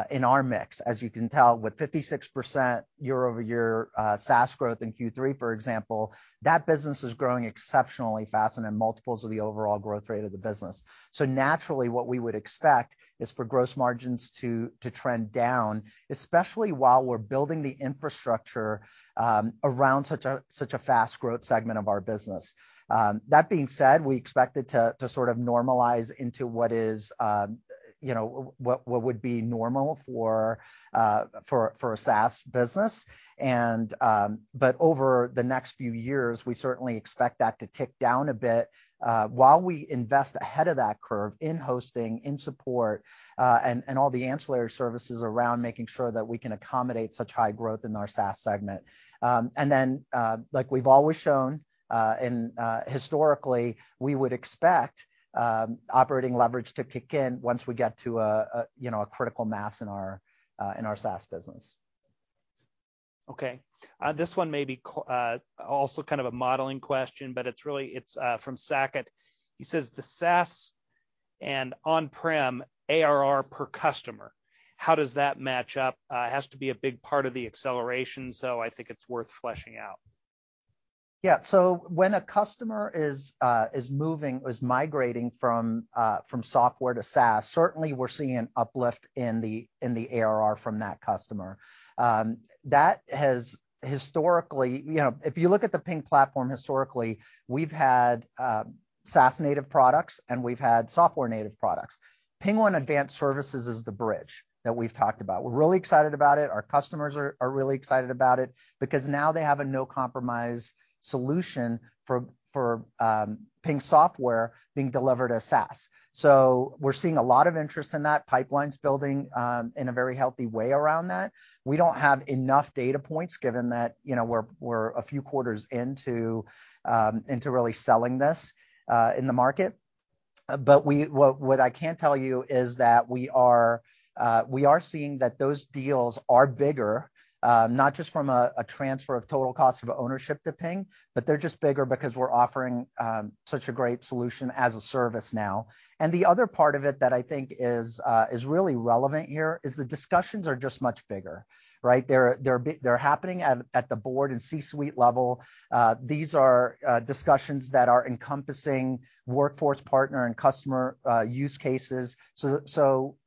in our mix. As you can tell, with 56% year-over-year SaaS growth in Q3, for example, that business is growing exceptionally fast and in multiples of the overall growth rate of the business. Naturally, what we would expect is for gross margins to trend down, especially while we're building the infrastructure around such a fast growth segment of our business. That being said, we expect it to sort of normalize into what is, you know, what would be normal for a SaaS business. Over the next few years, we certainly expect that to tick down a bit while we invest ahead of that curve in hosting, in support, and all the ancillary services around making sure that we can accommodate such high growth in our SaaS segment. Like we've always shown and historically, we would expect operating leverage to kick in once we get to a you know a critical mass in our SaaS business. Okay. This one may also be kind of a modeling question, but it's really, it's from Saket Kalia. He says, "The SaaS and on-prem ARR per customer, how does that match up? It has to be a big part of the acceleration, so I think it's worth fleshing out. Yeah. When a customer is migrating from software to SaaS, certainly we're seeing an uplift in the ARR from that customer. That has historically. You know, if you look at the Ping platform historically, we've had SaaS native products, and we've had software native products. PingOne Advanced Services is the bridge that we've talked about. We're really excited about it. Our customers are really excited about it because now they have a no-compromise solution for Ping software being delivered as SaaS. We're seeing a lot of interest in that, pipelines building in a very healthy way around that. We don't have enough data points given that, you know, we're a few quarters into really selling this in the market. What I can tell you is that we are seeing that those deals are bigger, not just from a transfer of total cost of ownership to Ping, but they're just bigger because we're offering such a great solution as a service now. The other part of it that I think is really relevant here is the discussions are just much bigger, right? They're happening at the board and C-suite level. These are discussions that are encompassing workforce partner and customer use cases. You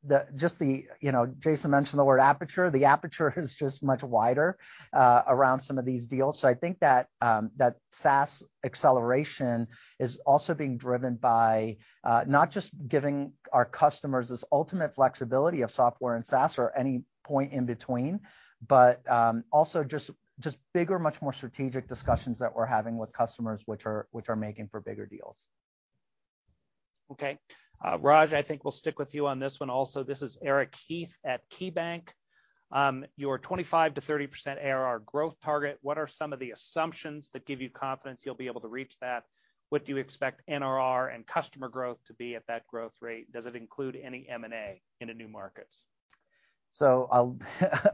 know, Jason mentioned the word aperture. The aperture is just much wider around some of these deals. I think that SaaS acceleration is also being driven by not just giving our customers this ultimate flexibility of software and SaaS or any point in between, but also just bigger, much more strategic discussions that we're having with customers, which are making for bigger deals. Okay. Raj, I think we'll stick with you on this one also. This is Eric Heath at KeyBanc. Your 25%-30% ARR growth target, what are some of the assumptions that give you confidence you'll be able to reach that? What do you expect NRR and customer growth to be at that growth rate? Does it include any M&A into new markets?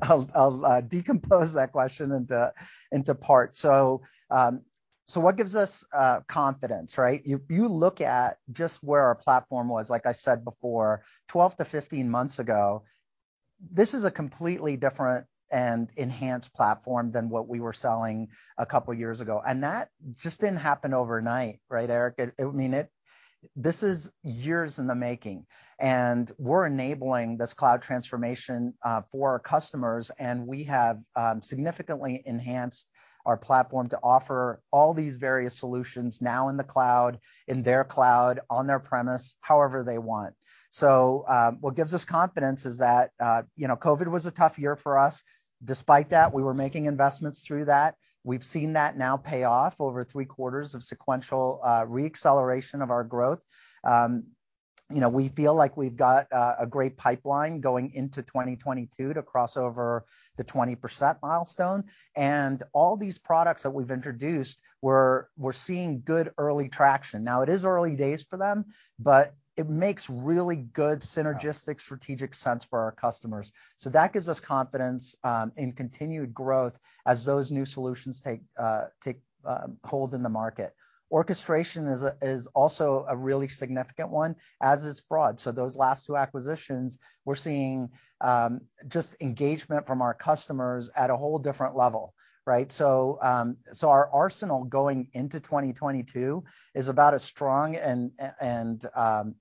I'll decompose that question into parts. What gives us confidence, right? You look at just where our platform was, like I said before, 12-15 months ago. This is a completely different and enhanced platform than what we were selling a couple years ago. That just didn't happen overnight, right, Eric? This is years in the making. We're enabling this cloud transformation for our customers, and we have significantly enhanced our platform to offer all these various solutions now in the cloud, in their cloud, on their premise, however they want. What gives us confidence is that, you know, COVID was a tough year for us. Despite that, we were making investments through that. We've seen that now pay off over three quarters of sequential re-acceleration of our growth. You know, we feel like we've got a great pipeline going into 2022 to cross over the 20% milestone. All these products that we've introduced, we're seeing good early traction. Now, it is early days for them, but it makes really good synergistic strategic sense for our customers. That gives us confidence in continued growth as those new solutions take hold in the market. Orchestration is also a really significant one, as is fraud. Those last two acquisitions, we're seeing just engagement from our customers at a whole different level, right? Our arsenal going into 2022 is about as strong and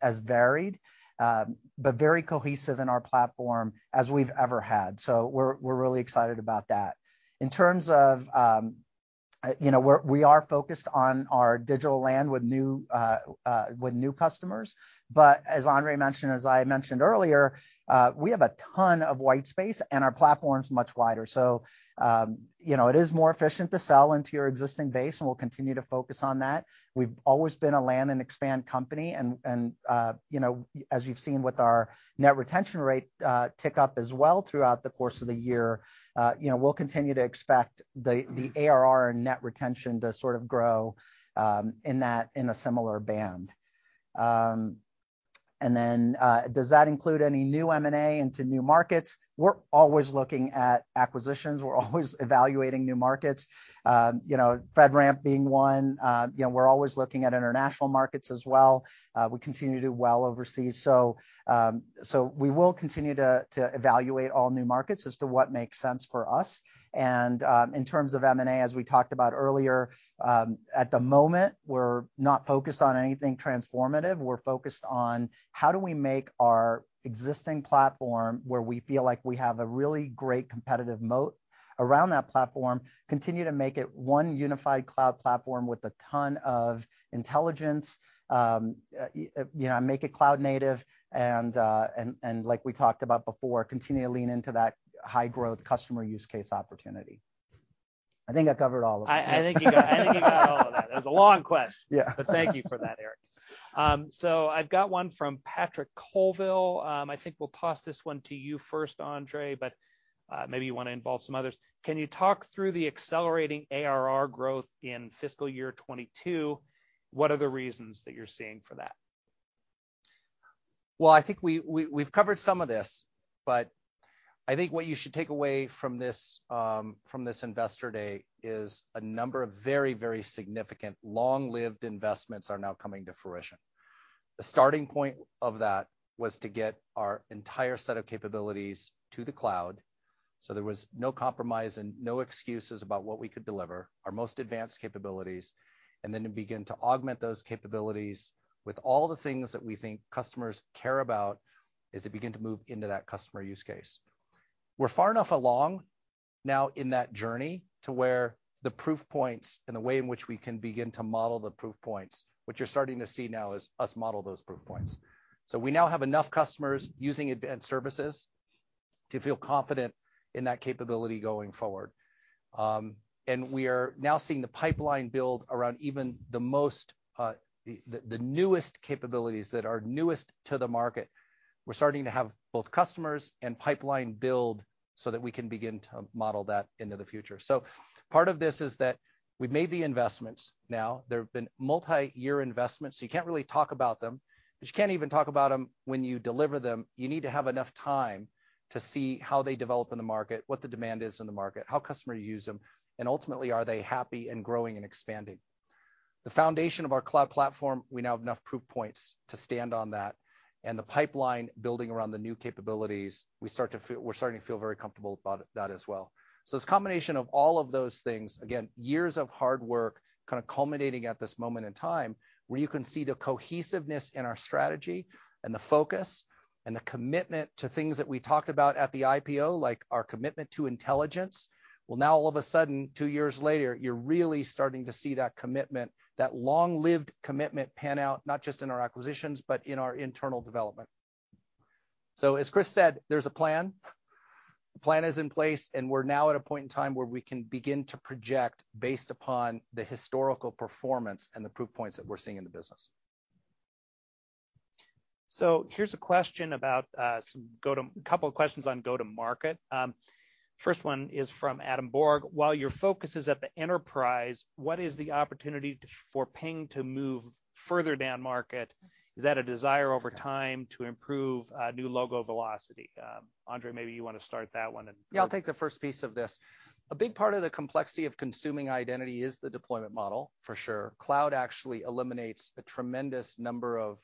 as varied, but very cohesive in our platform as we've ever had. We're really excited about that. In terms of, you know, we are focused on our digital land with new customers. As Andre mentioned, as I mentioned earlier, we have a ton of white space, and our platform's much wider. You know, it is more efficient to sell into your existing base, and we'll continue to focus on that. We've always been a land and expand company, you know, as you've seen with our net retention rate, tick up as well throughout the course of the year. You know, we'll continue to expect the ARR and net retention to sort of grow in a similar band. Does that include any new M&A into new markets? We're always looking at acquisitions. We're always evaluating new markets. You know, FedRAMP being one. You know, we're always looking at international markets as well. We continue to do well overseas. We will continue to evaluate all new markets as to what makes sense for us. In terms of M&A, as we talked about earlier, at the moment, we're not focused on anything transformative. We're focused on how do we make our existing platform, where we feel like we have a really great competitive moat around that platform, continue to make it one unified cloud platform with a ton of intelligence. You know, and make it cloud native, and like we talked about before, continue to lean into that high-growth customer use case opportunity. I think I covered all of them. I think you got all of that. That was a long question. Yeah. Thank you for that, Eric. I've got one from Patrick Colville. I think we'll toss this one to you first, Andre, but maybe you wanna involve some others. Can you talk through the accelerating ARR growth in fiscal year 2022? What are the reasons that you're seeing for that? Well, I think we've covered some of this, but I think what you should take away from this, from this Investor Day is a number of very significant long-lived investments are now coming to fruition. The starting point of that was to get our entire set of capabilities to the cloud, so there was no compromise and no excuses about what we could deliver, our most advanced capabilities, and then to begin to augment those capabilities with all the things that we think customers care about as they begin to move into that customer use case. We're far enough along now in that journey to where the proof points and the way in which we can begin to model the proof points, what you're starting to see now is us model those proof points. We now have enough customers using advanced services to feel confident in that capability going forward. We are now seeing the pipeline build around even the most newest capabilities that are newest to the market. We're starting to have both customers and pipeline build so that we can begin to model that into the future. Part of this is that we've made the investments now. There have been multi-year investments, so you can't really talk about them, but you can't even talk about them when you deliver them. You need to have enough time to see how they develop in the market, what the demand is in the market, how customers use them, and ultimately, are they happy and growing and expanding? The foundation of our cloud platform, we now have enough proof points to stand on that. The pipeline building around the new capabilities, we're starting to feel very comfortable about that as well. It's a combination of all of those things, again, years of hard work kind of culminating at this moment in time, where you can see the cohesiveness in our strategy and the focus and the commitment to things that we talked about at the IPO, like our commitment to intelligence. Well, now all of a sudden, two years later, you're really starting to see that commitment, that long-lived commitment pan out, not just in our acquisitions, but in our internal development. As Chris said, there's a plan. The plan is in place, and we're now at a point in time where we can begin to project based upon the historical performance and the proof points that we're seeing in the business. Here's a couple of questions on go-to-market. First one is from Adam Borg: While your focus is at the enterprise, what is the opportunity for Ping to move further down market? Is that a desire over time to improve new logo velocity? Andre, maybe you wanna start that one and- Yeah, I'll take the first piece of this. A big part of the complexity of consuming identity is the deployment model, for sure. Cloud actually eliminates a tremendous number of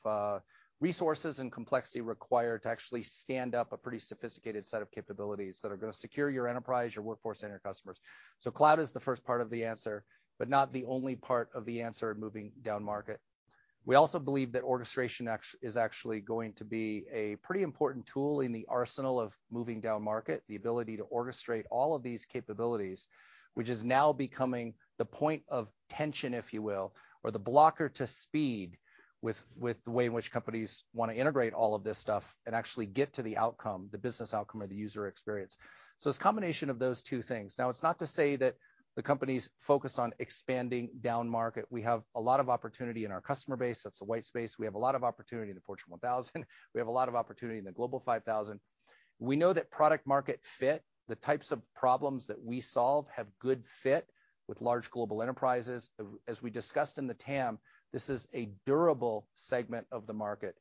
resources and complexity require to actually stand up a pretty sophisticated set of capabilities that are gonna secure your enterprise, your workforce, and your customers. Cloud is the first part of the answer, but not the only part of the answer in moving down market. We also believe that orchestration is actually going to be a pretty important tool in the arsenal of moving down market, the ability to orchestrate all of these capabilities, which is now becoming the point of tension, if you will, or the blocker to speed with the way in which companies wanna integrate all of this stuff and actually get to the outcome, the business outcome or the user experience. It's a combination of those two things. Now, it's not to say that the company's focused on expanding down market. We have a lot of opportunity in our customer base, that's the white space. We have a lot of opportunity in the Fortune 1000. We have a lot of opportunity in the Global 5000. We know that product market fit, the types of problems that we solve have good fit with large global enterprises. As we discussed in the TAM, this is a durable segment of the market.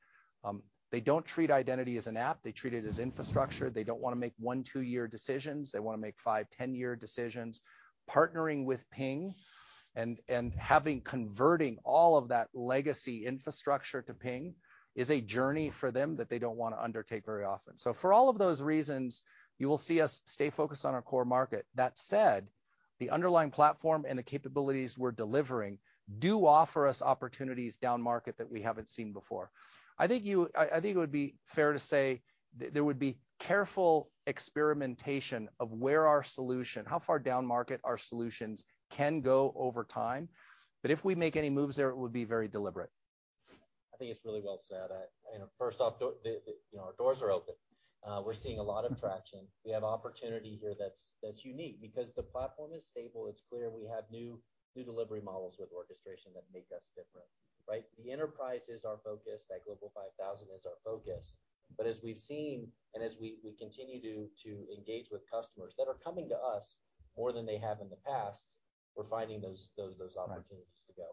They don't treat identity as an app, they treat it as infrastructure. They don't wanna make one-, two-year decisions. They wanna make five-, 10-year decisions. Partnering with Ping and having converting all of that legacy infrastructure to Ping is a journey for them that they don't wanna undertake very often. For all of those reasons, you will see us stay focused on our core market. That said, the underlying platform and the capabilities we're delivering do offer us opportunities down market that we haven't seen before. I think it would be fair to say there would be careful experimentation of where our solution, how far down market our solutions can go over time. But if we make any moves there, it would be very deliberate. I think it's really well said. I you know, first off, the you know, our doors are open. We're seeing a lot of traction. We have opportunity here that's unique. Because the platform is stable, it's clear we have new delivery models with orchestration that make us different, right? The enterprise is our focus, that Global 5000 is our focus. As we've seen and as we continue to engage with customers that are coming to us more than they have in the past, we're finding those opportunities to go.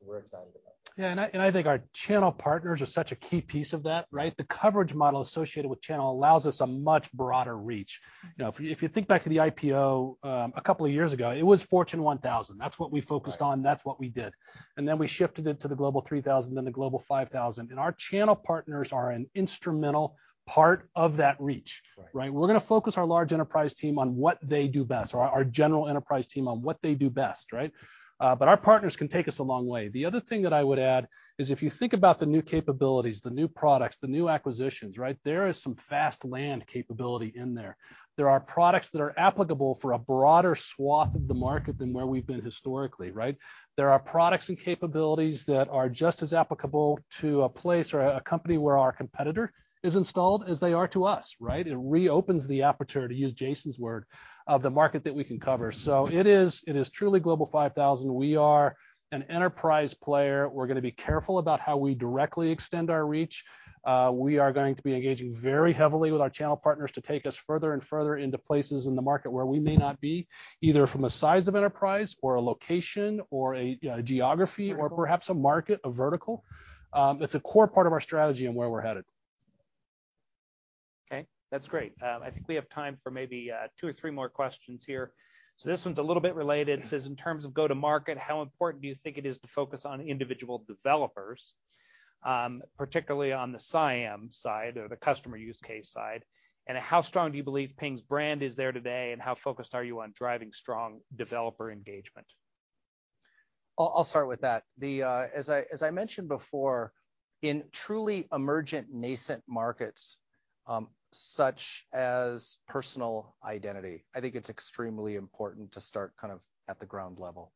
We're excited about that. Yeah, I think our channel partners are such a key piece of that, right? The coverage model associated with channel allows us a much broader reach. You know, if you think back to the IPO, a couple of years ago, it was Fortune 1000. That's what we focused on. Right. That's what we did. Then we shifted it to the Global 3000, then the Global 5000. Our channel partners are an instrumental part of that reach. Right. Right? We're gonna focus our large enterprise team on what they do best, or our general enterprise team on what they do best, right? But our partners can take us a long way. The other thing that I would add is if you think about the new capabilities, the new products, the new acquisitions, right? There is some fast land capability in there. There are products that are applicable for a broader swath of the market than where we've been historically, right? There are products and capabilities that are just as applicable to a place or a company where our competitor is installed as they are to us, right? It reopens the aperture, to use Jason's word, of the market that we can cover. It is truly Global 5000. We are an enterprise player. We're gonna be careful about how we directly extend our reach. We are going to be engaging very heavily with our channel partners to take us further and further into places in the market where we may not be, either from a size of enterprise, or a location, or a geography, or perhaps a market, a vertical. It's a core part of our strategy and where we're headed. Okay. That's great. I think we have time for maybe two or three more questions here. This one's a little bit related. It says: In terms of go-to-market, how important do you think it is to focus on individual developers, particularly on the CIAM side or the customer use case side? And how strong do you believe Ping's brand is there today, and how focused are you on driving strong developer engagement? I'll start with that. As I mentioned before, in truly emergent nascent markets, such as personal identity, I think it's extremely important to start kind of at the ground level.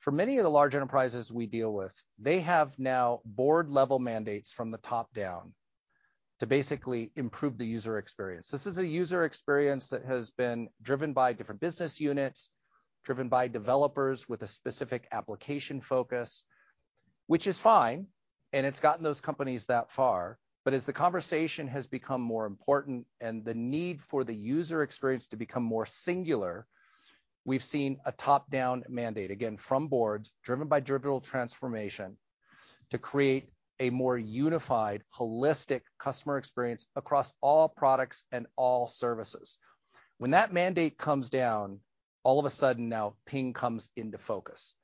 For many of the large enterprises we deal with, they have now board-level mandates from the top down to basically improve the user experience. This is a user experience that has been driven by different business units, driven by developers with a specific application focus, which is fine, and it's gotten those companies that far. As the conversation has become more important and the need for the user experience to become more singular, we've seen a top-down mandate, again, from boards, driven by digital transformation, to create a more unified, holistic customer experience across all products and all services. When that mandate comes down, all of a sudden now Ping comes into focus,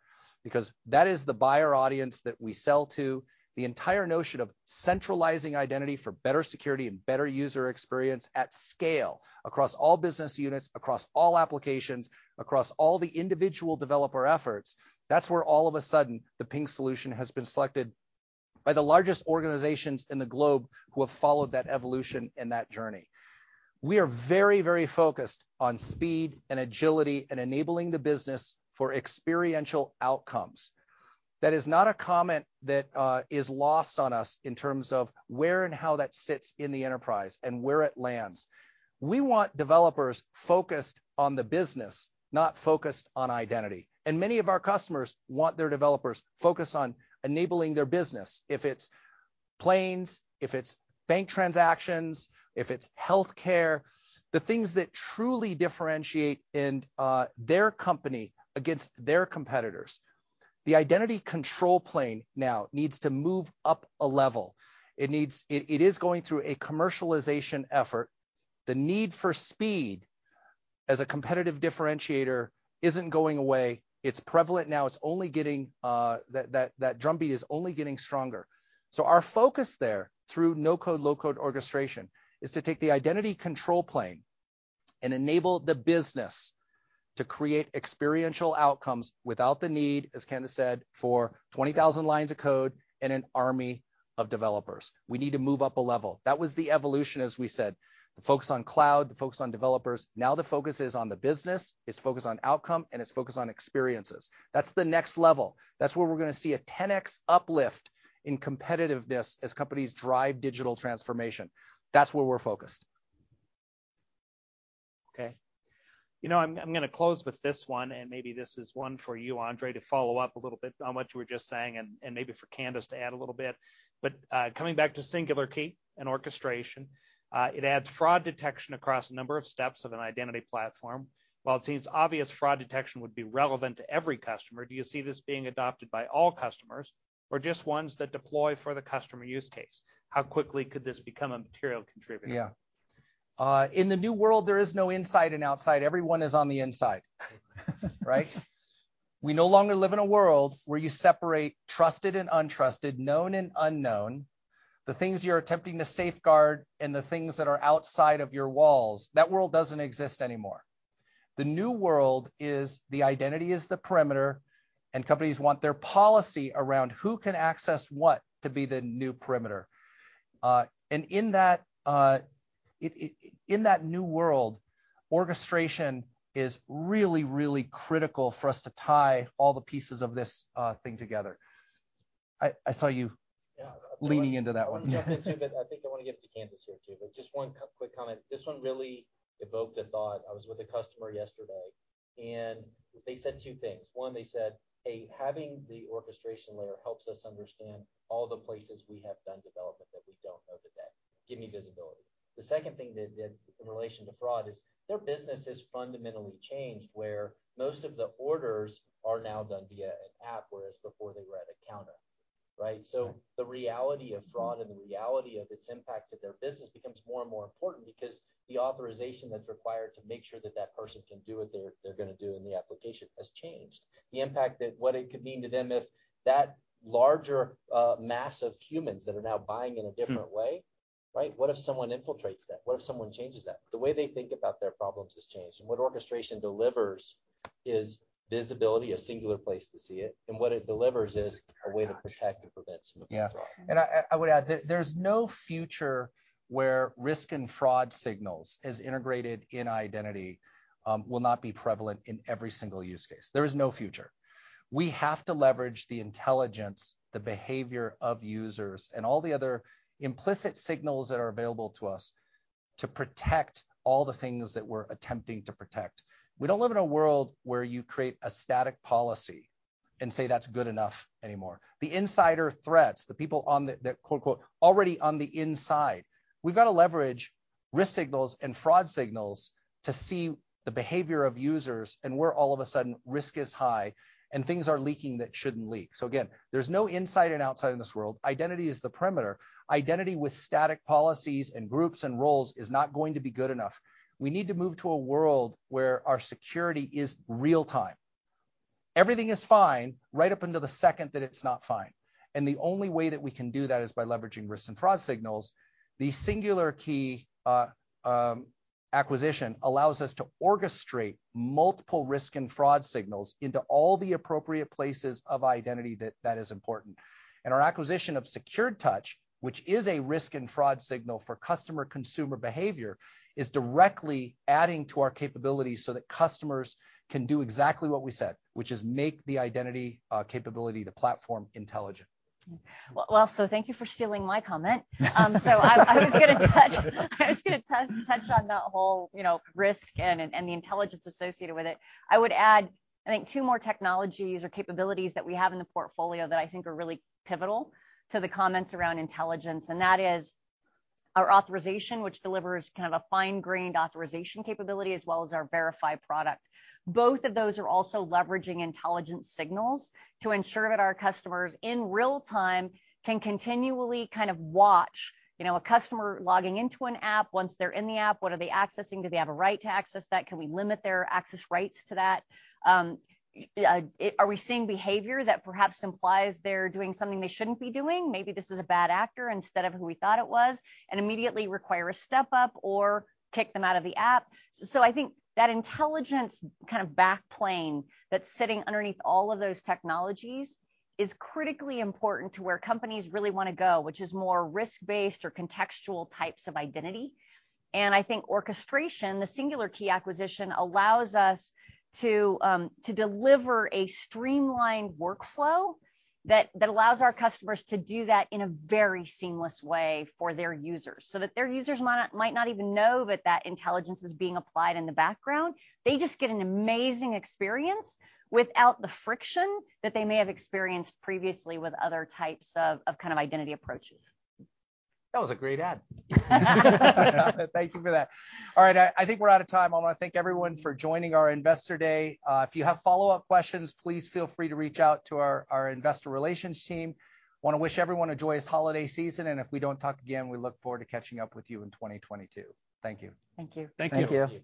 because that is the buyer audience that we sell to. The entire notion of centralizing identity for better security and better user experience at scale across all business units, across all applications, across all the individual developer efforts, that's where all of a sudden the Ping solution has been selected by the largest organizations in the globe who have followed that evolution and that journey. We are very, very focused on speed and agility and enabling the business for experiential outcomes. That is not a comment that is lost on us in terms of where and how that sits in the enterprise and where it lands. We want developers focused on the business, not focused on identity, and many of our customers want their developers focused on enabling their business, if it's planes, if it's bank transactions, if it's healthcare, the things that truly differentiate in their company against their competitors. The identity control plane now needs to move up a level. It is going through a commercialization effort. The need for speed as a competitive differentiator isn't going away. It's prevalent now. It's only getting. That drumbeat is only getting stronger. Our focus there, through no-code, low-code orchestration, is to take the identity control plane and enable the business to create experiential outcomes without the need, as Candace said, for 20,000 lines of code and an army of developers. We need to move up a level. That was the evolution as we said. The focus on cloud, the focus on developers. Now the focus is on the business, it's focused on outcome, and it's focused on experiences. That's the next level. That's where we're gonna see a 10X uplift in competitiveness as companies drive digital transformation. That's where we're focused. Okay. You know, I'm gonna close with this one, and maybe this is one for you, Andre, to follow up a little bit on what you were just saying and maybe for Candace to add a little bit. But, coming back to Singular Key and orchestration, it adds fraud detection across a number of steps of an identity platform. While it seems obvious fraud detection would be relevant to every customer, do you see this being adopted by all customers or just ones that deploy for the customer use case? How quickly could this become a material contributor? Yeah. In the new world, there is no inside and outside. Everyone is on the inside. Right? We no longer live in a world where you separate trusted and untrusted, known and unknown, the things you're attempting to safeguard, and the things that are outside of your walls. That world doesn't exist anymore. The new world is the identity is the perimeter, and companies want their policy around who can access what to be the new perimeter. In that new world, orchestration is really, really critical for us to tie all the pieces of this thing together. I saw you- Yeah Leaning into that one. I wanna jump in too, but I think I wanna give it to Candace here too. Just one quick comment. This one really evoked a thought. I was with a customer yesterday, and they said two things. One, they said, "A, having the orchestration layer helps us understand all the places we have done development that we don't know today. Give me visibility." The second thing they did in relation to fraud is their business has fundamentally changed, where most of the orders are now done via an app whereas before they were at a counter, right? Right. The reality of fraud and the reality of its impact to their business becomes more and more important because the authorization that's required to make sure that that person can do what they're gonna do in the application has changed. The impact that what it could mean to them if that larger mass of humans that are now buying in a different way. Hmm Right? What if someone infiltrates that? What if someone changes that? The way they think about their problems has changed, and what orchestration delivers is visibility, a singular place to see it, and what it delivers is. SecuredTouch A way to protect and prevent some of the fraud. Yeah. I would add, there's no future where risk and fraud signals as integrated in identity will not be prevalent in every single use case. There is no future. We have to leverage the intelligence, the behavior of users, and all the other implicit signals that are available to us to protect all the things that we're attempting to protect. We don't live in a world where you create a static policy and say that's good enough anymore. The insider threats, the people on the quote-unquote already on the inside. We've got to leverage risk signals and fraud signals to see the behavior of users and where all of a sudden risk is high and things are leaking that shouldn't leak. Again, there's no inside and outside in this world. Identity is the perimeter. Identity with static policies and groups and roles is not going to be good enough. We need to move to a world where our security is real time. Everything is fine right up until the second that it's not fine, and the only way that we can do that is by leveraging risk and fraud signals. The Singular Key acquisition allows us to orchestrate multiple risk and fraud signals into all the appropriate places of identity that is important. Our acquisition of SecuredTouch, which is a risk and fraud signal for customer consumer behavior, is directly adding to our capabilities so that customers can do exactly what we said, which is make the identity capability, the platform, intelligent. Well, thank you for stealing my comment. I was gonna touch on that whole, you know, risk and the intelligence associated with it. I would add, I think, two more technologies or capabilities that we have in the portfolio that I think are really pivotal to the comments around intelligence, and that is our authorization, which delivers kind of a fine-grained authorization capability, as well as our verified product. Both of those are also leveraging intelligence signals to ensure that our customers, in real time, can continually kind of watch, you know, a customer logging into an app. Once they're in the app, what are they accessing? Do they have a right to access that? Can we limit their access rights to that? Are we seeing behavior that perhaps implies they're doing something they shouldn't be doing? Maybe this is a bad actor instead of who we thought it was, and immediately require a step up or kick them out of the app. I think that intelligence kind of back plane that's sitting underneath all of those technologies is critically important to where companies really wanna go, which is more risk-based or contextual types of identity. I think orchestration, the Singular Key acquisition, allows us to deliver a streamlined workflow that allows our customers to do that in a very seamless way for their users, so that their users might not even know that intelligence is being applied in the background. They just get an amazing experience without the friction that they may have experienced previously with other types of kind of identity approaches. That was a great add. Thank you for that. All right, I think we're out of time. I wanna thank everyone for joining our Investor Day. If you have follow-up questions, please feel free to reach out to our investor relations team. Wanna wish everyone a joyous holiday season, and if we don't talk again, we look forward to catching up with you in 2022. Thank you. Thank you. Thank you. Thank you.